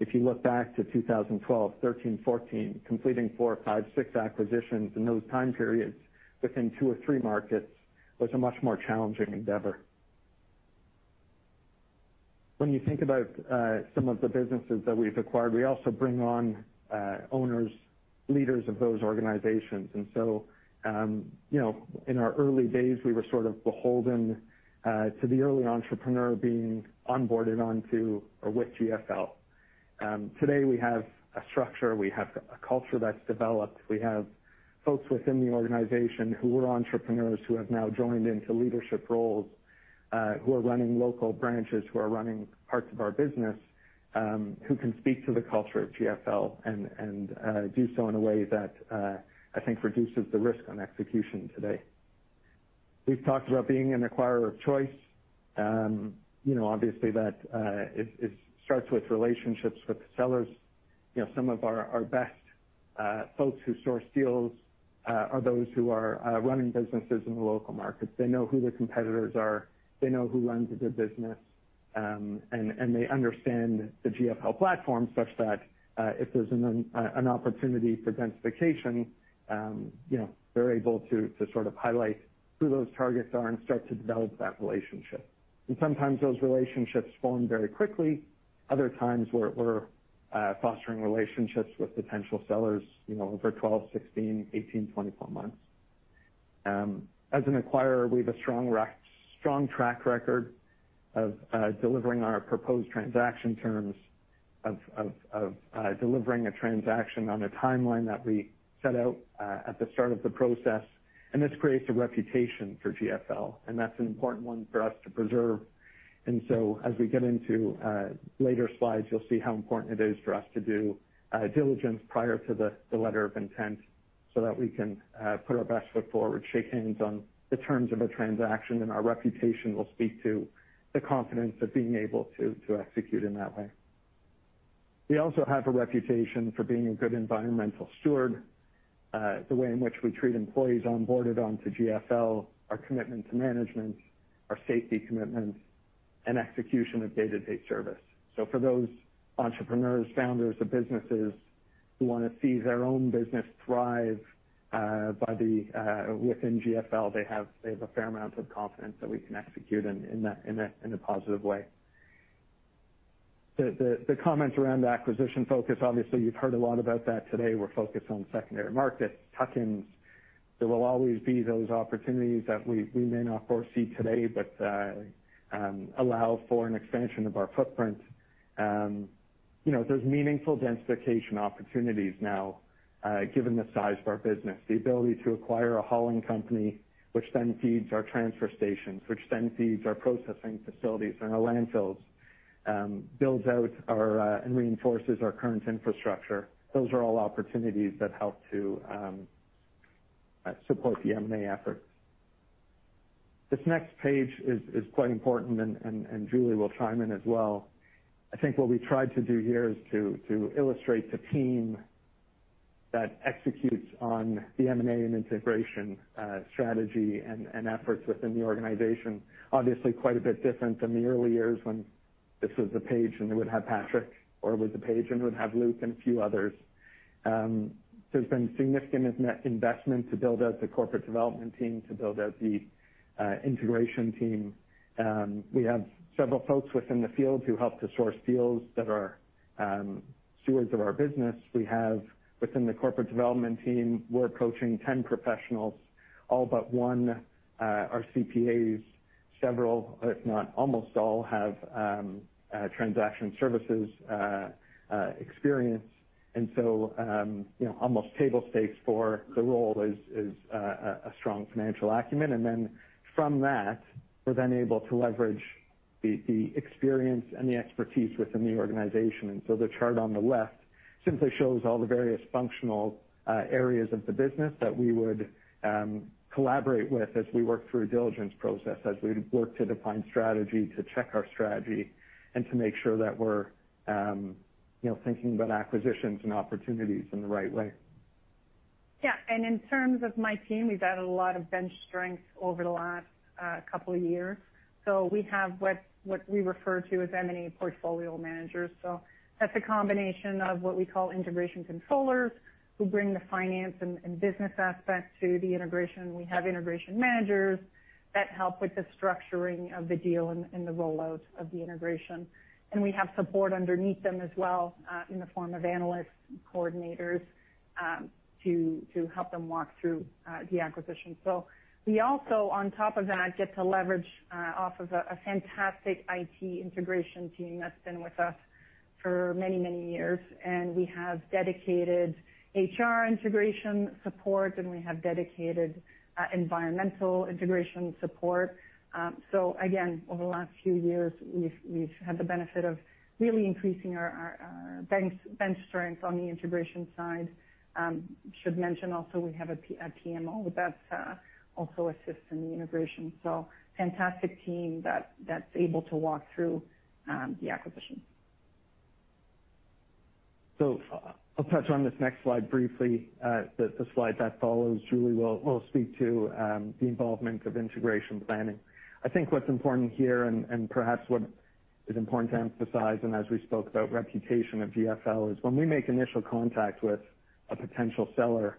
If you look back to 2012, 2013, 2014, completing four, five, six acquisitions in those time periods within two or three markets was a much more challenging endeavor. When you think about some of the businesses that we've acquired, we also bring on owners, leaders of those organizations. You know, in our early days, we were sort of beholden to the early entrepreneur being onboarded onto or with GFL. Today, we have a structure, we have a culture that's developed. We have folks within the organization who were entrepreneurs, who have now joined into leadership roles, who are running local branches, who are running parts of our business, who can speak to the culture of GFL and do so in a way that I think reduces the risk on execution today. We've talked about being an acquirer of choice. You know, obviously that it starts with relationships with the sellers. You know, some of our best folks who source deals are those who are running businesses in the local markets. They know who the competitors are, they know who runs the business, and they understand the GFL platform such that, if there's an opportunity for densification, you know, they're able to sort of highlight who those targets are and start to develop that relationship. Sometimes those relationships form very quickly. Other times, we're fostering relationships with potential sellers, you know, over 12, 16, 18, 24 months. As an acquirer, we have a strong track record of delivering our proposed transaction terms of delivering a transaction on a timeline that we set out at the start of the process. This creates a reputation for GFL, and that's an important one for us to preserve. As we get into later slides, you'll see how important it is for us to do due diligence prior to the letter of intent so that we can put our best foot forward, shake hands on the terms of a transaction, and our reputation will speak to the confidence of being able to execute in that way. We also have a reputation for being a good environmental steward, the way in which we treat employees onboarded onto GFL, our commitment to management, our safety commitments and execution of day-to-day service. For those entrepreneurs, founders of businesses who wanna see their own business thrive by being within GFL, they have a fair amount of confidence that we can execute in a positive way. The comments around the acquisition focus, obviously you've heard a lot about that today. We're focused on secondary markets, tuck-ins. There will always be those opportunities that we may not foresee today, but allow for an expansion of our footprint. You know, there's meaningful densification opportunities now, given the size of our business. The ability to acquire a hauling company, which then feeds our transfer stations, which then feeds our processing facilities and our landfills, builds out our and reinforces our current infrastructure. Those are all opportunities that help to support the M&A efforts. This next page is quite important and Julie will chime in as well. I think what we tried to do here is to illustrate the team that executes on the M&A and integration strategy and efforts within the organization. Obviously, quite a bit different than the early years when this was a page, and it would have Patrick, or it was a page, and it would have Luke and a few others. There's been significant investment to build out the corporate development team, to build out the integration team. We have several folks within the field who help to source deals that are stewards of our business. We have within the corporate development team, we're approaching 10 professionals, all but one are CPAs. Several, if not almost all, have transaction services experience. You know, almost table stakes for the role is a strong financial acumen. From that, we're then able to leverage the experience and the expertise within the organization. The chart on the left simply shows all the various functional areas of the business that we would collaborate with as we work through a due diligence process, as we work to define strategy, to check our strategy, and to make sure that we're, you know, thinking about acquisitions and opportunities in the right way. Yeah. In terms of my team, we've added a lot of bench strength over the last couple of years. We have what we refer to as M&A portfolio managers. That's a combination of what we call integration controllers, who bring the finance and business aspect to the integration. We have integration managers that help with the structuring of the deal and the rollout of the integration. We have support underneath them as well, in the form of analysts and coordinators, to help them walk through the acquisition. We also, on top of that, get to leverage off of a fantastic IT integration team that's been with us for many, many years, and we have dedicated HR integration support, and we have dedicated environmental integration support. Again, over the last few years, we've had the benefit of really increasing our bench strength on the integration side. Should mention also we have a PMO that also assists in the integration. Fantastic team that's able to walk through the acquisition. I'll touch on this next slide briefly. The slide that follows, Julie will speak to the involvement of integration planning. I think what's important here and perhaps what is important to emphasize, and as we spoke about reputation of GFL, is when we make initial contact with a potential seller.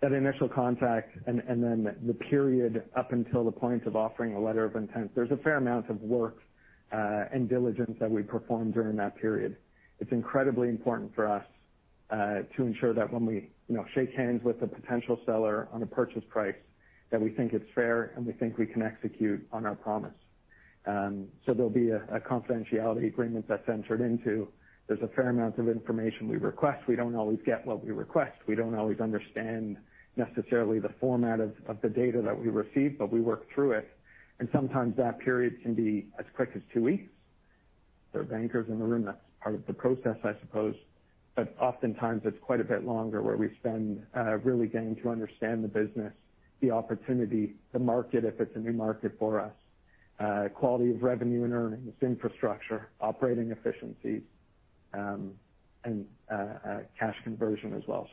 That initial contact and then the period up until the point of offering a letter of intent, there's a fair amount of work and diligence that we perform during that period. It's incredibly important for us to ensure that when we, you know, shake hands with a potential seller on a purchase price, that we think it's fair and we think we can execute on our promise. There'll be a confidentiality agreement that's entered into. There's a fair amount of information we request. We don't always get what we request. We don't always understand necessarily the format of the data that we receive, but we work through it. Sometimes that period can be as quick as two weeks. There are bankers in the room. That's part of the process, I suppose. Oftentimes it's quite a bit longer where we spend really getting to understand the business, the opportunity, the market, if it's a new market for us, quality of revenue and earnings, infrastructure, operating efficiency and cash conversion as well.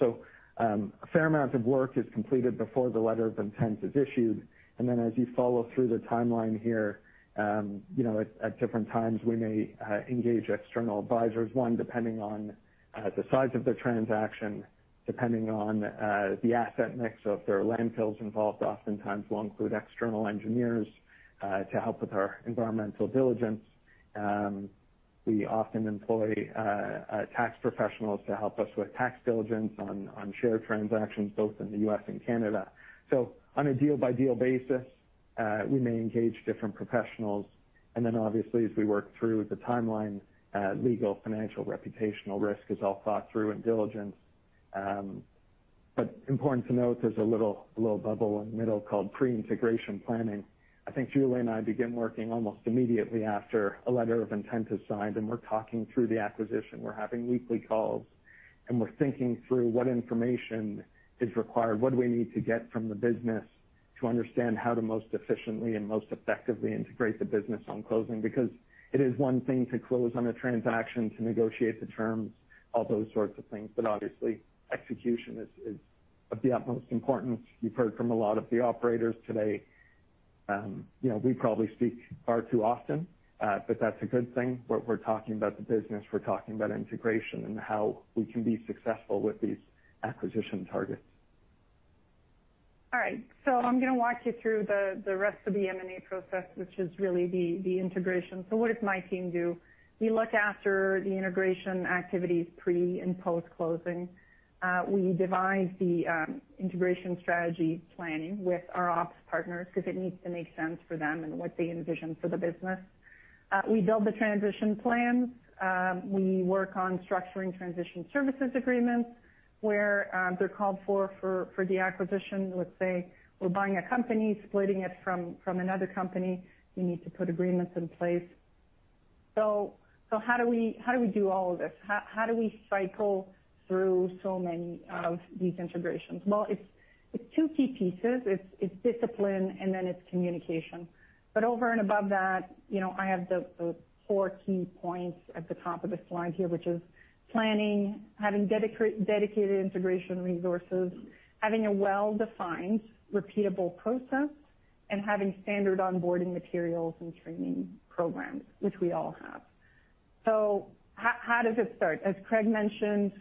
A fair amount of work is completed before the letter of intent is issued. Then as you follow through the timeline here, you know at different times we may engage external advisors depending on the size of the transaction depending on the asset mix. If there are landfills involved, oftentimes we'll include external engineers to help with our environmental diligence. We often employ tax professionals to help us with tax diligence on share transactions both in the U.S. and Canada. On a deal-by-deal basis, we may engage different professionals. Obviously, as we work through the timeline, legal, financial, reputational risk is all thought through in diligence. Important to note, there's a little bubble in the middle called pre-integration planning. I think Julie and I begin working almost immediately after a letter of intent is signed, and we're talking through the acquisition. We're having weekly calls, and we're thinking through what information is required, what do we need to get from the business to understand how to most efficiently and most effectively integrate the business on closing. Because it is one thing to close on a transaction, to negotiate the terms, all those sorts of things, but obviously, execution is of the utmost importance. You've heard from a lot of the operators today, you know, we probably speak far too often, but that's a good thing. We're talking about the business, we're talking about integration and how we can be successful with these acquisition targets. All right. I'm gonna walk you through the rest of the M&A process, which is really the integration. What does my team do? We look after the integration activities pre and post-closing. We devise the integration strategy planning with our ops partners 'cause it needs to make sense for them and what they envision for the business. We build the transition plans. We work on structuring transition services agreements where they're called for for the acquisition. Let's say we're buying a company, splitting it from another company. We need to put agreements in place. How do we do all of this? How do we cycle through so many of these integrations? Well, it's two key pieces. It's discipline, and then it's communication. Over and above that, you know, I have the four key points at the top of this slide here, which is planning, having dedicated integration resources, having a well-defined, repeatable process, and having standard onboarding materials and training programs, which we all have. How does it start? As Craig mentioned,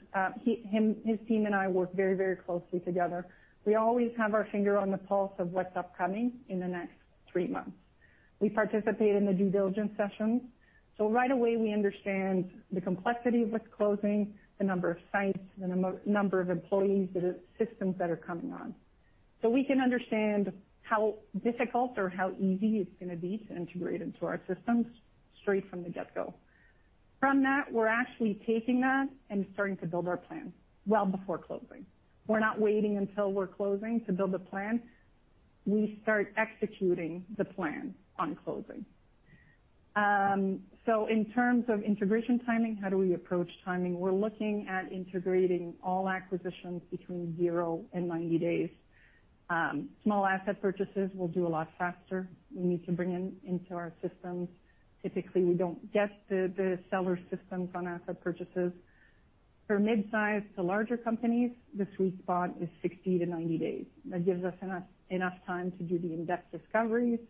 his team and I work very closely together. We always have our finger on the pulse of what's upcoming in the next three months. We participate in the due diligence sessions, so right away, we understand the complexity of what's closing, the number of sites, the number of employees, the systems that are coming on, so we can understand how difficult or how easy it's gonna be to integrate into our systems straight from the get-go. From that, we're actually taking that and starting to build our plan well before closing. We're not waiting until we're closing to build a plan. We start executing the plan on closing. In terms of integration timing, how do we approach timing? We're looking at integrating all acquisitions between zero and 90 days. Small asset purchases we'll do a lot faster. We need to bring in into our systems. Typically, we don't get the seller's systems on asset purchases. For midsize to larger companies, the sweet spot is 60 to 90 days. That gives us enough time to do the in-depth discoveries,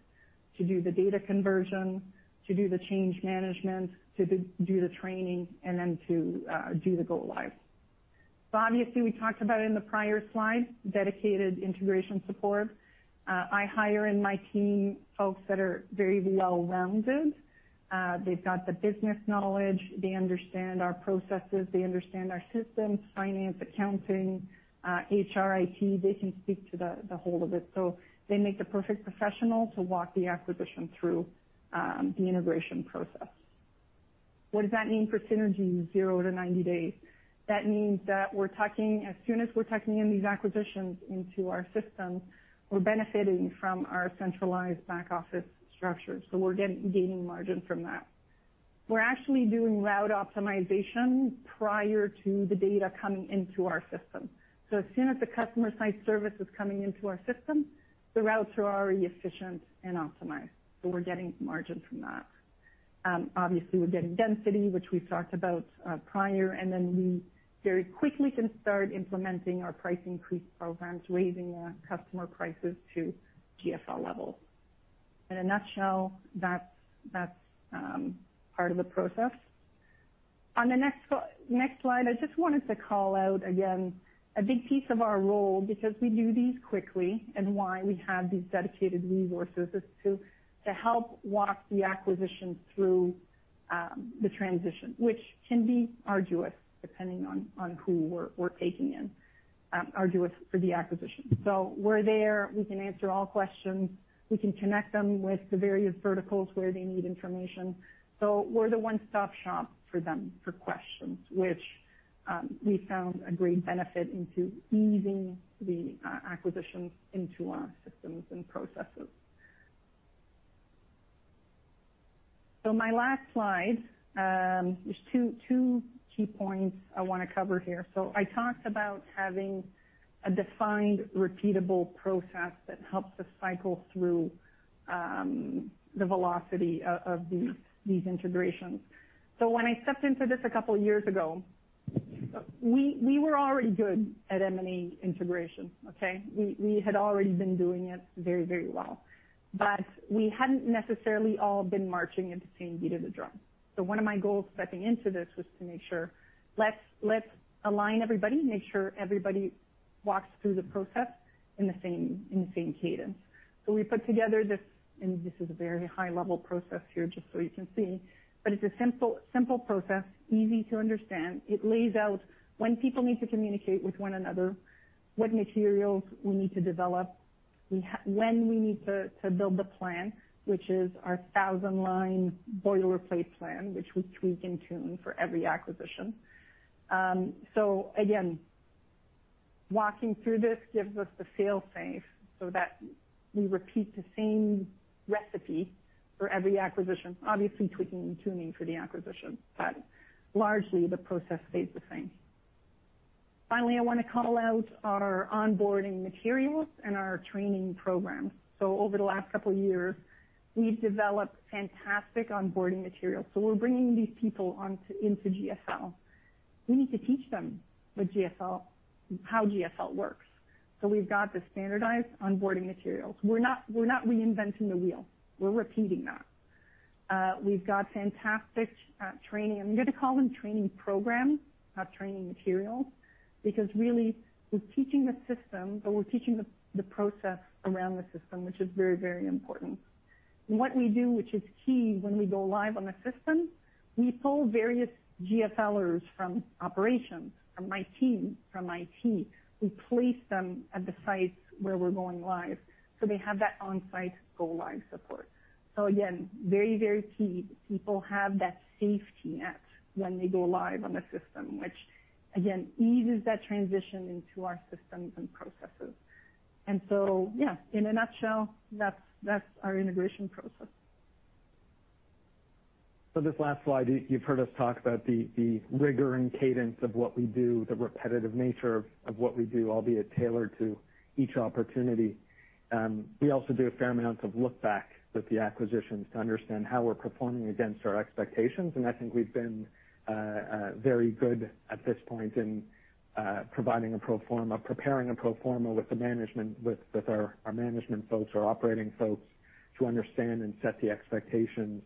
to do the data conversion, to do the change management, to do the training, and then to do the go live. Obviously, we talked about it in the prior slide, dedicated integration support. I hire in my team folks that are very well-rounded. They've got the business knowledge. They understand our processes. They understand our systems, finance, accounting, HR, IT. They can speak to the whole of it. They make the perfect professional to walk the acquisition through the integration process. What does that mean for synergies zero to 90 days? That means that as soon as we're tucking in these acquisitions into our system, we're benefiting from our centralized back office structure, so we're gaining margin from that. We're actually doing route optimization prior to the data coming into our system. As soon as the customer site service is coming into our system, the routes are already efficient and optimized, so we're getting margin from that. Obviously we're getting density, which we've talked about prior, and then we very quickly can start implementing our price increase programs, raising the customer prices to GFL levels. In a nutshell, that's part of the process. On the next slide, I just wanted to call out again a big piece of our role because we do these quickly and why we have these dedicated resources is to help walk the acquisition through the transition, which can be arduous depending on who we're taking in, arduous for the acquisition. We're there. We can answer all questions. We can connect them with the various verticals where they need information. We're the one-stop shop for them for questions, which we found a great benefit into easing the acquisitions into our systems and processes. My last slide, there's two key points I wanna cover here. I talked about having a defined, repeatable process that helps us cycle through the velocity of these integrations. When I stepped into this a couple years ago, we were already good at M&A integration, okay? We had already been doing it very well, but we hadn't necessarily all been marching at the same beat of the drum. One of my goals stepping into this was to make sure let's align everybody, make sure everybody walks through the process in the same cadence. We put together this. This is a very high-level process here, just so you can see. But it's a simple process, easy to understand. It lays out when people need to communicate with one another, what materials we need to develop, when we need to build the plan, which is our 1,000-line Boilerplate plan, which we tweak and tune for every acquisition. Walking through this gives us the fail-safe so that we repeat the same recipe for every acquisition, obviously tweaking and tuning for the acquisition. Largely, the process stays the same. Finally, I wanna call out our onboarding materials and our training programs. Over the last couple years, we've developed fantastic onboarding materials. We're bringing these people into GFL. We need to teach them how GFL works. We've got the standardized onboarding materials. We're not reinventing the wheel. We're repeating that. We've got fantastic training. I'm gonna call them training programs, not training materials, because really, we're teaching the system, but we're teaching the process around the system, which is very, very important. What we do, which is key when we go live on the system, we pull various GFL'ers from operations, from my team, from IT. We place them at the sites where we're going live, so they have that on-site go-live support. Again, very, very key that people have that safety net when they go live on the system, which again eases that transition into our systems and processes. Yeah, in a nutshell, that's our integration process. This last slide, you've heard us talk about the rigor and cadence of what we do, the repetitive nature of what we do, albeit tailored to each opportunity. We also do a fair amount of look-back with the acquisitions to understand how we're performing against our expectations. I think we've been very good at this point in preparing a pro forma with our management folks, our operating folks, to understand and set the expectations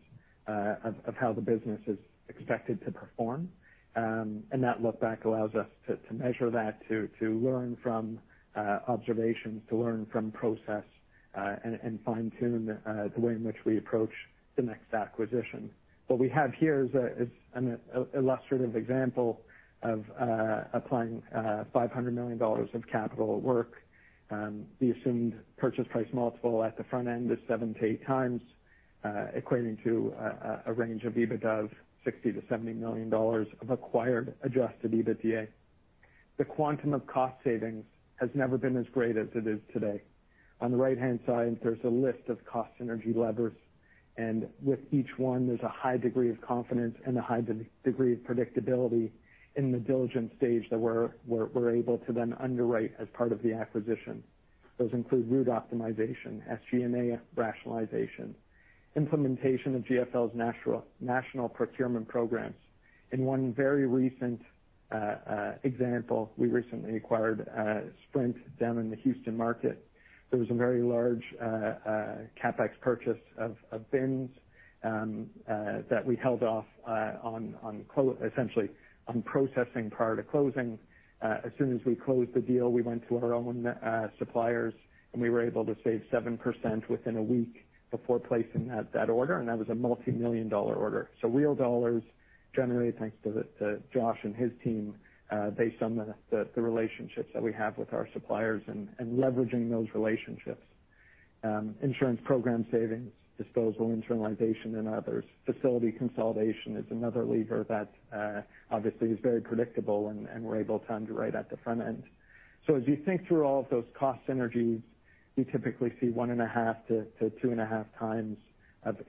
of how the business is expected to perform. That look-back allows us to measure that, to learn from observations, to learn from process, and fine-tune the way in which we approach the next acquisition. What we have here is an illustrative example of applying $500 million of capital at work. The assumed purchase price multiple at the front end is 7x to 8x, equating to a range of EBITDA of $60 million to $70 million of acquired adjusted EBITDA. The quantum of cost savings has never been as great as it is today. On the right-hand side, there's a list of cost synergy levers, and with each one, there's a high degree of confidence and a high degree of predictability in the diligence stage that we're able to then underwrite as part of the acquisition. Those include route optimization, SG&A rationalization, implementation of GFL's National Procurement Programs. In one very recent example, we recently acquired Sprint down in the Houston market. There was a very large CapEx purchase of bins that we held off essentially on processing prior to closing. As soon as we closed the deal, we went to our own suppliers, and we were able to save 7% within a week before placing that order, and that was a multimillion-dollar order. Real dollars generated thanks to Josh and his team based on the relationships that we have with our suppliers and leveraging those relationships. Insurance program savings, disposal internalization, and others. Facility consolidation is another lever that obviously is very predictable, and we're able to underwrite at the front end. As you think through all of those cost synergies, you typically see 1.5x to 2.5x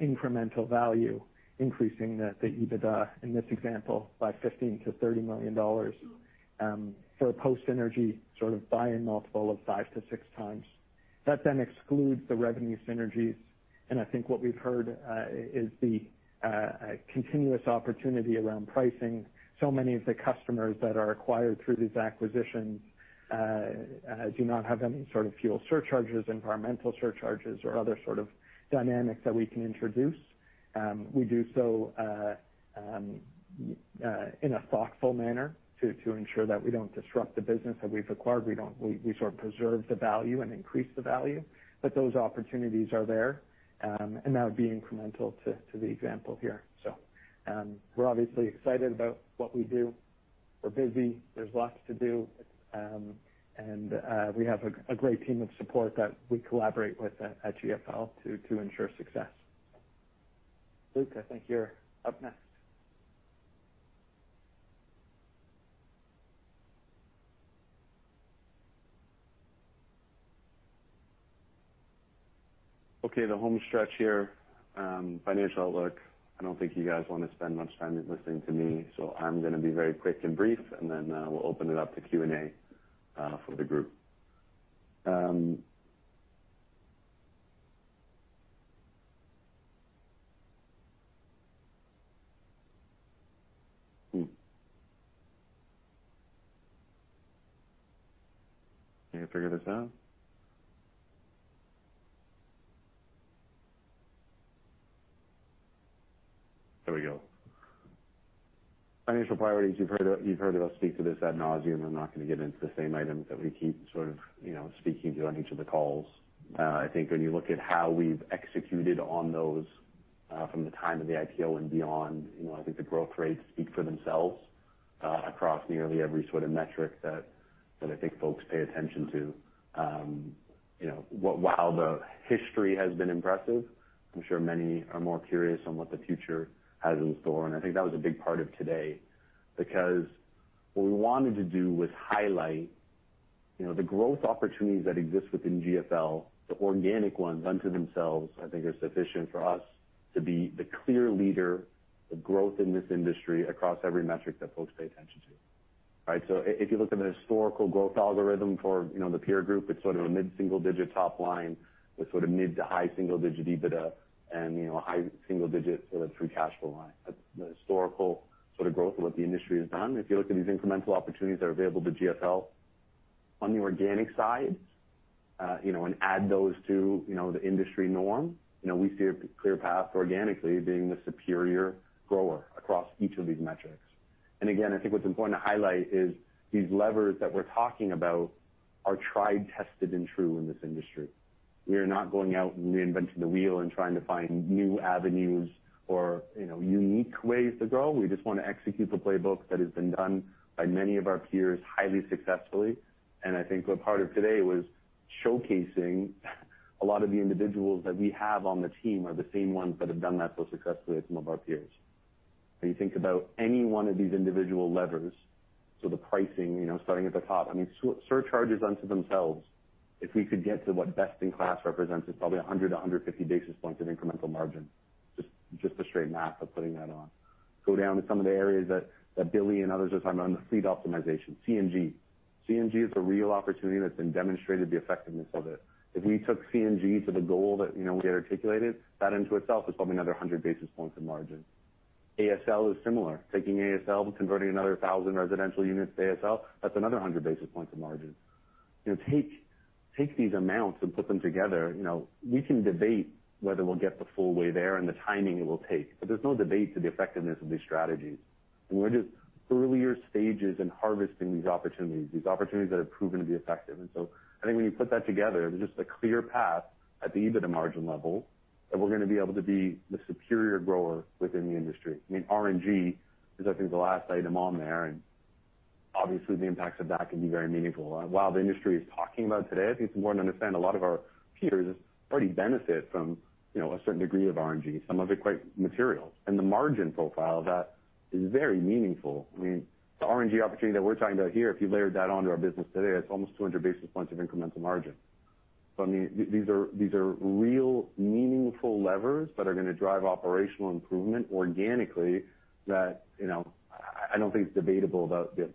incremental value, increasing the EBITDA, in this example, by $15 million to $30 million, for a post-synergy sort of buy-in multiple of 5x to 6x. That then excludes the revenue synergies, and I think what we've heard is the continuing opportunity around pricing. Many of the customers that are acquired through these acquisitions do not have any sort of fuel surcharges, environmental surcharges, or other sort of dynamics that we can introduce. We do so in a thoughtful manner to ensure that we don't disrupt the business that we've acquired. We sort of preserve the value and increase the value. Those opportunities are there, and that would be incremental to the example here. We're obviously excited about what we do. We're busy. There's lots to do. We have a great team of support that we collaborate with at GFL to ensure success. Luke, I think you're up next. Okay, the home stretch here, financial outlook. I don't think you guys wanna spend much time listening to me, so I'm gonna be very quick and brief, and then we'll open it up to Q&A for the group. Can you figure this out? There we go. Financial priorities. You've heard us speak to this ad nauseam. I'm not gonna get into the same items that we keep sort of, you know, speaking to on each of the calls. I think when you look at how we've executed on those, from the time of the IPO and beyond, you know, I think the growth rates speak for themselves, across nearly every sort of metric that I think folks pay attention to. You know, while the history has been impressive, I'm sure many are more curious on what the future has in store, and I think that was a big part of today. Because what we wanted to do was highlight, you know, the growth opportunities that exist within GFL. The organic ones unto themselves, I think are sufficient for us to be the clear leader of growth in this industry across every metric that folks pay attention to. Right? If you look at the historical growth algorithm for, you know, the peer group, it's sort of a mid-single digit top line with sort of mid to high single digit EBITDA and, you know, a high single digit sort of free cash flow line. That's the historical sort of growth of what the industry has done. If you look at these incremental opportunities that are available to GFL on the organic side, and add those to the industry norm, we see a clear path organically being the superior grower across each of these metrics. Again, I think what's important to highlight is these levers that we're talking about are tried, tested, and true in this industry. We are not going out and reinventing the wheel and trying to find new avenues or unique ways to grow. We just wanna execute the playbook that has been done by many of our peers highly successfully. I think what part of today was showcasing a lot of the individuals that we have on the team are the same ones that have done that so successfully at some of our peers. When you think about any one of these individual levers, so the pricing, you know, starting at the top, I mean, surcharges in and of themselves, if we could get to what best in class represents, it's probably 100 to 150 basis points of incremental margin. Just the straight math of putting that on. Go down to some of the areas that Billy and others are talking about on the fleet optimization. CNG. CNG is a real opportunity that's been demonstrated the effectiveness of it. If we took CNG to the goal that, you know, we had articulated, that in and of itself is probably another 100 basis points of margin. ASL is similar. Taking ASL and converting another 1,000 residential units to ASL, that's another 100 basis points of margin. You know, take these amounts and put them together. You know, we can debate whether we'll get the full way there and the timing it will take, but there's no debate to the effectiveness of these strategies. We're just earlier stages in harvesting these opportunities, these opportunities that have proven to be effective. I think when you put that together, there's just a clear path at the EBITDA margin level that we're gonna be able to be the superior grower within the industry. I mean, RNG is, I think, the last item on there, and obviously, the impacts of that can be very meaningful. While the industry is talking about it today, I think it's important to understand a lot of our peers already benefit from, you know, a certain degree of RNG, some of it quite material. The margin profile of that is very meaningful. I mean, the RNG opportunity that we're talking about here, if you layered that onto our business today, that's almost 200 basis points of incremental margin. So I mean, these are real meaningful levers that are gonna drive operational improvement organically that, you know, I don't think it's debatable about the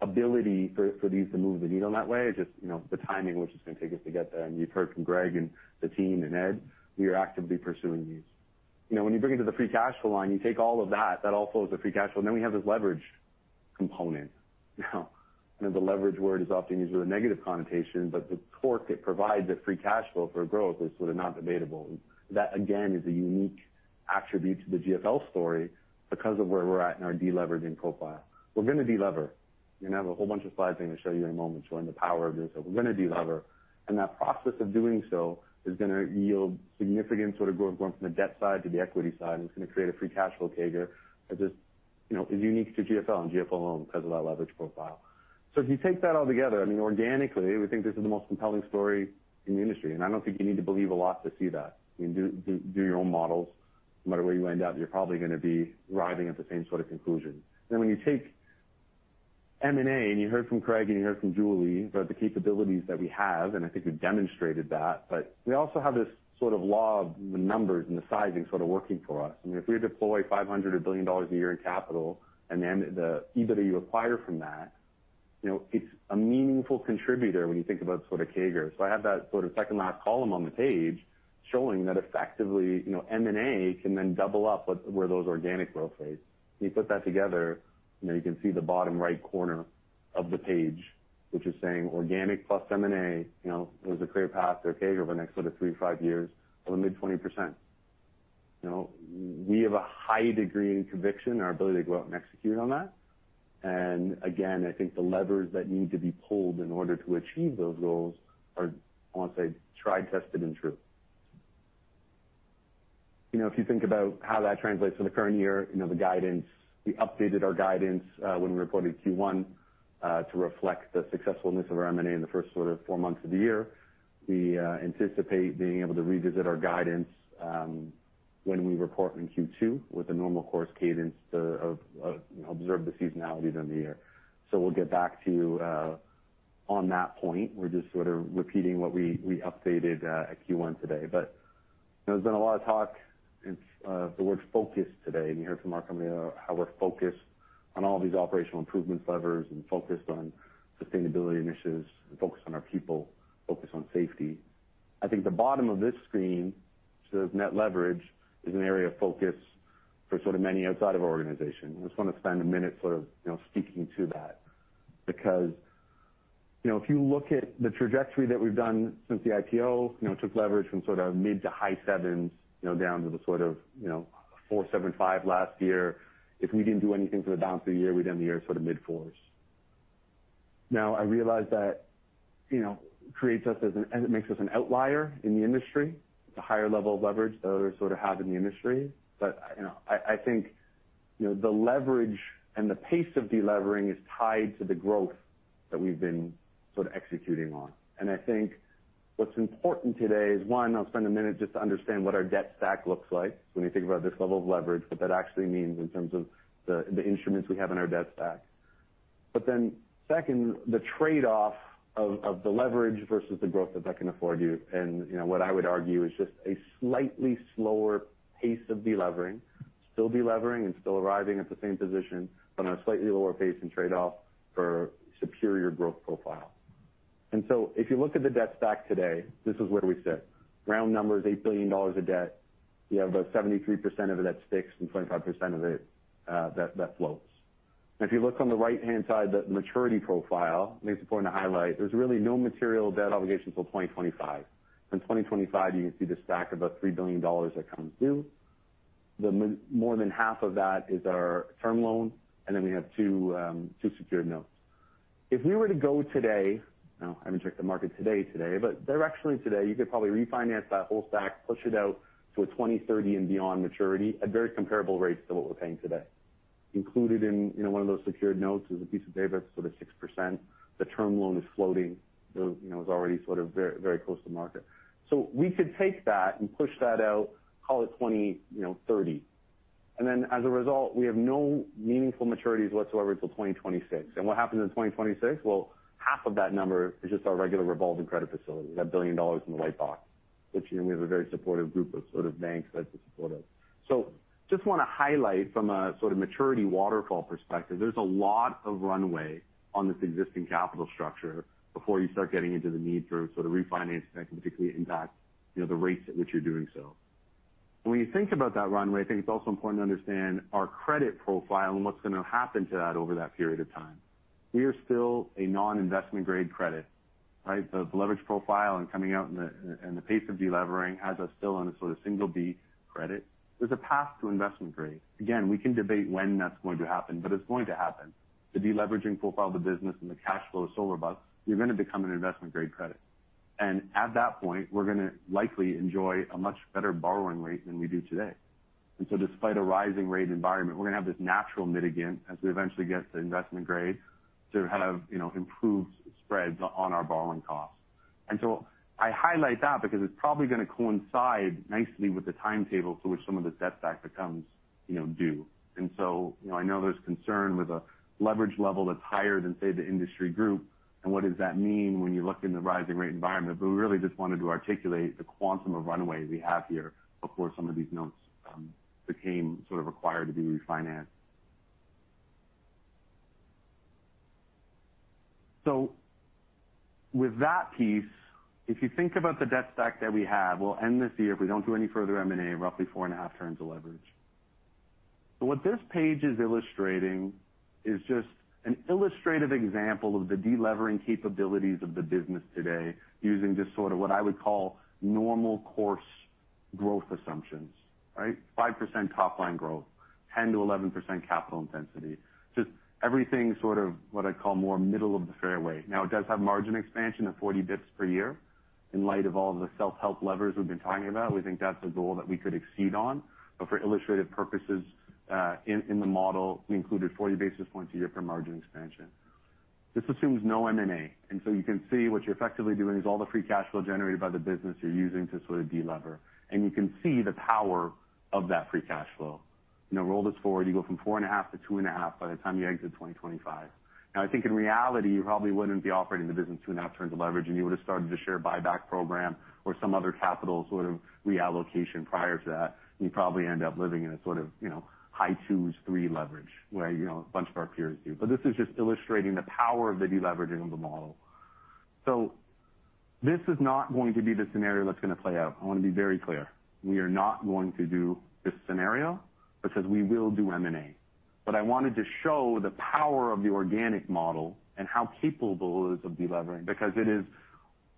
ability for these to move the needle in that way. Just, you know, the timing, which is gonna take us to get there. You've heard from Greg and the team and Ed, we are actively pursuing these. You know, when you bring it to the free cash flow line, you take all of that all flows to free cash flow, and then we have this leverage component. Now, I know the leverage word is often used with a negative connotation, but the torque it provides at free cash flow for growth is sort of not debatable. That, again, is a unique attribute to the GFL story because of where we're at in our de-leveraging profile. We're gonna delever. I'm gonna have a whole bunch of slides I'm gonna show you in a moment showing the power of this, but we're gonna de-lever. That process of doing so is gonna yield significant sort of growth going from the debt side to the equity side, and it's gonna create a free cash flow CAGR that just, you know, is unique to GFL and GFL alone because of that leverage profile. If you take that all together, I mean, organically, we think this is the most compelling story in the industry, and I don't think you need to believe a lot to see that. I mean, do your own models. No matter where you end up, you're probably gonna be arriving at the same sort of conclusion. When you take M&A, and you heard from Craig and you heard from Julie about the capabilities that we have, and I think we've demonstrated that, but we also have this sort of law of the numbers and the sizing sort of working for us. I mean, if we deploy $500 million to $1 billion a year in capital and then the EBITDA you acquire from that, you know, it's a meaningful contributor when you think about sort of CAGR. I have that sort of second to last column on the page showing that effectively, you know, M&A can then double up where those organic growth rates. When you put that together, you know, you can see the bottom right corner of the page, which is saying organic plus M&A, you know, there's a clear path there, okay, over the next sort of three to five years of the mid-20%. You know, we have a high degree of conviction in our ability to go out and execute on that. Again, I think the levers that need to be pulled in order to achieve those goals are, I want to say, tried, tested, and true. You know, if you think about how that translates to the current year, you know, the guidance. We updated our guidance when we reported Q1 to reflect the successfulness of our M&A in the first sort of four months of the year. We anticipate being able to revisit our guidance when we report in Q2 with a normal course cadence to observe the seasonalities in the year. We'll get back to you on that point. We're just sort of repeating what we updated at Q1 today. You know, there's been a lot of talk in the word focus today. You heard from Mark coming in about how we're focused on all these operational improvements levers and focused on sustainability initiatives and focused on our people, focused on safety. I think the bottom of this screen shows net leverage is an area of focus for sort of many outside of our organization. I just want to spend a minute sort of, you know, speaking to that. Because, you know, if you look at the trajectory that we've done since the IPO, you know, took leverage from sort of mid to high seven, you know, down to the sort of, you know, 4.75 last year. If we didn't do anything for the balance of the year, we'd end the year sort of mid 4s. Now, I realize that, you know, it makes us an outlier in the industry. It's a higher level of leverage than others sort of have in the industry. You know, I think the leverage and the pace of delevering is tied to the growth that we've been sort of executing on. I think what's important today is, one, I'll spend a minute just to understand what our debt stack looks like when you think about this level of leverage, what that actually means in terms of the instruments we have in our debt stack. Then second, the trade-off of the leverage versus the growth that that can afford you. You know, what I would argue is just a slightly slower pace of delevering. Still delevering and still arriving at the same position, but on a slightly lower pace and trade-off for superior growth profile. So if you look at the debt stack today, this is where we sit. Round number is $8 billion of debt. You have about 73% of it that's fixed and 25% of it that floats. If you look on the right-hand side, the maturity profile, I think it's important to highlight, there's really no material debt obligation till 2025. In 2025, you can see the stack of about $3 billion that comes due. More than half of that is our term loan, and then we have two secured notes. If we were to go today, now I haven't checked the market today, but directionally today, you could probably refinance that whole stack, push it out to a 2030 and beyond maturity at very comparable rates to what we're paying today. Included in you know one of those secured notes is a piece of debt that's sort of 6%. The term loan is floating. It, you know, is already sort of very close to market. We could take that and push that out, call it 20, you know, 30. As a result, we have no meaningful maturities whatsoever till 2026. What happens in 2026? Well, half of that number is just our regular revolving credit facility. We've got $1 billion in the white box, which, you know, we have a very supportive group of sort of banks that's supportive. Just want to highlight from a sort of maturity waterfall perspective, there's a lot of runway on this existing capital structure before you start getting into the need for sort of refinancing that can particularly impact, you know, the rates at which you're doing so. When you think about that runway, I think it's also important to understand our credit profile and what's gonna happen to that over that period of time. We are still a non-investment grade credit, right? The leverage profile and coming out and the pace of delevering has us still on a sort of single B credit. There's a path to investment grade. Again, we can debate when that's going to happen, but it's going to happen. The deleveraging profile of the business and the cash flow is still above. We're gonna become an investment grade credit. At that point, we're gonna likely enjoy a much better borrowing rate than we do today. Despite a rising rate environment, we're gonna have this natural mitigant as we eventually get to investment grade to have, you know, improved spreads on our borrowing costs. I highlight that because it's probably gonna coincide nicely with the timetable to which some of the debt stack becomes, you know, due. You know, I know there's concern with a leverage level that's higher than, say, the industry group, and what does that mean when you look in the rising rate environment. We really just wanted to articulate the quantum of runway we have here before some of these notes became sort of required to be refinanced. With that piece, if you think about the debt stack that we have, we'll end this year, if we don't do any further M&A, roughly 4.5 turns of leverage. What this page is illustrating is just an illustrative example of the delevering capabilities of the business today using just sort of what I would call normal course growth assumptions, right? 5% top-line growth, 10% to 11% capital intensity. Just everything sort of what I'd call more middle of the fairway. Now, it does have margin expansion of 40 basis points per year. In light of all the self-help levers we've been talking about, we think that's a goal that we could exceed on. For illustrative purposes, in the model, we included 40 basis points a year for margin expansion. This assumes no M&A, and so you can see what you're effectively doing is all the free cash flow generated by the business you're using to sort of delever, and you can see the power of that free cash flow. You know, roll this forward, you go from 4.5 to 2.5 by the time you exit 2025. Now, I think in reality, you probably wouldn't be operating the business two and a half turns of leverage, and you would've started a share buyback program or some other capital sort of reallocation prior to that. You probably end up living in a sort of, you know, high twos, three leverage, where, you know, a bunch of our peers do. This is just illustrating the power of the deleveraging of the model. This is not going to be the scenario that's gonna play out. I wanna be very clear. We are not going to do this scenario because we will do M&A. I wanted to show the power of the organic model and how capable it is of deleveraging, because it is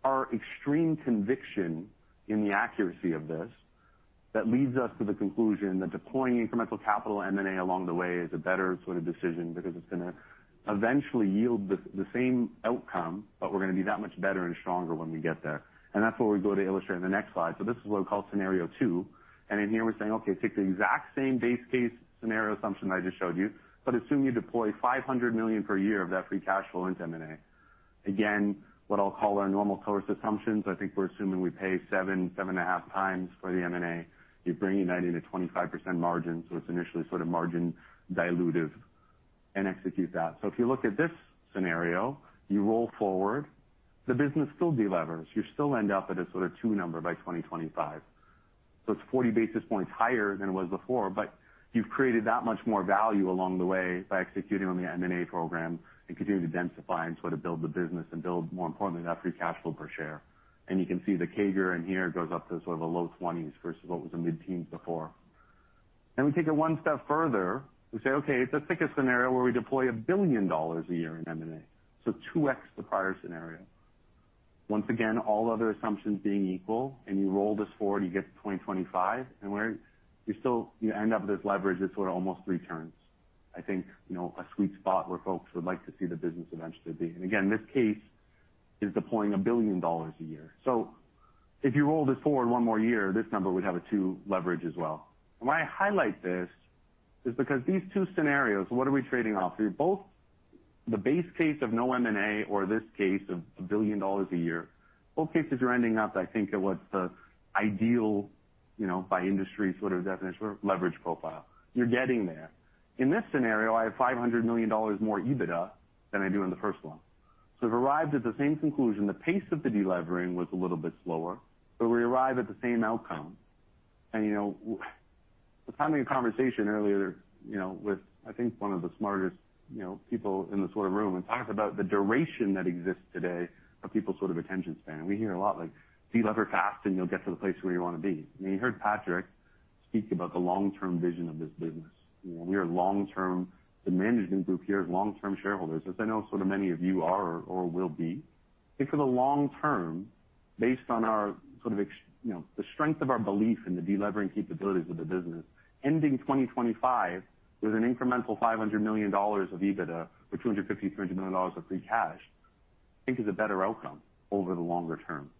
our extreme conviction in the accuracy of this that leads us to the conclusion that deploying incremental capital M&A along the way is a better sort of decision because it's gonna eventually yield the same outcome, but we're gonna be that much better and stronger when we get there. That's what we go to illustrate in the next slide. This is what I call scenario two. In here we're saying, okay, take the exact same base case scenario assumption that I just showed you, but assume you deploy $500 million per year of that free cash flow into M&A. Again, what I'll call our normal course assumptions. I think we're assuming we pay 7.5x for the M&A. You bring in 90% to 25% margins, so it's initially sort of margin dilutive and execute that. If you look at this scenario, you roll forward, the business still delevers. You still end up at a sort of two number by 2025. It's 40 basis points higher than it was before, but you've created that much more value along the way by executing on the M&A program and continue to densify and sort of build the business and build, more importantly, that free cash flow per share. You can see the CAGR in here goes up to sort of a low 20s versus what was a mid-teens before. We take it one step further. We say, okay, let's take a scenario where we deploy $1 billion a year in M&A, so 2x the prior scenario. Once again, all other assumptions being equal, and you roll this forward, you get to 2025, and you end up with this leverage that's sort of almost 3x. I think, you know, a sweet spot where folks would like to see the business eventually be. Again, this case is deploying $1 billion a year. If you roll this forward one more year, this number would have 2x leverage as well. Why I highlight this is because these two scenarios, what are we trading off? They're both the base case of no M&A or this case of $1 billion a year. Both cases are ending up, I think, at what's the ideal, you know, by industry sort of definition, leverage profile. You're getting there. In this scenario, I have $500 million more EBITDA than I do in the first one. We've arrived at the same conclusion. The pace of the delevering was a little bit slower, but we arrive at the same outcome. You know, I was having a conversation earlier, you know, with I think one of the smartest, you know, people in this sort of room and talked about the duration that exists today of people's sort of attention span. We hear a lot like, "Delever fast, and you'll get to the place where you wanna be." I mean, you heard Patrick speak about the long-term vision of this business. You know, we are long-term. The management group here is long-term shareholders, as I know sort of many of you are or will be. I think for the long term, based on our, you know, the strength of our belief in the delevering capabilities of the business, ending 2025 with an incremental $500 million of EBITDA or $250 to $300 million of free cash, I think is a better outcome over the longer term.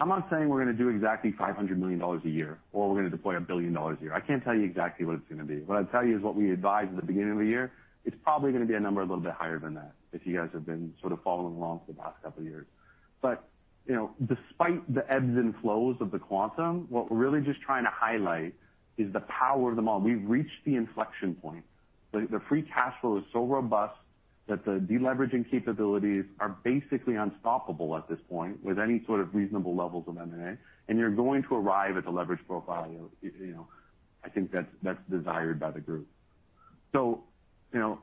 I'm not saying we're gonna do exactly $500 million a year or we're gonna deploy a $1 billion a year. I can't tell you exactly what it's gonna be. What I'll tell you is what we advised at the beginning of the year. It's probably gonna be a number a little bit higher than that, if you guys have been sort of following along for the past couple of years. You know, despite the ebbs and flows of the economy, what we're really just trying to highlight is the power of the model. We've reached the inflection point. The free cash flow is so robust that the deleveraging capabilities are basically unstoppable at this point with any sort of reasonable levels of M&A, and you're going to arrive at the leverage profile, you know, I think that's desired by the group. You know,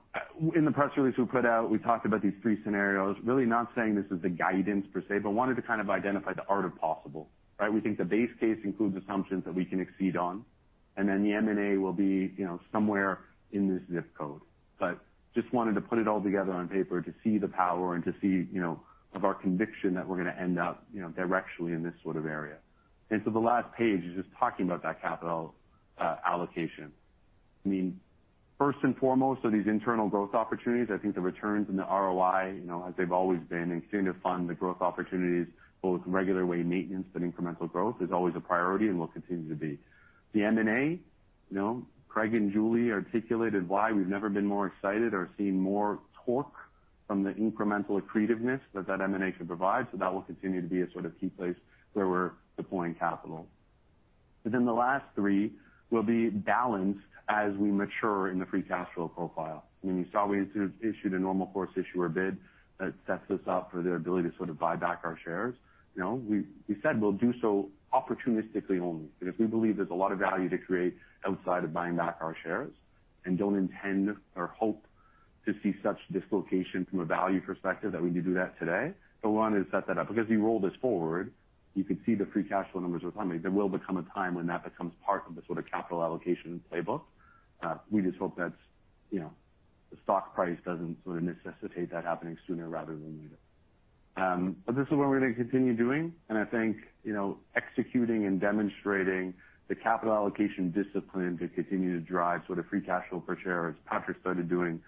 in the press release we put out, we talked about these three scenarios, really not saying this is the guidance per se, but wanted to kind of identify the art of the possible, right? We think the base case includes assumptions that we can exceed on, and then the M&A will be, you know, somewhere in this zip code. Just wanted to put it all together on paper to see the power and to see, you know, of our conviction that we're gonna end up, you know, directionally in this sort of area. The last page is just talking about that capital allocation. I mean, first and foremost are these internal growth opportunities. I think the returns and the ROI, you know, as they've always been and continue to fund the growth opportunities, both regular way maintenance but incremental growth, is always a priority and will continue to be. The M&A, you know, Craig and Julie articulated why we've never been more excited or seen more torque from the incremental accretiveness that that M&A can provide, so that will continue to be a sort of key place where we're deploying capital. The last three will be balanced as we mature in the free cash flow profile. I mean, you saw we issued a normal course issuer bid that sets us up for the ability to sort of buy back our shares. You know, we said we'll do so opportunistically only. If we believe there's a lot of value to create outside of buying back our shares and don't intend or hope to see such dislocation from a value perspective that we need to do that today, so we wanna set that up. Because as we roll this forward, you can see the free cash flow numbers are climbing. There will become a time when that becomes part of the sort of capital allocation playbook. We just hope that's, you know, the stock price doesn't sort of necessitate that happening sooner rather than later. This is what we're gonna continue doing, and I think, you know, executing and demonstrating the capital allocation discipline to continue to drive sort of free cash flow per share, as Patrick started doing,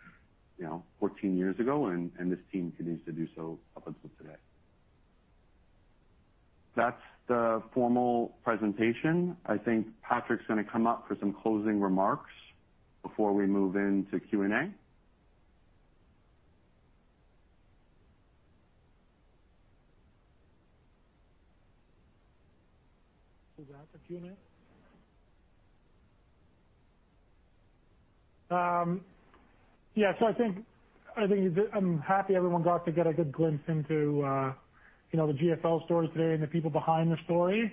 you know, 14 years ago, and this team continues to do so up until today. That's the formal presentation. I think Patrick's gonna come up for some closing remarks before we move into Q&A. Is that the Q&A? I think it's been. I'm happy everyone got to get a good glimpse into, you know, the GFL story today and the people behind the story.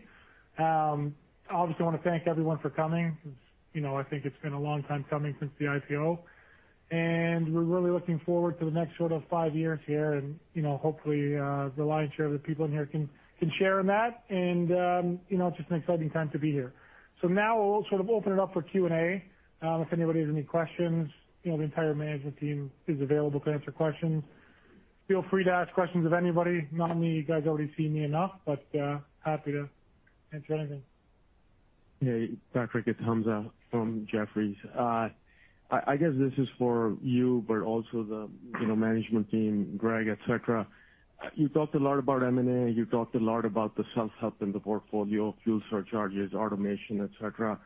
Obviously, I wanna thank everyone for coming. You know, I think it's been a long time coming since the IPO. We're really looking forward to the next sort of five years here. You know, hopefully, the lion's share of the people in here can share in that. You know, it's just an exciting time to be here. Now we'll sort of open it up for Q&A. If anybody has any questions, you know, the entire management team is available to answer questions. Feel free to ask questions of anybody. Not only you guys already see me enough, but happy to answer anything. Hey, Patrick, it's Hamza from Jefferies. I guess this is for you, but also the, you know, management team, Greg, et cetera. You talked a lot about M&A. You talked a lot about the self-help in the portfolio, fuel surcharges, automation, et cetera.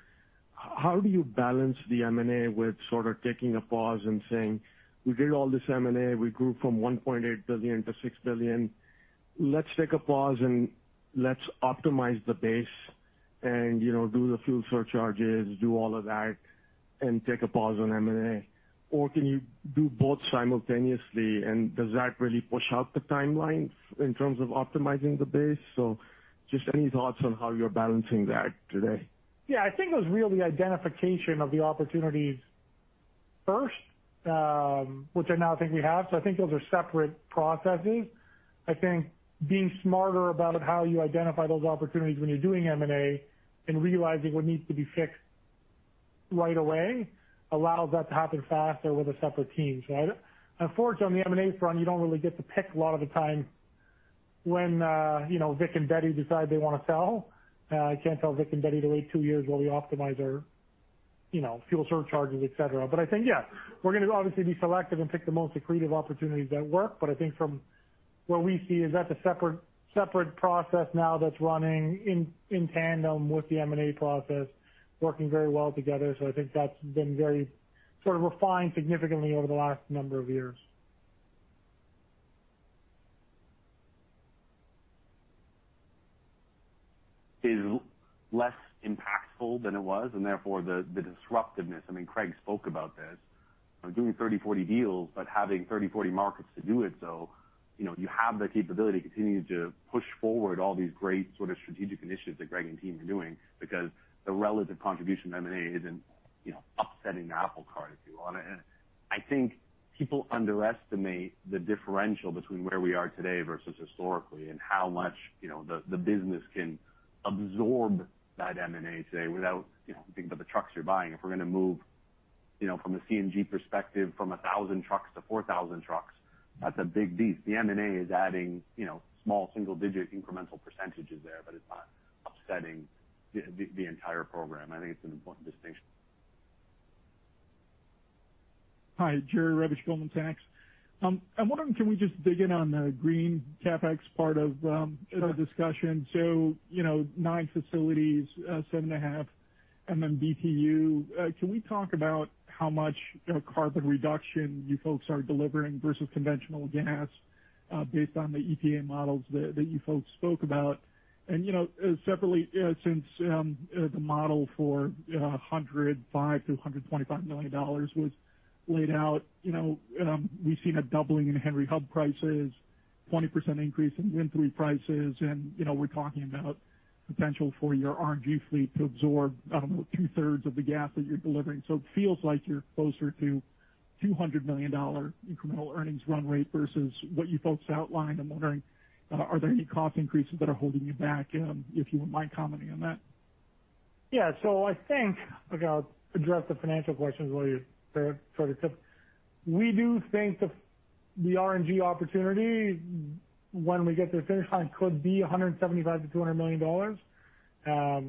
How do you balance the M&A with sort of taking a pause and saying, "We did all this M&A, we grew from $1.8 billion to $6 billion. Let's take a pause, and let's optimize the base and, you know, do the fuel surcharges, do all of that, and take a pause on M&A." Or can you do both simultaneously? And does that really push out the timelines in terms of optimizing the base? Just any thoughts on how you're balancing that today? Yeah, I think it was really identification of the opportunities first, which I now think we have. I think those are separate processes. I think being smarter about how you identify those opportunities when you're doing M&A and realizing what needs to be fixed right away allows that to happen faster with a separate team. Unfortunately, on the M&A front, you don't really get to pick a lot of the time when, you know, Vic and Betty decide they wanna sell. I can't tell Vic and Betty to wait two years while we optimize our, you know, fuel surcharges, et cetera. I think, yeah, we're gonna obviously be selective and pick the most accretive opportunities that work. I think from what we see is that's a separate process now that's running in tandem with the M&A process, working very well together. I think that's been very sort of refined significantly over the last number of years. It's less impactful than it was, and therefore the disruptiveness. I mean, Craig spoke about this. Doing 30, 40 deals, but having 30, 40 markets to do it though, you know, you have the capability to continue to push forward all these great sort of strategic initiatives that Greg and team are doing because the relative contribution of M&A isn't, you know, upsetting the apple cart, if you want. I think people underestimate the differential between where we are today versus historically and how much, you know, the business can absorb that M&A today without, you know, thinking about the trucks you're buying. If we're gonna move, you know, from a CNG perspective, from 1,000 trucks to 4,000 trucks, that's a big beast. The M&A is adding, you know, small single-digit incremental percentages there, but it's not upsetting the entire program. I think it's an important distinction. Hi, Jerry Revich, Goldman Sachs. I'm wondering, can we just dig in on the green CapEx part of the discussion? You know, nine facilities, seven and a half, and then BTU. Can we talk about how much, you know, carbon reduction you folks are delivering versus conventional gas, based on the EPA models that you folks spoke about? You know, separately, since the model for $105 million to $125 million was laid out. You know, we've seen a doubling in Henry Hub prices, 20% increase in WINT prices, and, you know, we're talking about potential for your RNG fleet to absorb, I don't know, 2/3 Of the gas that you're delivering. It feels like you're closer to $200 million incremental earnings run rate versus what you folks outlined. I'm wondering, are there any cost increases that are holding you back? If you wouldn't mind commenting on that. I think I'll address the financial questions while you're sorting through. We do think the RNG opportunity, when we get to the finish line, could be $175 million to $200 million.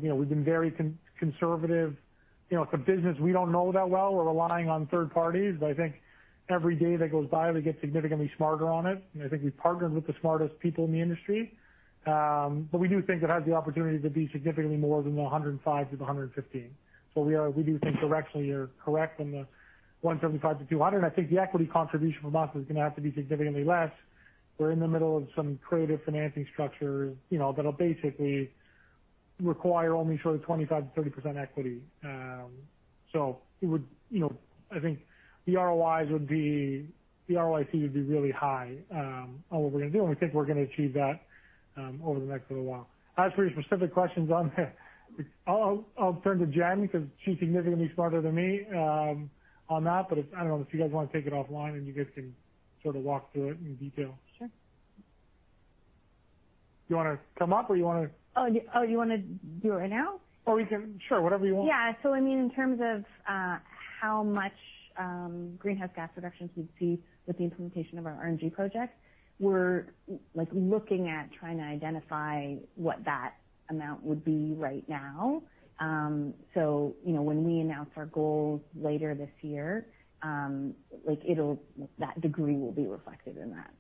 You know, we've been very conservative. You know, it's a business we don't know that well. We're relying on third parties, but I think every day that goes by, we get significantly smarter on it. I think we've partnered with the smartest people in the industry. But we do think it has the opportunity to be significantly more than the $105 million to $115 million. We do think directionally you're correct in the $175 million to $200 million. I think the equity contribution from us is gonna have to be significantly less. We're in the middle of some creative financing structures, you know, that'll basically require only sort of 25% to 30% equity. I think the ROIC would be really high on what we're gonna do, and I think we're gonna achieve that over the next little while. As for your specific questions on that, I'll turn to Jen because she's significantly smarter than me on that. I don't know if you guys wanna take it offline, and you guys can sort of walk through it in detail. Sure. Do you wanna come up, or you wanna Oh, you wanna do it right now? Sure. Whatever you want. I mean, in terms of how much greenhouse gas reductions we'd see with the implementation of our RNG projects, we're like looking at trying to identify what that amount would be right now. You know, when we announce our goals later this year, like that degree will be reflected in that,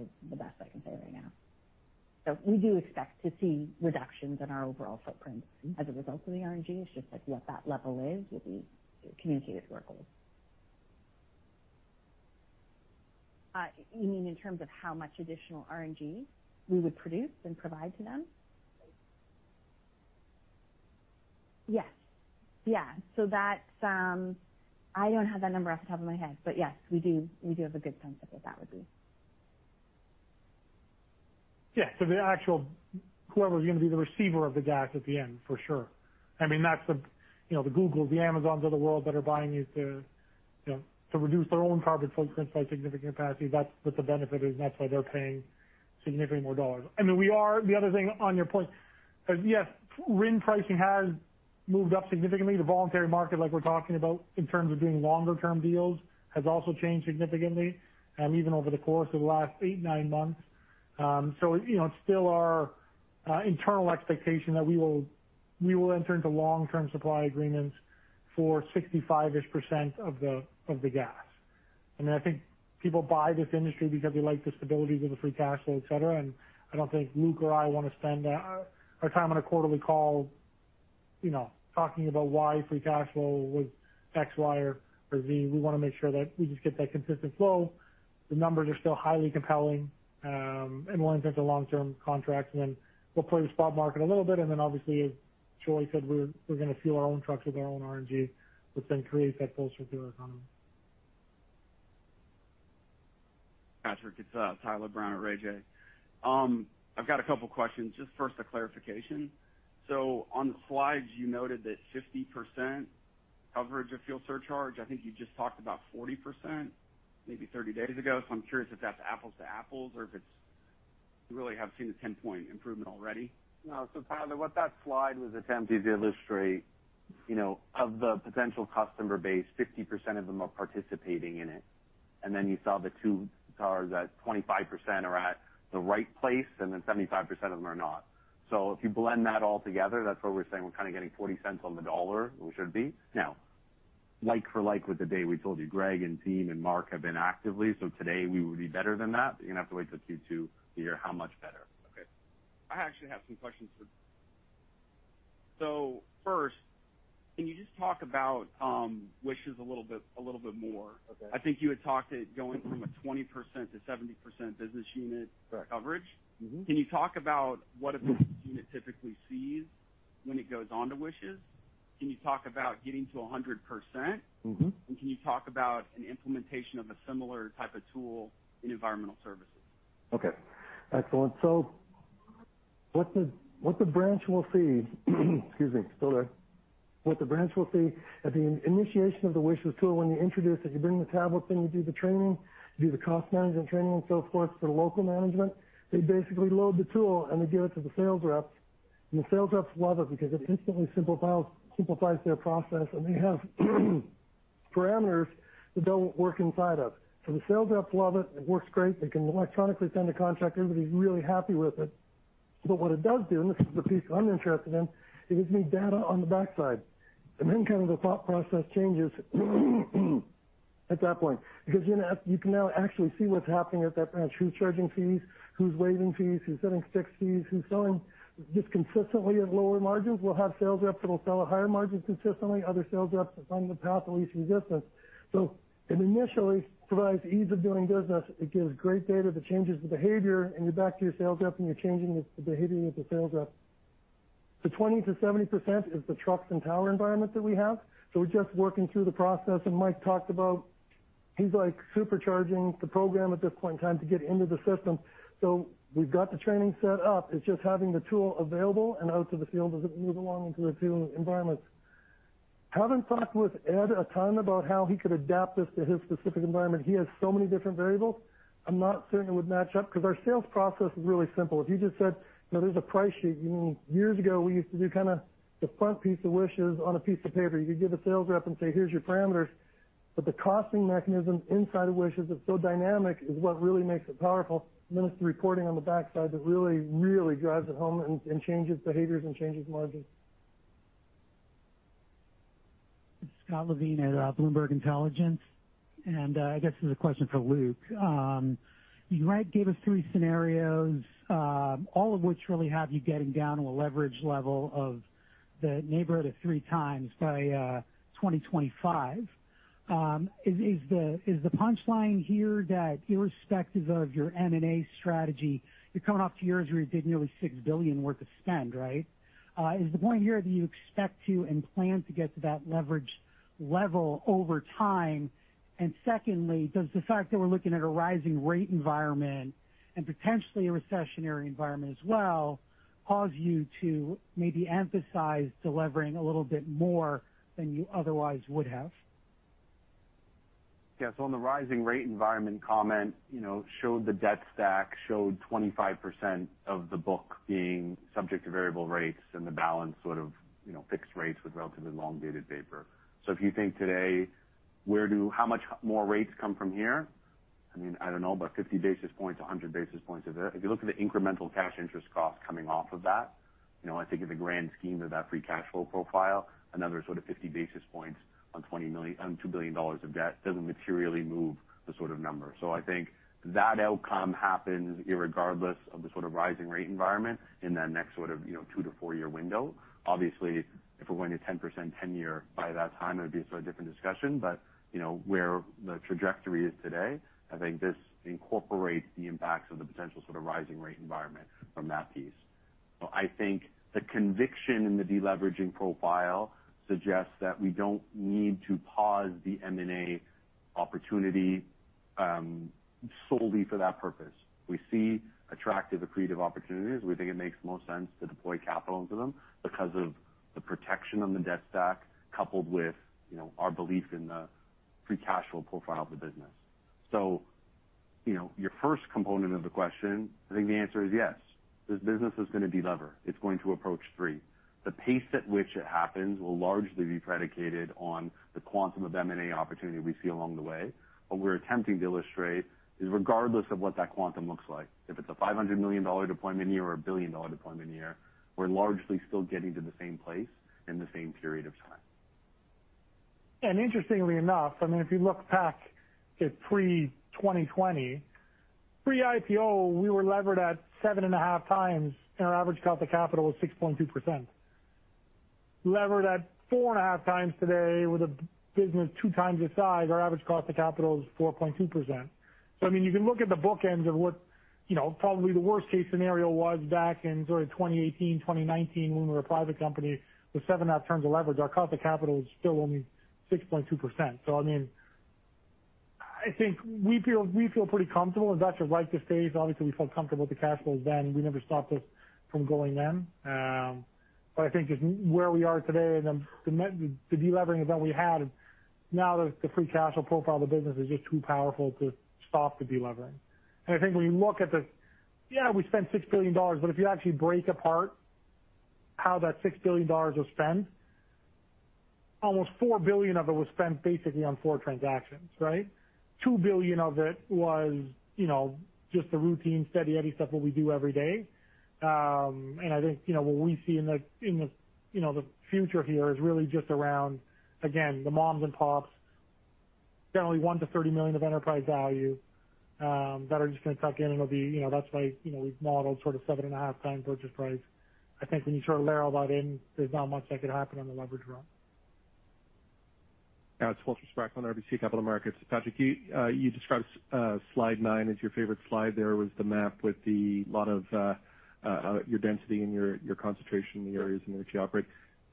is the best I can say right now. We do expect to see reductions in our overall footprint as a result of the RNG. It's just like what that level is will be communicated to our goals. You mean in terms of how much additional RNG we would produce and provide to them? Yes. That's, I don't have that number off the top of my head, but yes, we do have a good sense of what that would be. Whoever's gonna be the receiver of the gas at the end for sure. I mean, that's the, you know, the Google, the Amazons of the world that are buying these to, you know, to reduce their own carbon footprints by significant capacity. That's what the benefit is, and that's why they're paying significantly more dollars. I mean, the other thing on your point, yes, RIN pricing has moved up significantly. The voluntary market, like we're talking about in terms of doing long-term deals, has also changed significantly, even over the course of the last eight, nine months. You know, it's still our internal expectation that we will enter into long-term supply agreements for 65%-ish of the gas. I mean, I think people buy this industry because they like the stability of the free cash flow, et cetera. I don't think Luke or I wanna spend our time on a quarterly call, you know, talking about why free cash flow was X, Y, or Z. We wanna make sure that we just get that consistent flow. The numbers are still highly compelling, and we'll enter into long-term contracts, and then we'll play the spot market a little bit. Then obviously, as Joy said, we're gonna fuel our own trucks with our own RNG, which then creates that full circular economy. Patrick, it's Tyler Brown at Raymond James. I've got a couple questions. Just first a clarification. So on the slides, you noted that 50% coverage of fuel surcharge. I think you just talked about 40% maybe 30 days ago. So I'm curious if that's apples to apples or if it's you really have seen a 10-point improvement already. No, Tyler, what that slide was attempting to illustrate, you know, of the potential customer base, 50% of them are participating in it. You saw the two bars at 25% are at the right place, and 75% of them are not. If you blend that all together, that's why we're saying we're kind of getting 40 cents on the dollar, we should be. Now, like for like, with the day we told you, Greg and team and Mark have been actively, so today we would be better than that, but you're gonna have to wait till Q2 to hear how much better. Okay. I actually have some questions. First, can you just talk about WISHES a little bit more? Okay. I think you had talked it going from a 20% to 70% business unit coverage. Can you talk about what a business unit typically sees when it goes onto WISHES? Can you talk about getting to 100%? Can you talk about an implementation of a similar type of tool in environmental services? Okay. Excellent. What the branch will see at the initiation of the WISHES tool when you introduce it, you bring the tablet in, you do the training, you do the cost management training and so forth for the local management. They basically load the tool, and they give it to the sales reps. The sales reps love it because it instantly simplifies their process, and they have parameters that they'll work inside of. The sales reps love it. It works great. They can electronically send a contract. Everybody's really happy with it. What it does do, and this is the piece I'm interested in, it gives me data on the back end. Then kind of the thought process changes at that point because then you can now actually see what's happening at that branch, who's charging fees, who's waiving fees, who's giving stick fees, who's selling just consistently at lower margins. We'll have sales reps that'll sell at higher margins consistently, other sales reps that find the path of least resistance. It initially provides ease of doing business. It gives great data that changes the behavior, and you're back to your sales rep, and you're changing the behavior of the sales rep. The 20% to 70% is the trucks and tower environment that we have. We're just working through the process, and Mike talked about he's, like, supercharging the program at this point in time to get into the system. We've got the training set up. It's just having the tool available and out to the field as it move along into the field environments. Having talked with Ed a ton about how he could adapt this to his specific environment, he has so many different variables, I'm not certain it would match up because our sales process is really simple. If you just said, "Now, there's a price sheet," you know, years ago, we used to do kinda the front piece of Wishes on a piece of paper. You could give a sales rep and say, "Here's your parameters." The costing mechanism inside of Wishes that's so dynamic is what really makes it powerful. Then it's the reporting on the backside that really, really drives it home and changes behaviors and changes margins. It's Scott Levine at Bloomberg Intelligence. I guess this is a question for Luke. You just gave us three scenarios, all of which really have you getting down to a leverage level in the neighborhood of 3x by 2025. Is the punchline here that irrespective of your M&A strategy, you're coming off two years where you did nearly $6 billion worth of spend, right? Is the point here that you expect to and plan to get to that leverage level over time? Secondly, does the fact that we're looking at a rising rate environment and potentially a recessionary environment as well cause you to maybe emphasize delivering a little bit more than you otherwise would have? Yeah. On the rising rate environment comment, you know, showed the debt stack, showed 25% of the book being subject to variable rates and the balance sort of, you know, fixed rates with relatively long-dated paper. If you think today, where do how much more rates come from here? I mean, I don't know, about 50 basis points, 100 basis points are there. If you look at the incremental cash interest cost coming off of that, you know, I think in the grand scheme of that free cash flow profile, another sort of 50 basis points on $2 billion of debt doesn't materially move the sort of number. I think that outcome happens irregardless of the sort of rising rate environment in that next sort of, you know, 2 to 4-year window. Obviously, if we're going to 10% tenure by that time, it would be a sort of different discussion. You know, where the trajectory is today, I think this incorporates the impacts of the potential sort of rising rate environment from that piece. I think the conviction in the deleveraging profile suggests that we don't need to pause the M&A opportunity solely for that purpose. We see attractive, accretive opportunities. We think it makes the most sense to deploy capital into them because of the protection on the debt stack, coupled with, you know, our belief in the free cash flow profile of the business. You know, your first component of the question, I think the answer is yes. This business is gonna delever. It's going to approach three. The pace at which it happens will largely be predicated on the quantum of M&A opportunity we see along the way. What we're attempting to illustrate is regardless of what that quantum looks like, if it's a $500 million deployment year or a $1 billion deployment year, we're largely still getting to the same place in the same period of time. Interestingly enough, I mean, if you look back to pre-2020, pre-IPO, we were levered at 7.5x, and our average cost of capital was 6.2%. Levered at 4.5x today with a business two times its size, our average cost of capital is 4.2%. I mean, you can look at the bookends of what, you know, probably the worst-case scenario was back in sort of 2018, 2019, when we were a private company with 7.5 turns of leverage. Our cost of capital was still only 6.2%. I mean, I think we feel pretty comfortable. Investors like the space. Obviously, we felt comfortable with the cash flows then. We never stopped this from going then. I think just where we are today and the delevering event we had, now the free cash flow profile of the business is just too powerful to stop the delevering. I think when you look at the, we spent $6 billion, but if you actually break apart how that $6 billion was spent, almost $4 billion of it was spent basically on four transactions, right? $2 billion of it was, you know, just the routine steady Eddie stuff that we do every day. I think, you know, what we see in the, you know, the future here is really just around, again, the moms and pops, generally $1 million to $30 million of enterprise value, that are just gonna tuck in, and it'll be, you know. That's why, you know, we've modeled sort of 7.5x purchase price. I think when you sort of layer all that in, there's not much that could happen on the leverage run. Yeah. It's Walter Spracklin, RBC Capital Markets. Patrick, you described slide nine as your favorite slide. There was the map with a lot of your density and your concentration in the areas in which you operate.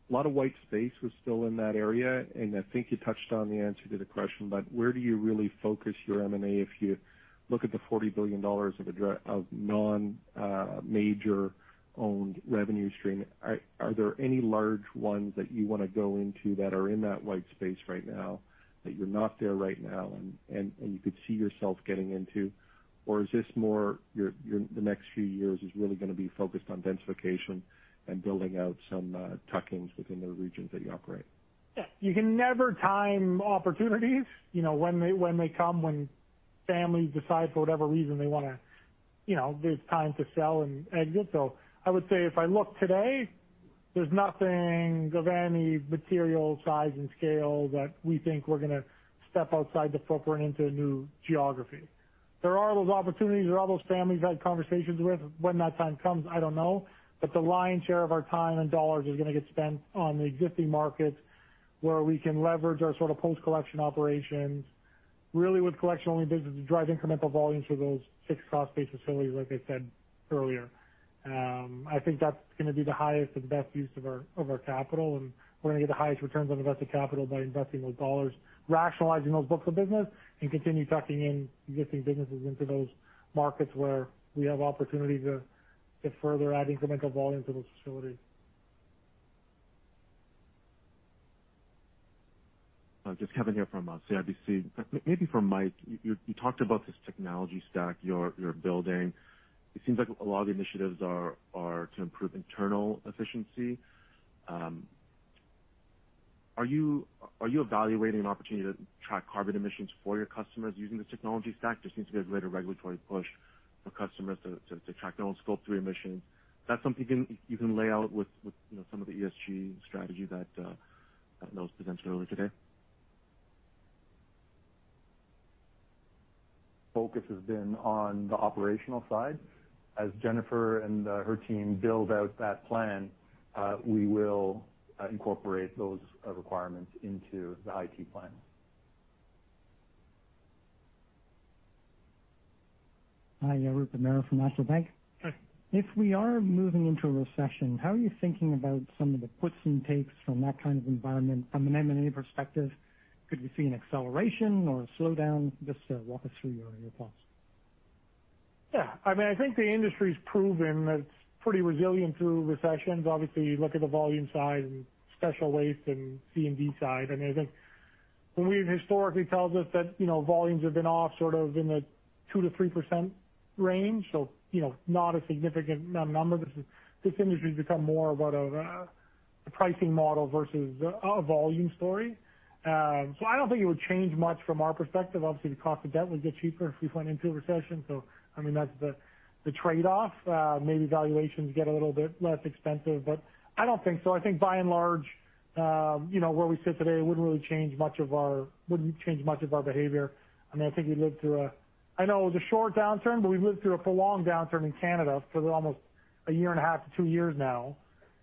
A lot of white space was still in that area, and I think you touched on the answer to the question, but where do you really focus your M&A if you look at the $40 billion addressable non-GFL owned revenue stream? Are there any large ones that you wanna go into that are in that white space right now, that you're not there right now and you could see yourself getting into? Is this more your the next few years is really gonna be focused on densification and building out some tuck-ins within the regions that you operate? Yeah. You can never time opportunities, you know, when they, when they come, when families decide for whatever reason they wanna, you know, it's time to sell and exit. I would say if I look today, there's nothing of any material size and scale that we think we're gonna step outside the footprint into a new geography. There are those opportunities. There are those families we've had conversations with. When that time comes, I don't know. The lion's share of our time and dollars is gonna get spent on the existing markets where we can leverage our sort of post-collection operations really with collection-only business to drive incremental volume through those six cross bay facilities like I said earlier. I think that's gonna be the highest and best use of our capital, and we're gonna get the highest returns on invested capital by investing those dollars, rationalizing those books of business, and continue tucking in existing businesses into those markets where we have opportunity to further add incremental volume to those facilities. Just Kevin here from CIBC. Maybe for Mike, you talked about this technology stack you're building. It seems like a lot of the initiatives are to improve internal efficiency. Are you evaluating an opportunity to track carbon emissions for your customers using this technology stack? There seems to be a greater regulatory push for customers to track their own Scope 3 emissions. Is that something you can lay out with you know some of the ESG strategy that Matt presented earlier today? Focus has been on the operational side. As Jennifer and her team build out that plan, we will incorporate those requirements into the IT plan. Hi. Rupinder from National Bank. Hi. If we are moving into a recession, how are you thinking about some of the puts and takes from that kind of environment from an M&A perspective? Could we see an acceleration or a slowdown? Just, walk us through your thoughts. Yeah. I mean, I think the industry's proven that it's pretty resilient through recessions. Obviously, you look at the volume side and special waste and C&D side, and I think what we've historically tells us that, you know, volumes have been off sort of in the 2% to 3% range, so, you know, not a significant number. This industry's become more about a pricing model versus a volume story. So I don't think it would change much from our perspective. Obviously, the cost of debt would get cheaper if we went into a recession, so I mean, that's the trade-off. Maybe valuations get a little bit less expensive, but I don't think so. I think by and large, you know, where we sit today wouldn't really change much of our behavior. I mean, I think we lived through. I know it was a short downturn, but we've lived through a prolonged downturn in Canada for almost a year and a half to two years now,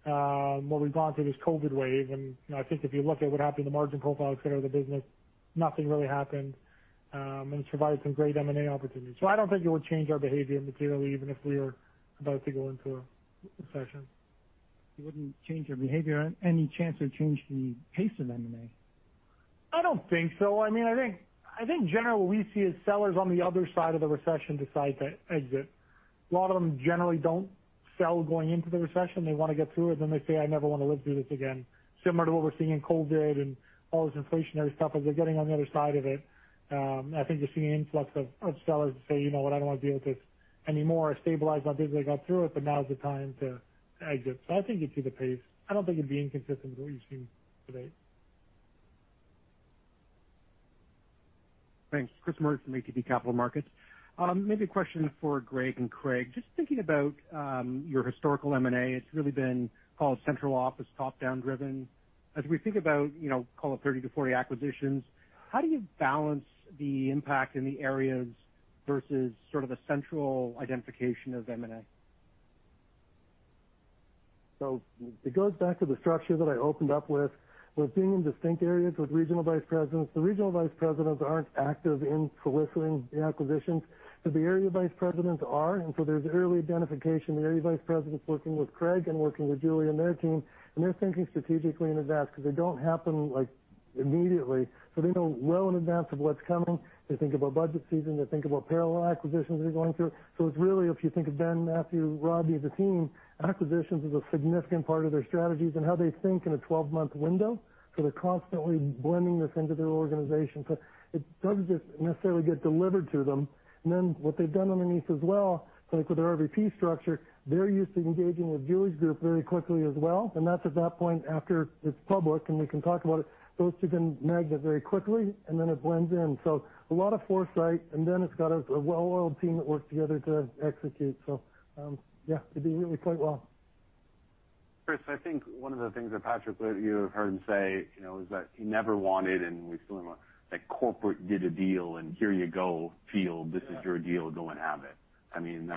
where we've gone through this COVID wave. You know, I think if you look at what happened to the margin profile et cetera of the business. Nothing really happened, and it's provided some great M&A opportunities. I don't think it would change our behavior materially even if we were about to go into a recession. You wouldn't change your behavior. Any chance it'd change the pace of M&A? I don't think so. I mean, I think generally what we see is sellers on the other side of the recession decide to exit. A lot of them generally don't sell going into the recession. They wanna get through it, then they say, "I never wanna live through this again." Similar to what we're seeing in COVID and all this inflationary stuff, as they're getting on the other side of it, I think you're seeing an influx of sellers say, "You know what? I don't wanna deal with this anymore. I stabilized my business. I got through it, but now is the time to exit." I think you'd see the pace. I don't think it'd be inconsistent with what you've seen to date. Thanks. Chris Murray from ATB Capital Markets. Maybe a question for Greg and Craig. Just thinking about your historical M&A, it's really been called central office, top-down driven. As we think about, you know, call it 30 to 40 acquisitions, how do you balance the impact in the areas versus sort of a central identification of M&A? It goes back to the structure that I opened up with being in distinct areas with regional vice presidents. The regional vice presidents aren't active in soliciting the acquisitions, but the area vice presidents are, and so there's early identification. The area vice president's working with Craig and working with Julie and their team, and they're thinking strategically in advance 'cause they don't happen, like, immediately, so they know well in advance of what's coming. They think about budget season. They think about parallel acquisitions they're going through. It's really, if you think of Ben, Matthew, Robbie as a team, acquisitions is a significant part of their strategies and how they think in a 12-month window, so they're constantly blending this into their organization. It doesn't just necessarily get delivered to them. What they've done underneath as well, like with our RVP structure, they're used to engaging with Julie's group very quickly as well, and that's at that point after it's public, and we can talk about it. Those two can manage that very quickly, and then it blends in. A lot of foresight, and then it's got a well-oiled team that works together to execute. Yeah, they do really quite well. Chris, I think one of the things that Patrick, you have heard him say, you know, is that he never wanted and we still don't want that corporate did a deal and here you go GFL. This is your deal. Go and have it. I mean,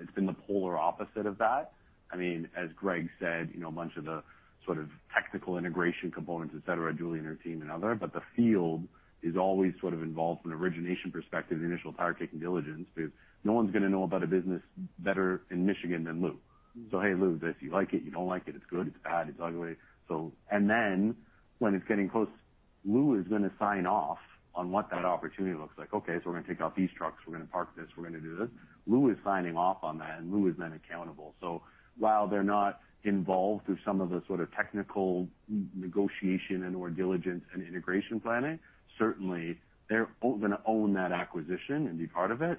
it's been the polar opposite of that. I mean, as Greg said, you know, a bunch of the sort of technical integration components, et cetera, Julie and her team and other, but the field is always sort of involved from an origination perspective, the initial tire kicking diligence. No one's gonna know about a business better in Michigan than Lou. So, hey, Lou, this, you like it, you don't like it's good, it's bad, it's ugly. Then when it's getting close, Lou is gonna sign off on what that opportunity looks like. Okay, we're gonna take out these trucks, we're gonna park this, we're gonna do this. Lou is signing off on that, and Lou is then accountable. While they're not involved through some of the sort of technical negotiation and/or diligence and integration planning, certainly they're gonna own that acquisition and be part of it.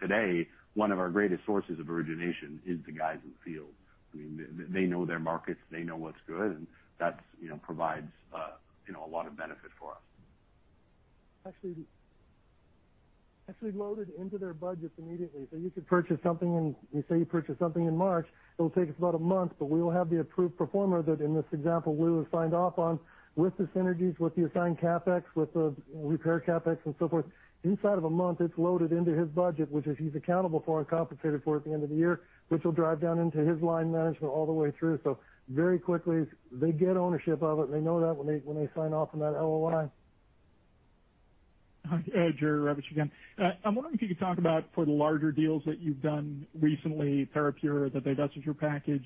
Today, one of our greatest sources of origination is the guys in the field. I mean, they know their markets, they know what's good, and that's, you know, provides, you know, a lot of benefit for us. Actually, it's loaded into their budgets immediately. You could purchase something in March, it'll take us about a month, but we will have the approved pro forma that, in this example, Lou has signed off on with the synergies, with the assigned CapEx, with the repair CapEx and so forth. Inside of a month, it's loaded into his budget, which is he's accountable for and compensated for at the end of the year, which will drive down into his line management all the way through. Very quickly, they get ownership of it. They know that when they sign off on that LOI. Hi. Jerry Revich again. I'm wondering if you could talk about for the larger deals that you've done recently, Terrapure, the divestiture package,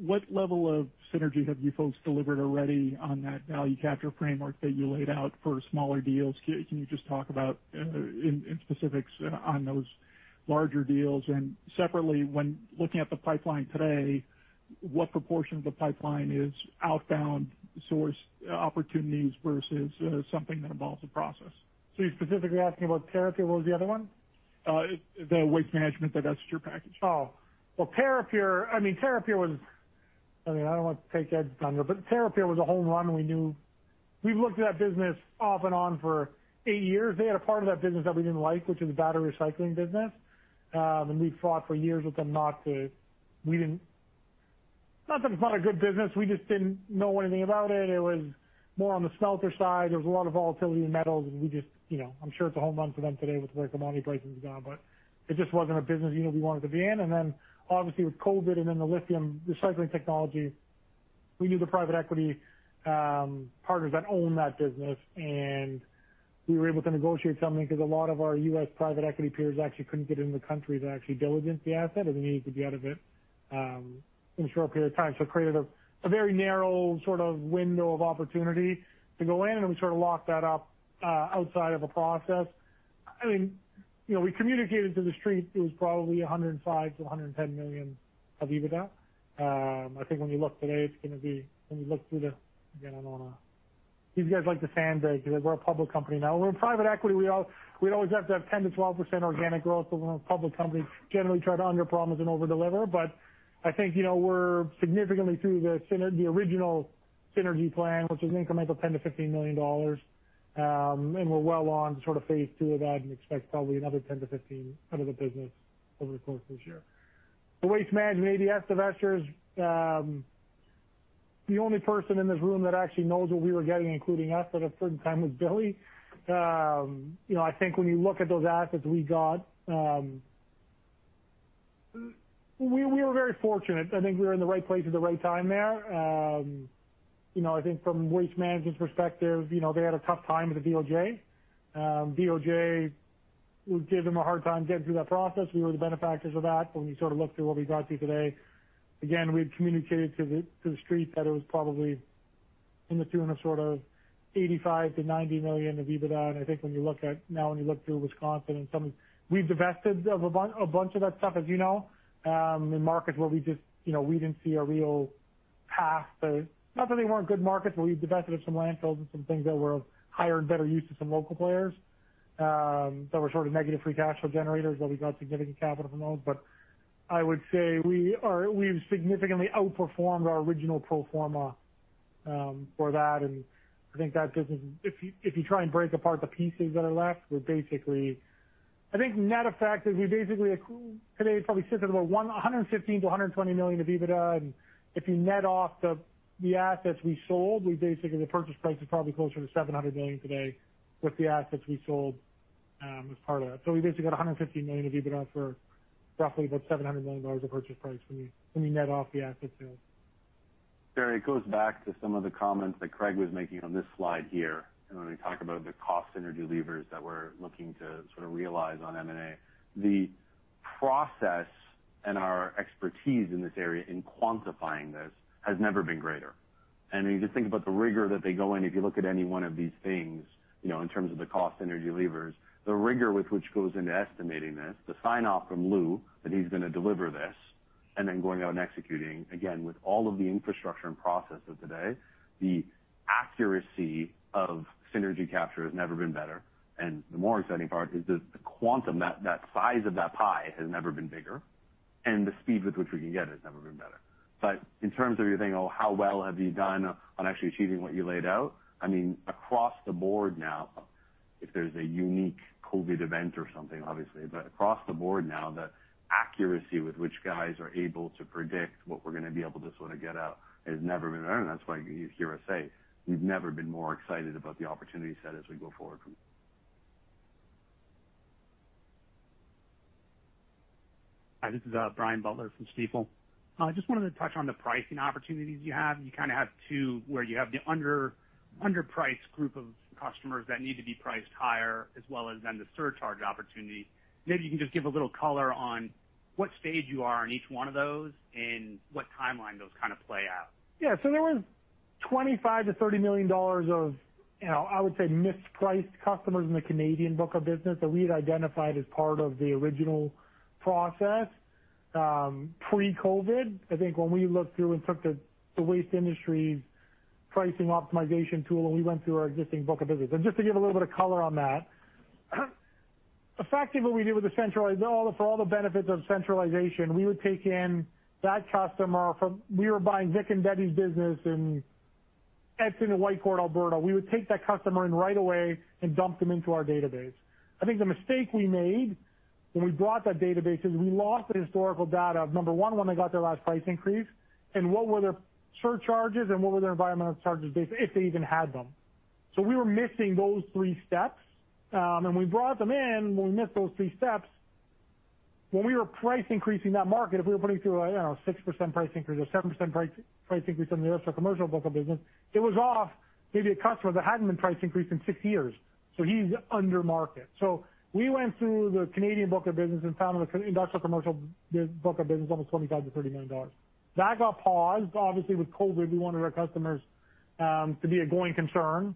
what level of synergy have you folks delivered already on that value capture framework that you laid out for smaller deals? Can you just talk about, in specifics on those larger deals? And separately, when looking at the pipeline today, what proportion of the pipeline is outbound sourced opportunities versus, something that involves a process? You're specifically asking about Terrapure. What was the other one? The Waste Management Divestiture Package. Well Terrapure, I mean Terrapure, I don't want to take a dig at you, but Terrapure was a home run, and we knew. We've looked at that business off and on for eight years. They had a part of that business that we didn't like, which is the battery recycling business, and we fought for years with them. Not that it's not a good business, we just didn't know anything about it. It was more on the smelter side. There was a lot of volatility in metals, and we just, you know. I'm sure it's a home run for them today with the way the commodity pricing's gone, but it just wasn't a business unit we wanted to be in. Obviously with COVID and then the lithium recycling technology, we knew the private equity partners that own that business, and we were able to negotiate something 'cause a lot of our U.S. private equity peers actually couldn't get into the country to actually diligence the asset, and they needed to be out of it in a short period of time. It created a very narrow sort of window of opportunity to go in, and we sort of locked that up outside of a process. I mean, you know, we communicated to the street it was probably $105 million to $110 million of EBITDA. I think when you look today, it's gonna be. When you look through the. Again, I don't wanna. These guys like to sandbag 'cause we're a public company now. We're in private equity. We'd always have to have 10% to 12% organic growth, but when we're a public company, generally try to underpromise and overdeliver. I think we're significantly through the original synergy plan, which is incremental $10 million to $15 million. We're well onto sort of phase two of that and expect probably another $10 million to $15 million out of the business over the course of this year. The Waste Management ADS divestitures, the only person in this room that actually knows what we were getting, including us at a certain time, was Billy. I think when you look at those assets we got, we were very fortunate. I think we were in the right place at the right time there. You know, I think from Waste Management's perspective, you know, they had a tough time with the DOJ. DOJ gave them a hard time getting through that process. We were the benefactors of that when we sort of looked at what we got through today. Again, we've communicated to the street that it was probably in the tune of sort of $85 million to $90 million of EBITDA. I think when you look through Wisconsin and some. We've divested of a bunch of that stuff, as you know, in markets where we just, you know, we didn't see a real path to. Not that they weren't good markets, but we've divested of some landfills and some things that were of higher and better use to some local players, that we're sort of negative free cash flow generators, that we got significant capital from those. We've significantly outperformed our original pro forma for that. I think that business is. If you try and break apart the pieces that are left, we're basically. I think net effect is we basically today probably sitting at about $115 million to $120 million of EBITDA. If you net off the assets we sold, we basically. The purchase price is probably closer to $700 million today with the assets we sold as part of that. We basically got $150 million of EBITDA for roughly about $700 million of purchase price when you net off the asset sales. Jerry, it goes back to some of the comments that Craig was making on this slide here, you know, when we talk about the cost synergy levers that we're looking to sort of realize on M&A. The process and our expertise in this area in quantifying this has never been greater. I mean, you just think about the rigor that they go in. If you look at any one of these things, you know, in terms of the cost synergy levers, the rigor with which goes into estimating this, the sign-off from Lou that he's gonna deliver this, and then going out and executing, again, with all of the infrastructure and processes today, the accuracy of synergy capture has never been better. The more exciting part is the quantum, that size of that pie has never been bigger, and the speed with which we can get it has never been better. In terms of you're thinking, oh, how well have you done on actually achieving what you laid out, I mean, across the board now, if there's a unique COVID event or something, obviously. Across the board now, the accuracy with which guys are able to predict what we're gonna be able to sort of get out has never been better, and that's why you hear us say we've never been more excited about the opportunity set as we go forward. Hi, this is Brian Butler from Stifel. I just wanted to touch on the pricing opportunities you have. You kinda have two, where you have the underpriced group of customers that need to be priced higher as well as then the surcharge opportunity. Maybe you can just give a little color on what stage you are in each one of those and what timeline those kinda play out. Yeah. There was $25 million to $30 million of, you know, I would say mis-priced customers in the Canadian book of business that we had identified as part of the original process pre-COVID. I think when we looked through and took the waste industry's pricing optimization tool and we went through our existing book of business. Just to give a little bit of color on that, effectively what we did, for all the benefits of centralization, we would take in that customer from Vic and Betty's business in Edson and Whitecourt, Alberta. We would take that customer in right away and dump them into our database. I think the mistake we made when we brought that database is we lost the historical data of, number one, when they got their last price increase, and what were their surcharges and what were their environmental charges based, if they even had them. We were missing those three steps. We brought them in, when we missed those three steps, when we were price increasing that market, if we were putting through, like, I don't know, 6% price increase or 7% price increase on the industrial commercial book of business, it was off maybe a customer that hadn't been price increased in six years, so he's under market. We went through the Canadian book of business and found in the Canadian industrial commercial book of business almost $25 million to $30 million. That got paused. Obviously with COVID, we wanted our customers to be a going concern,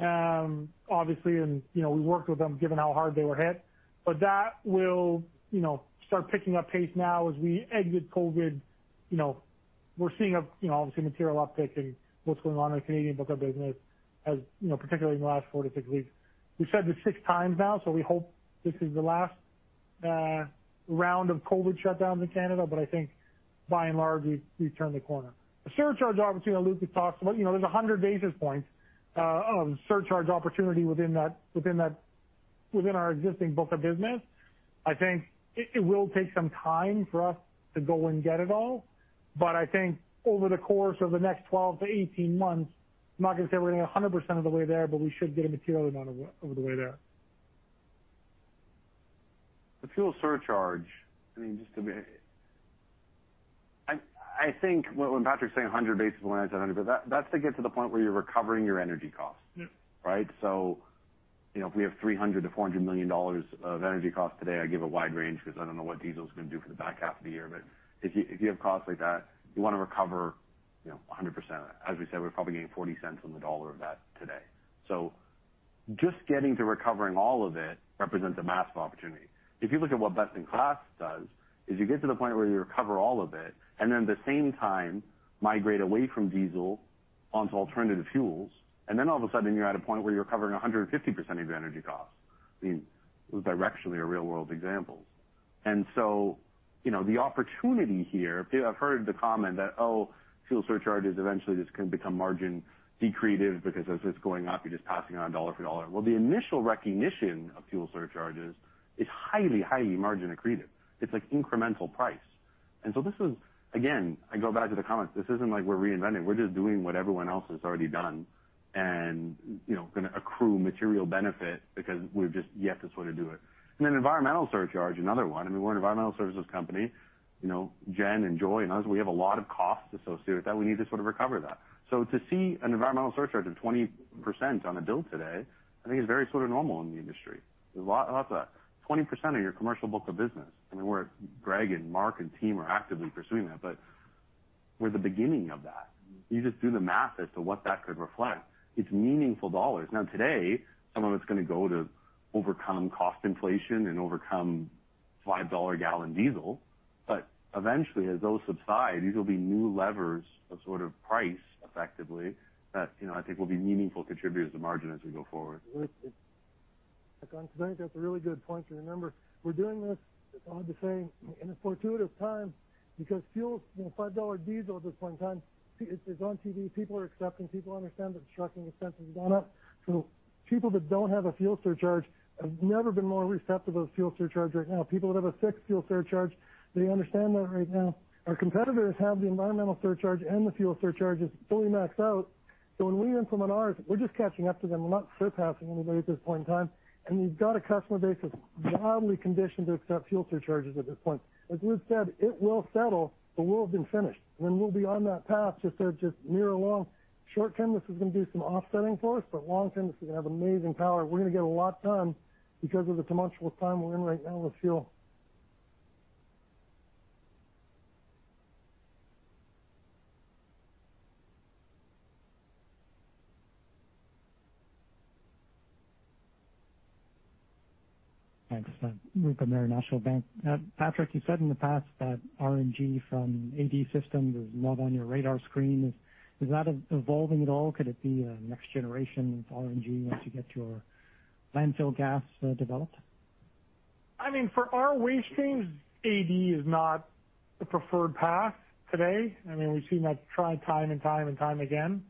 obviously, and, you know, we worked with them given how hard they were hit. That will, you know, start picking up pace now as we exit COVID. You know, we're seeing a, you know, obviously material uptick in what's going on in the Canadian book of business as, you know, particularly in the last four to six weeks. We've said this 6x now, so we hope this is the last round of COVID shutdowns in Canada, but I think by and large, we've turned the corner. The surcharge opportunity that Lou just talked about, you know, there's 100 basis points of surcharge opportunity within that within our existing book of business. I think it will take some time for us to go and get it all, but I think over the course of the next 12 to 18 months, I'm not gonna say we're gonna be 100% of the way there, but we should get a material amount over the way there. The fuel surcharge, I mean, just to be, I think what, when Patrick's saying 100 basis points, I know he said 100, but that's to get to the point where you're recovering your energy costs. Yep. Right? You know, if we have $300 million to $400 million of energy costs today, I give a wide range 'cause I don't know what diesel's gonna do for the back half of the year. If you have costs like that, you wanna recover, you know, 100% of that. As we said, we're probably getting 40 cents on the dollar of that today. Just getting to recovering all of it represents a massive opportunity. If you look at what best in class does, is you get to the point where you recover all of it, and then at the same time migrate away from diesel onto alternative fuels, and then all of a sudden you're at a point where you're recovering 150% of your energy costs. I mean, those are directionally real world examples. You know, the opportunity here. I've heard the comment that, oh, fuel surcharges eventually just can become margin accretive because as it's going up, you're just passing on dollar for dollar. Well, the initial recognition of fuel surcharges is highly margin accretive. It's like incremental price. This is, again, I go back to the comments. This isn't like we're reinventing, we're just doing what everyone else has already done and, you know, gonna accrue material benefit because we're just yet to sort of do it. Environmental surcharge, another one, I mean, we're an environmental services company. You know, Jen and Joy and us, we have a lot of costs associated with that. We need to sort of recover that. To see an environmental surcharge of 20% on a bill today, I think is very sort of normal in the industry. 20% of your commercial book of business. I mean, Greg and Mark and team are actively pursuing that, but we're the beginning of that. You just do the math as to what that could reflect. It's meaningful dollars. Now today, some of it's gonna go to overcome cost inflation and overcome $5 gallon diesel. Eventually, as those subside, these will be new levers of sort of price effectively that, you know, I think will be meaningful contributors to margin as we go forward. I think that's a really good point to remember. We're doing this, as I was just saying, in a fortuitous time because fuel, you know, $5 diesel at this point in time. It's on TV. People are accepting. People understand that trucking expenses have gone up. People that don't have a fuel surcharge have never been more receptive of fuel surcharge right now. People that have a fixed fuel surcharge, they understand that right now. Our competitors have the environmental surcharge and the fuel surcharges fully maxed out. When we implement ours, we're just catching up to them. We're not surpassing anybody at this point in time. We've got a customer base that's wildly conditioned to accept fuel surcharges at this point. As Luke said, it will settle, but we'll have been finished. When we'll be on that path, if they're just near alone, short term, this is gonna do some offsetting for us, but long term, this is gonna have amazing power. We're gonna get a lot done because of the tumultuous time we're in right now with fuel. Thanks. Luke at National Bank. Patrick, you said in the past that RNG from AD systems was not on your radar screen. Is that evolving at all? Could it be a next generation of RNG once you get your landfill gas developed? I mean, for our waste streams, AD is not the preferred path today. I mean, we've seen that tried time and time again.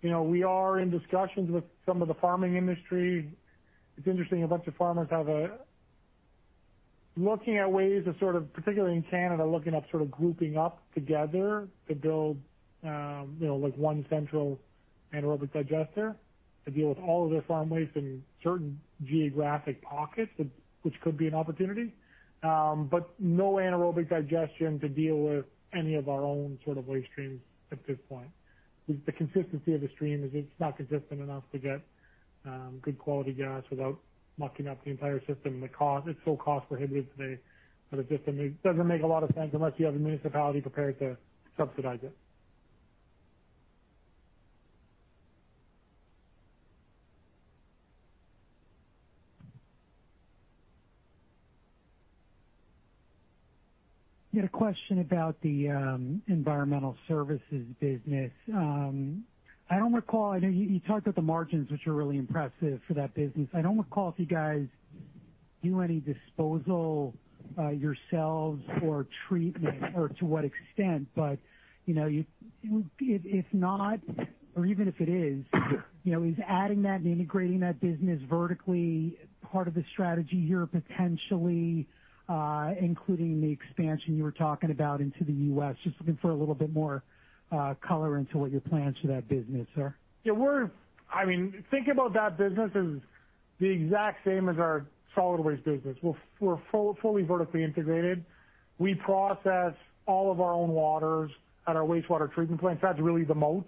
You know, we are in discussions with some of the farming industry. It's interesting, a bunch of farmers are looking at ways of sort of, particularly in Canada, looking at sort of grouping up together to build, you know, like one central anaerobic digester to deal with all of their farm waste in certain geographic pockets, which could be an opportunity. No anaerobic digestion to deal with any of our own sort of waste streams at this point. The consistency of the stream is. It's not consistent enough to get good quality gas without mucking up the entire system. The cost, it's so cost prohibitive today that it just doesn't make a lot of sense unless you have a municipality prepared to subsidize it. Yeah, a question about the environmental services business. I don't recall. I know you talked about the margins, which are really impressive for that business. I don't recall if you guys do any disposal yourselves or treatment or to what extent. You know, if not, or even if it is, you know, is adding that and integrating that business vertically part of the strategy here, potentially, including the expansion you were talking about into the U.S.? Just looking for a little bit more color into what your plans for that business are. Yeah, I mean, think about that business as the exact same as our solid waste business. We're fully vertically integrated. We process all of our own waters at our wastewater treatment plant. That's really the moat,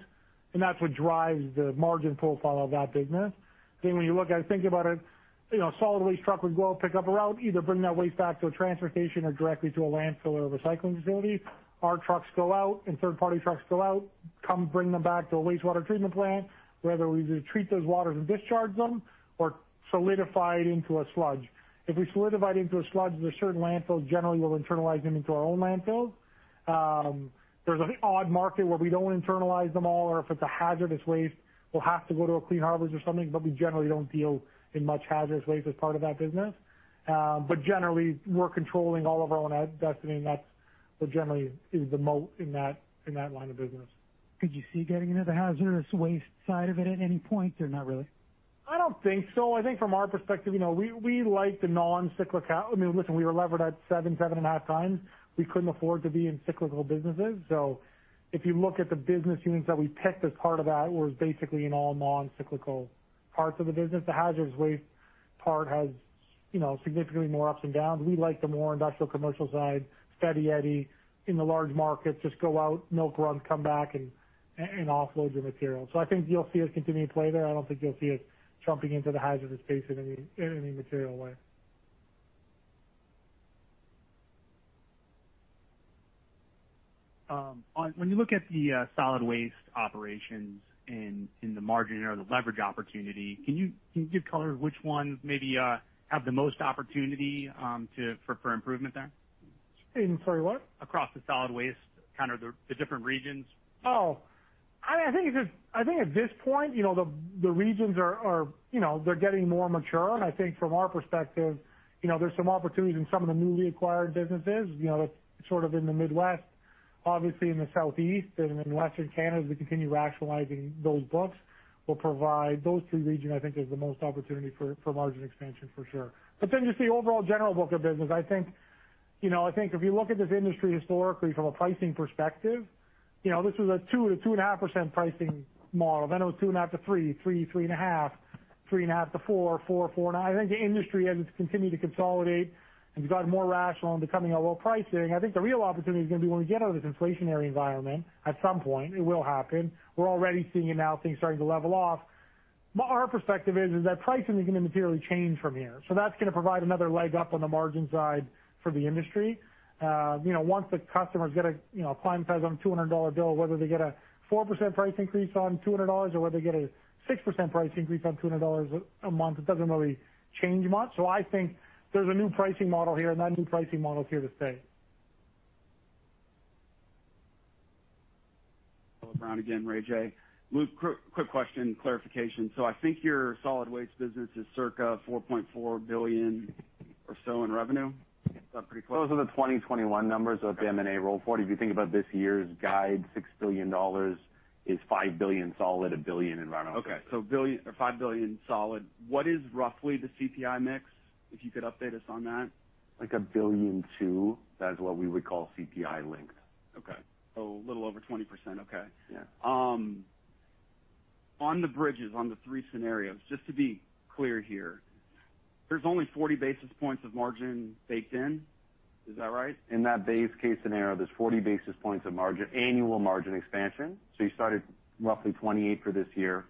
and that's what drives the margin profile of that business. When you look at it, think about it, you know, solid waste truck would go out, pick up a route, either bring that waste back to a transfer station or directly to a landfill or a recycling facility. Our trucks go out, and third-party trucks go out, come bring them back to a wastewater treatment plant, whether we treat those waters and discharge them or solidify it into a sludge. If we solidify it into a sludge, there's certain landfills, generally, we'll internalize them into our own landfills. There's an odd market where we don't internalize them all, or if it's a hazardous waste, we'll have to go to a Clean Harbors or something, but we generally don't deal in much hazardous waste as part of that business. Generally, we're controlling all of our own destiny, and that's what generally is the moat in that line of business. Could you see getting into the hazardous waste side of it at any point, or not really? I don't think so. I think from our perspective, you know, we like the non-cyclical. I mean, listen, we were levered at 7.5x. We couldn't afford to be in cyclical businesses. If you look at the business units that we picked as part of that was basically in all non-cyclical parts of the business. The hazardous waste part has, you know, significantly more ups and downs. We like the more industrial commercial side, Steady Eddie in the large markets, just go out, milk runs, come back and offload your material. I think you'll see us continue to play there. I don't think you'll see us jumping into the hazardous space in any material way. When you look at the solid waste operations in the margin or the leverage opportunity, can you give color which ones maybe have the most opportunity for improvement there? Sorry, what? Across the solid waste, kind of the different regions. I think at this point, you know, the regions are getting more mature, and I think from our perspective, you know, there's some opportunities in some of the newly acquired businesses, you know, that's sort of in the Midwest. Obviously in the Southeast and in Western Canada, as we continue rationalizing those books will provide those three regions, I think is the most opportunity for margin expansion for sure. But then just the overall general book of business, I think, you know, I think if you look at this industry historically from a pricing perspective, you know, this was a 2% to 2.5% pricing model. Then it was 2.5% to 3%, 3% to 3.5%, 3.5% to 4%, 4% to 4.5%. I think the industry has continued to consolidate and gotten more rational in becoming a low pricing. I think the real opportunity is gonna be when we get out of this inflationary environment. At some point, it will happen. We're already seeing it now, things starting to level off. Our perspective is that pricing is gonna materially change from here. So that's gonna provide another leg up on the margin side for the industry. You know, once the customers get a, you know, a client pays on $200 dollar bill, whether they get a 4% price increase on $200 dollars or whether they get a 6% price increase on $200 dollars a month, it doesn't really change much. So I think there's a new pricing model here, and that new pricing model is here to stay. Tyler Brown, Raymond James. Luke, quick question, clarification. I think your solid waste business is circa $4.4 billion or so in revenue. Is that pretty close? Those are the 2021 numbers of the M&A roll 40. If you think about this year's guide, $6 billion is $5 billion solid, $1 billion environmental. Okay. Billion or $5 billion solid. What is roughly the CPI mix, if you could update us on that? Like $1.2 billion, that is what we would call CPI linked. Okay. A little over 20%. Okay. Yeah. On the bridges, on the three scenarios, just to be clear here, there's only 40 basis points of margin baked in. Is that right? In that base case scenario, there's 40 basis points of margin, annual margin expansion. You started roughly 28% for this year,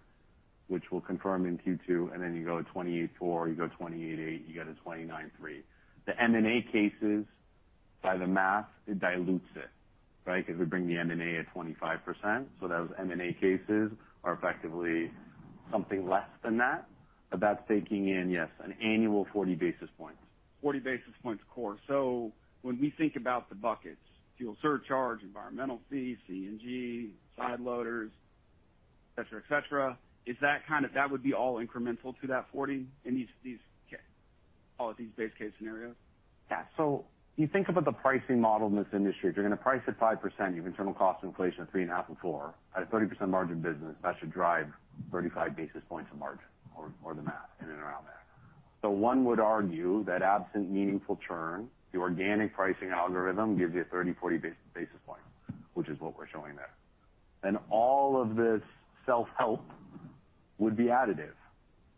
which we'll confirm in Q2, and then you go 28.4%, you go 28.8%, you go to 29.3%. The M&A cases, by the math, it dilutes it, right? Because we bring the M&A at 25%. Those M&A cases are effectively something less than that. That's baking in, yes, an annual 40 basis points. 40 basis points core. When we think about the buckets, fuel surcharge, environmental fees, CNG, side loaders, et cetera, is that kind of that would be all incremental to that 40 in all of these base case scenarios? Yeah. You think about the pricing model in this industry. If you're gonna price at 5%, your internal cost inflation of 3.5 or 4 at a 30% margin business, that should drive 35 basis points of margin or the math in and around there. One would argue that absent meaningful churn, the organic pricing algorithm gives you a 30 to 40 basis points, which is what we're showing there. All of this self-help would be additive,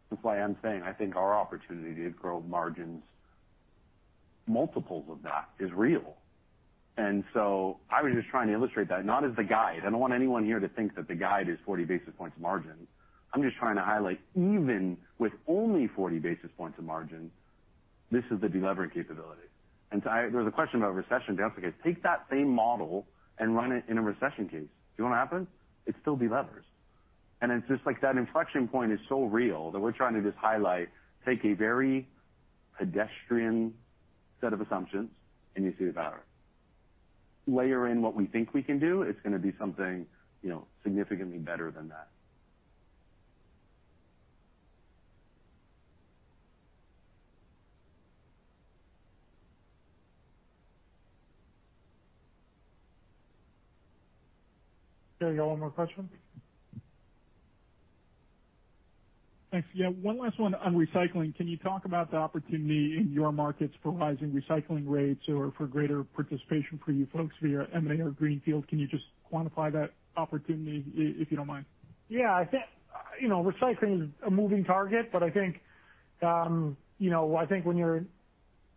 which is why I'm saying I think our opportunity to grow margins, multiples of that is real. I was just trying to illustrate that, not as the guide. I don't want anyone here to think that the guide is 40 basis points margin. I'm just trying to highlight, even with only 40 basis points of margin, this is the delevering capability. And, I... There was a question about recession downscale. Take that same model and run it in a recession case. Do you know what happens? It still delevers. It's just like that inflection point is so real that we're trying to just highlight, take a very pedestrian set of assumptions, and you see the value. Layer in what we think we can do, it's gonna be something, you know, significantly better than that. Okay. Got one more question. Thanks. Yeah, one last one on recycling. Can you talk about the opportunity in your markets for rising recycling rates or for greater participation for you folks via M&A or Greenfield? Can you just quantify that opportunity, if you don't mind? Yeah, I think, you know, recycling is a moving target, but I think, you know, I think when you're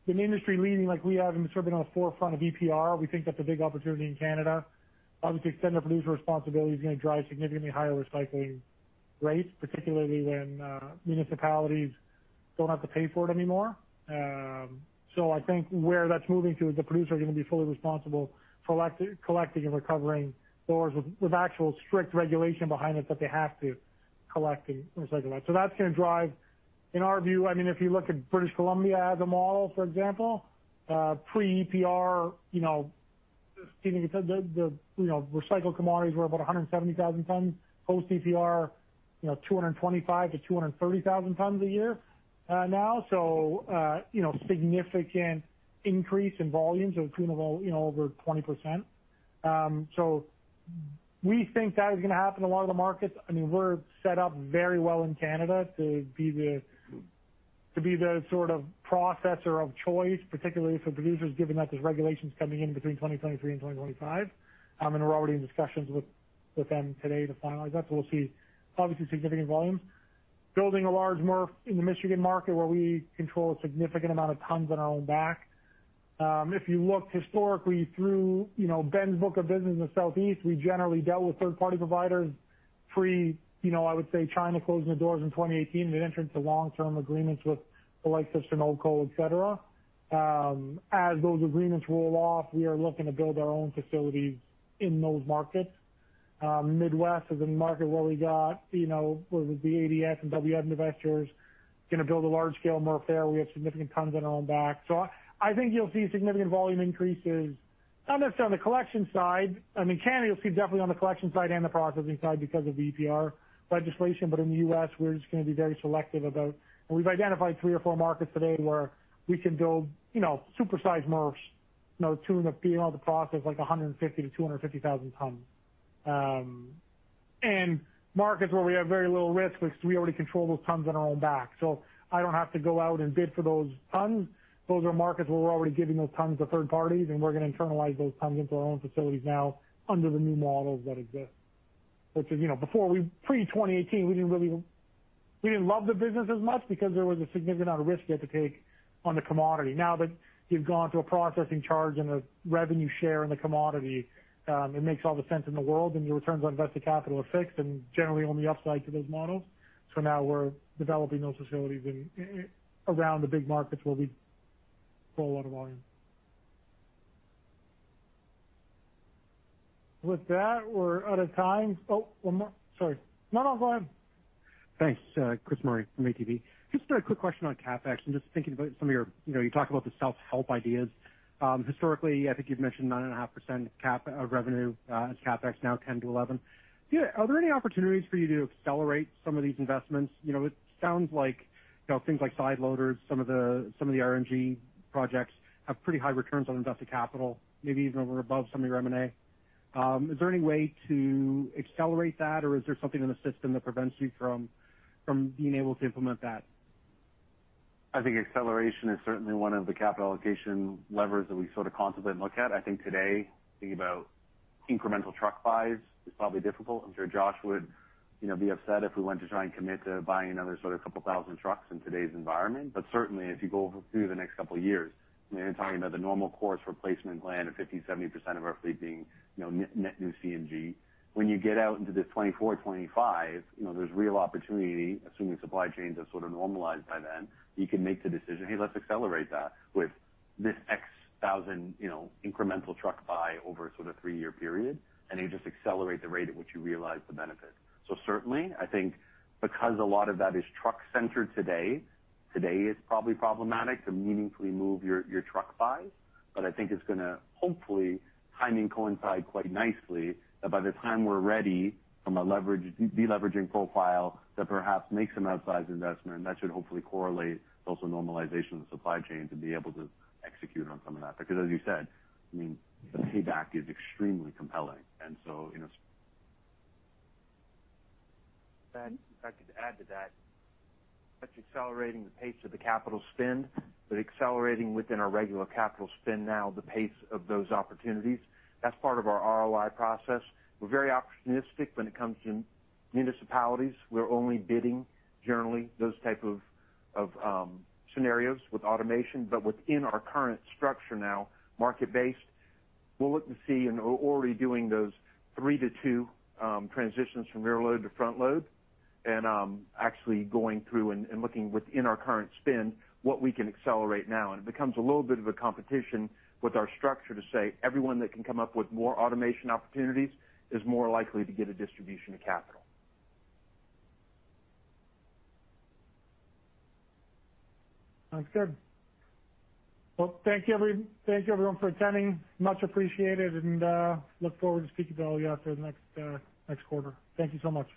an industry leading like we have and sort of been on the forefront of EPR, we think that's a big opportunity in Canada. Obviously, extended producer responsibility is gonna drive significantly higher recycling rates, particularly when, municipalities don't have to pay for it anymore. So I think where that's moving to is the producers are gonna be fully responsible for collecting and recovering those with actual strict regulation behind it that they have to collect and recycle that. So that's gonna drive In our view, I mean, if you look at British Columbia as a model, for example, pre-EPR, you know, recycled commodities were about 170,000 tons. Post-EPR, you know, 225,000 to 230,000 tons a year, now. You know, significant increase in volume, so between about, you know, over 20%. We think that is gonna happen in a lot of the markets. I mean, we're set up very well in Canada to be the sort of processor of choice, particularly for producers, given that there's regulations coming in between 2023 and 2025. We're already in discussions with them today to finalize that. We'll see obviously significant volumes. Building a large MRF in the Michigan market where we control a significant amount of tons on our own back. If you looked historically through, you know, Ben's book of business in the Southeast, we generally dealt with third-party providers pre, you know, I would say China closing the doors in 2018 and entrance to long-term agreements with the likes of Sonoco, et cetera. As those agreements roll off, we are looking to build our own facilities in those markets. Midwest is a market where we got, you know, whether it be ADS and WM divestiture, gonna build a large scale MRF there. We have significant tons on our own back. I think you'll see significant volume increases, not necessarily on the collection side. I mean, Canada, you'll see definitely on the collection side and the processing side because of EPR legislation. In the U.S., we're just gonna be very selective about. We've identified three or four markets today where we can build, you know, super-sized MRFs. You know, to process like 150,000 to 250,000 tons. Markets where we have very little risk because we already control those tons on our own back. I don't have to go out and bid for those tons. Those are markets where we're already giving those tons to third parties, and we're gonna internalize those tons into our own facilities now under the new models that exist. Which is, you know, before we pre-2018, we didn't love the business as much because there was a significant amount of risk you had to take on the commodity. Now that you've gone through a processing charge and a revenue share in the commodity, it makes all the sense in the world, and your returns on invested capital are fixed and generally on the upside to those models. Now we're developing those facilities in around the big markets where we pull a lot of volume. With that, we're out of time. Oh, one more. Sorry. No, no, go ahead. Thanks. Chris Murray from ATB. Just a quick question on CapEx and just thinking about some of your, you know, you talked about the self-help ideas. Historically, I think you've mentioned 9.5% cap of revenue as CapEx now 10% to 11%. Are there any opportunities for you to accelerate some of these investments? You know, it sounds like, you know, things like side loaders, some of the RNG projects have pretty high returns on invested capital, maybe even above some of your M&A. Is there any way to accelerate that, or is there something in the system that prevents you from being able to implement that? I think acceleration is certainly one of the capital allocation levers that we sort of constantly look at. I think today, thinking about incremental truck buys is probably difficult. I'm sure Josh would, you know, be upset if we went to try and commit to buying another sort of couple thousand trucks in today's environment. Certainly, as you go through the next couple of years, I mean, talking about the normal course replacement plan of 50% to 70% of our fleet being, you know, net new CNG. When you get out into this 2024, 2025, you know, there's real opportunity, assuming supply chains have sort of normalized by then, you can make the decision, "Hey, let's accelerate that with this X thousand, you know, incremental truck buy over sort of three year period," and you just accelerate the rate at which you realize the benefit. Certainly, I think because a lot of that is truck-centered today is probably problematic to meaningfully move your truck buys. I think it's gonna hopefully timing coincide quite nicely that by the time we're ready from a leverage-deleveraging profile to perhaps make some outsized investment, that should hopefully correlate to also normalization of the supply chain to be able to execute on some of that. Because as you said, I mean, the payback is extremely compelling. You know. If I could add to that's accelerating the pace of the capital spend, but accelerating within our regular capital spend now the pace of those opportunities. That's part of our ROI process. We're very opportunistic when it comes to municipalities. We're only bidding generally those type of scenarios with automation. Within our current structure now, market-based, we'll look to see, and we're already doing those three-to-two transitions from rear load to front load, and actually going through and looking within our current spend, what we can accelerate now. It becomes a little bit of a competition with our structure to say everyone that can come up with more automation opportunities is more likely to get a distribution of capital. Sounds good. Well, thank you everyone for attending. Much appreciated, and look forward to speaking to all of you after the next quarter. Thank you so much.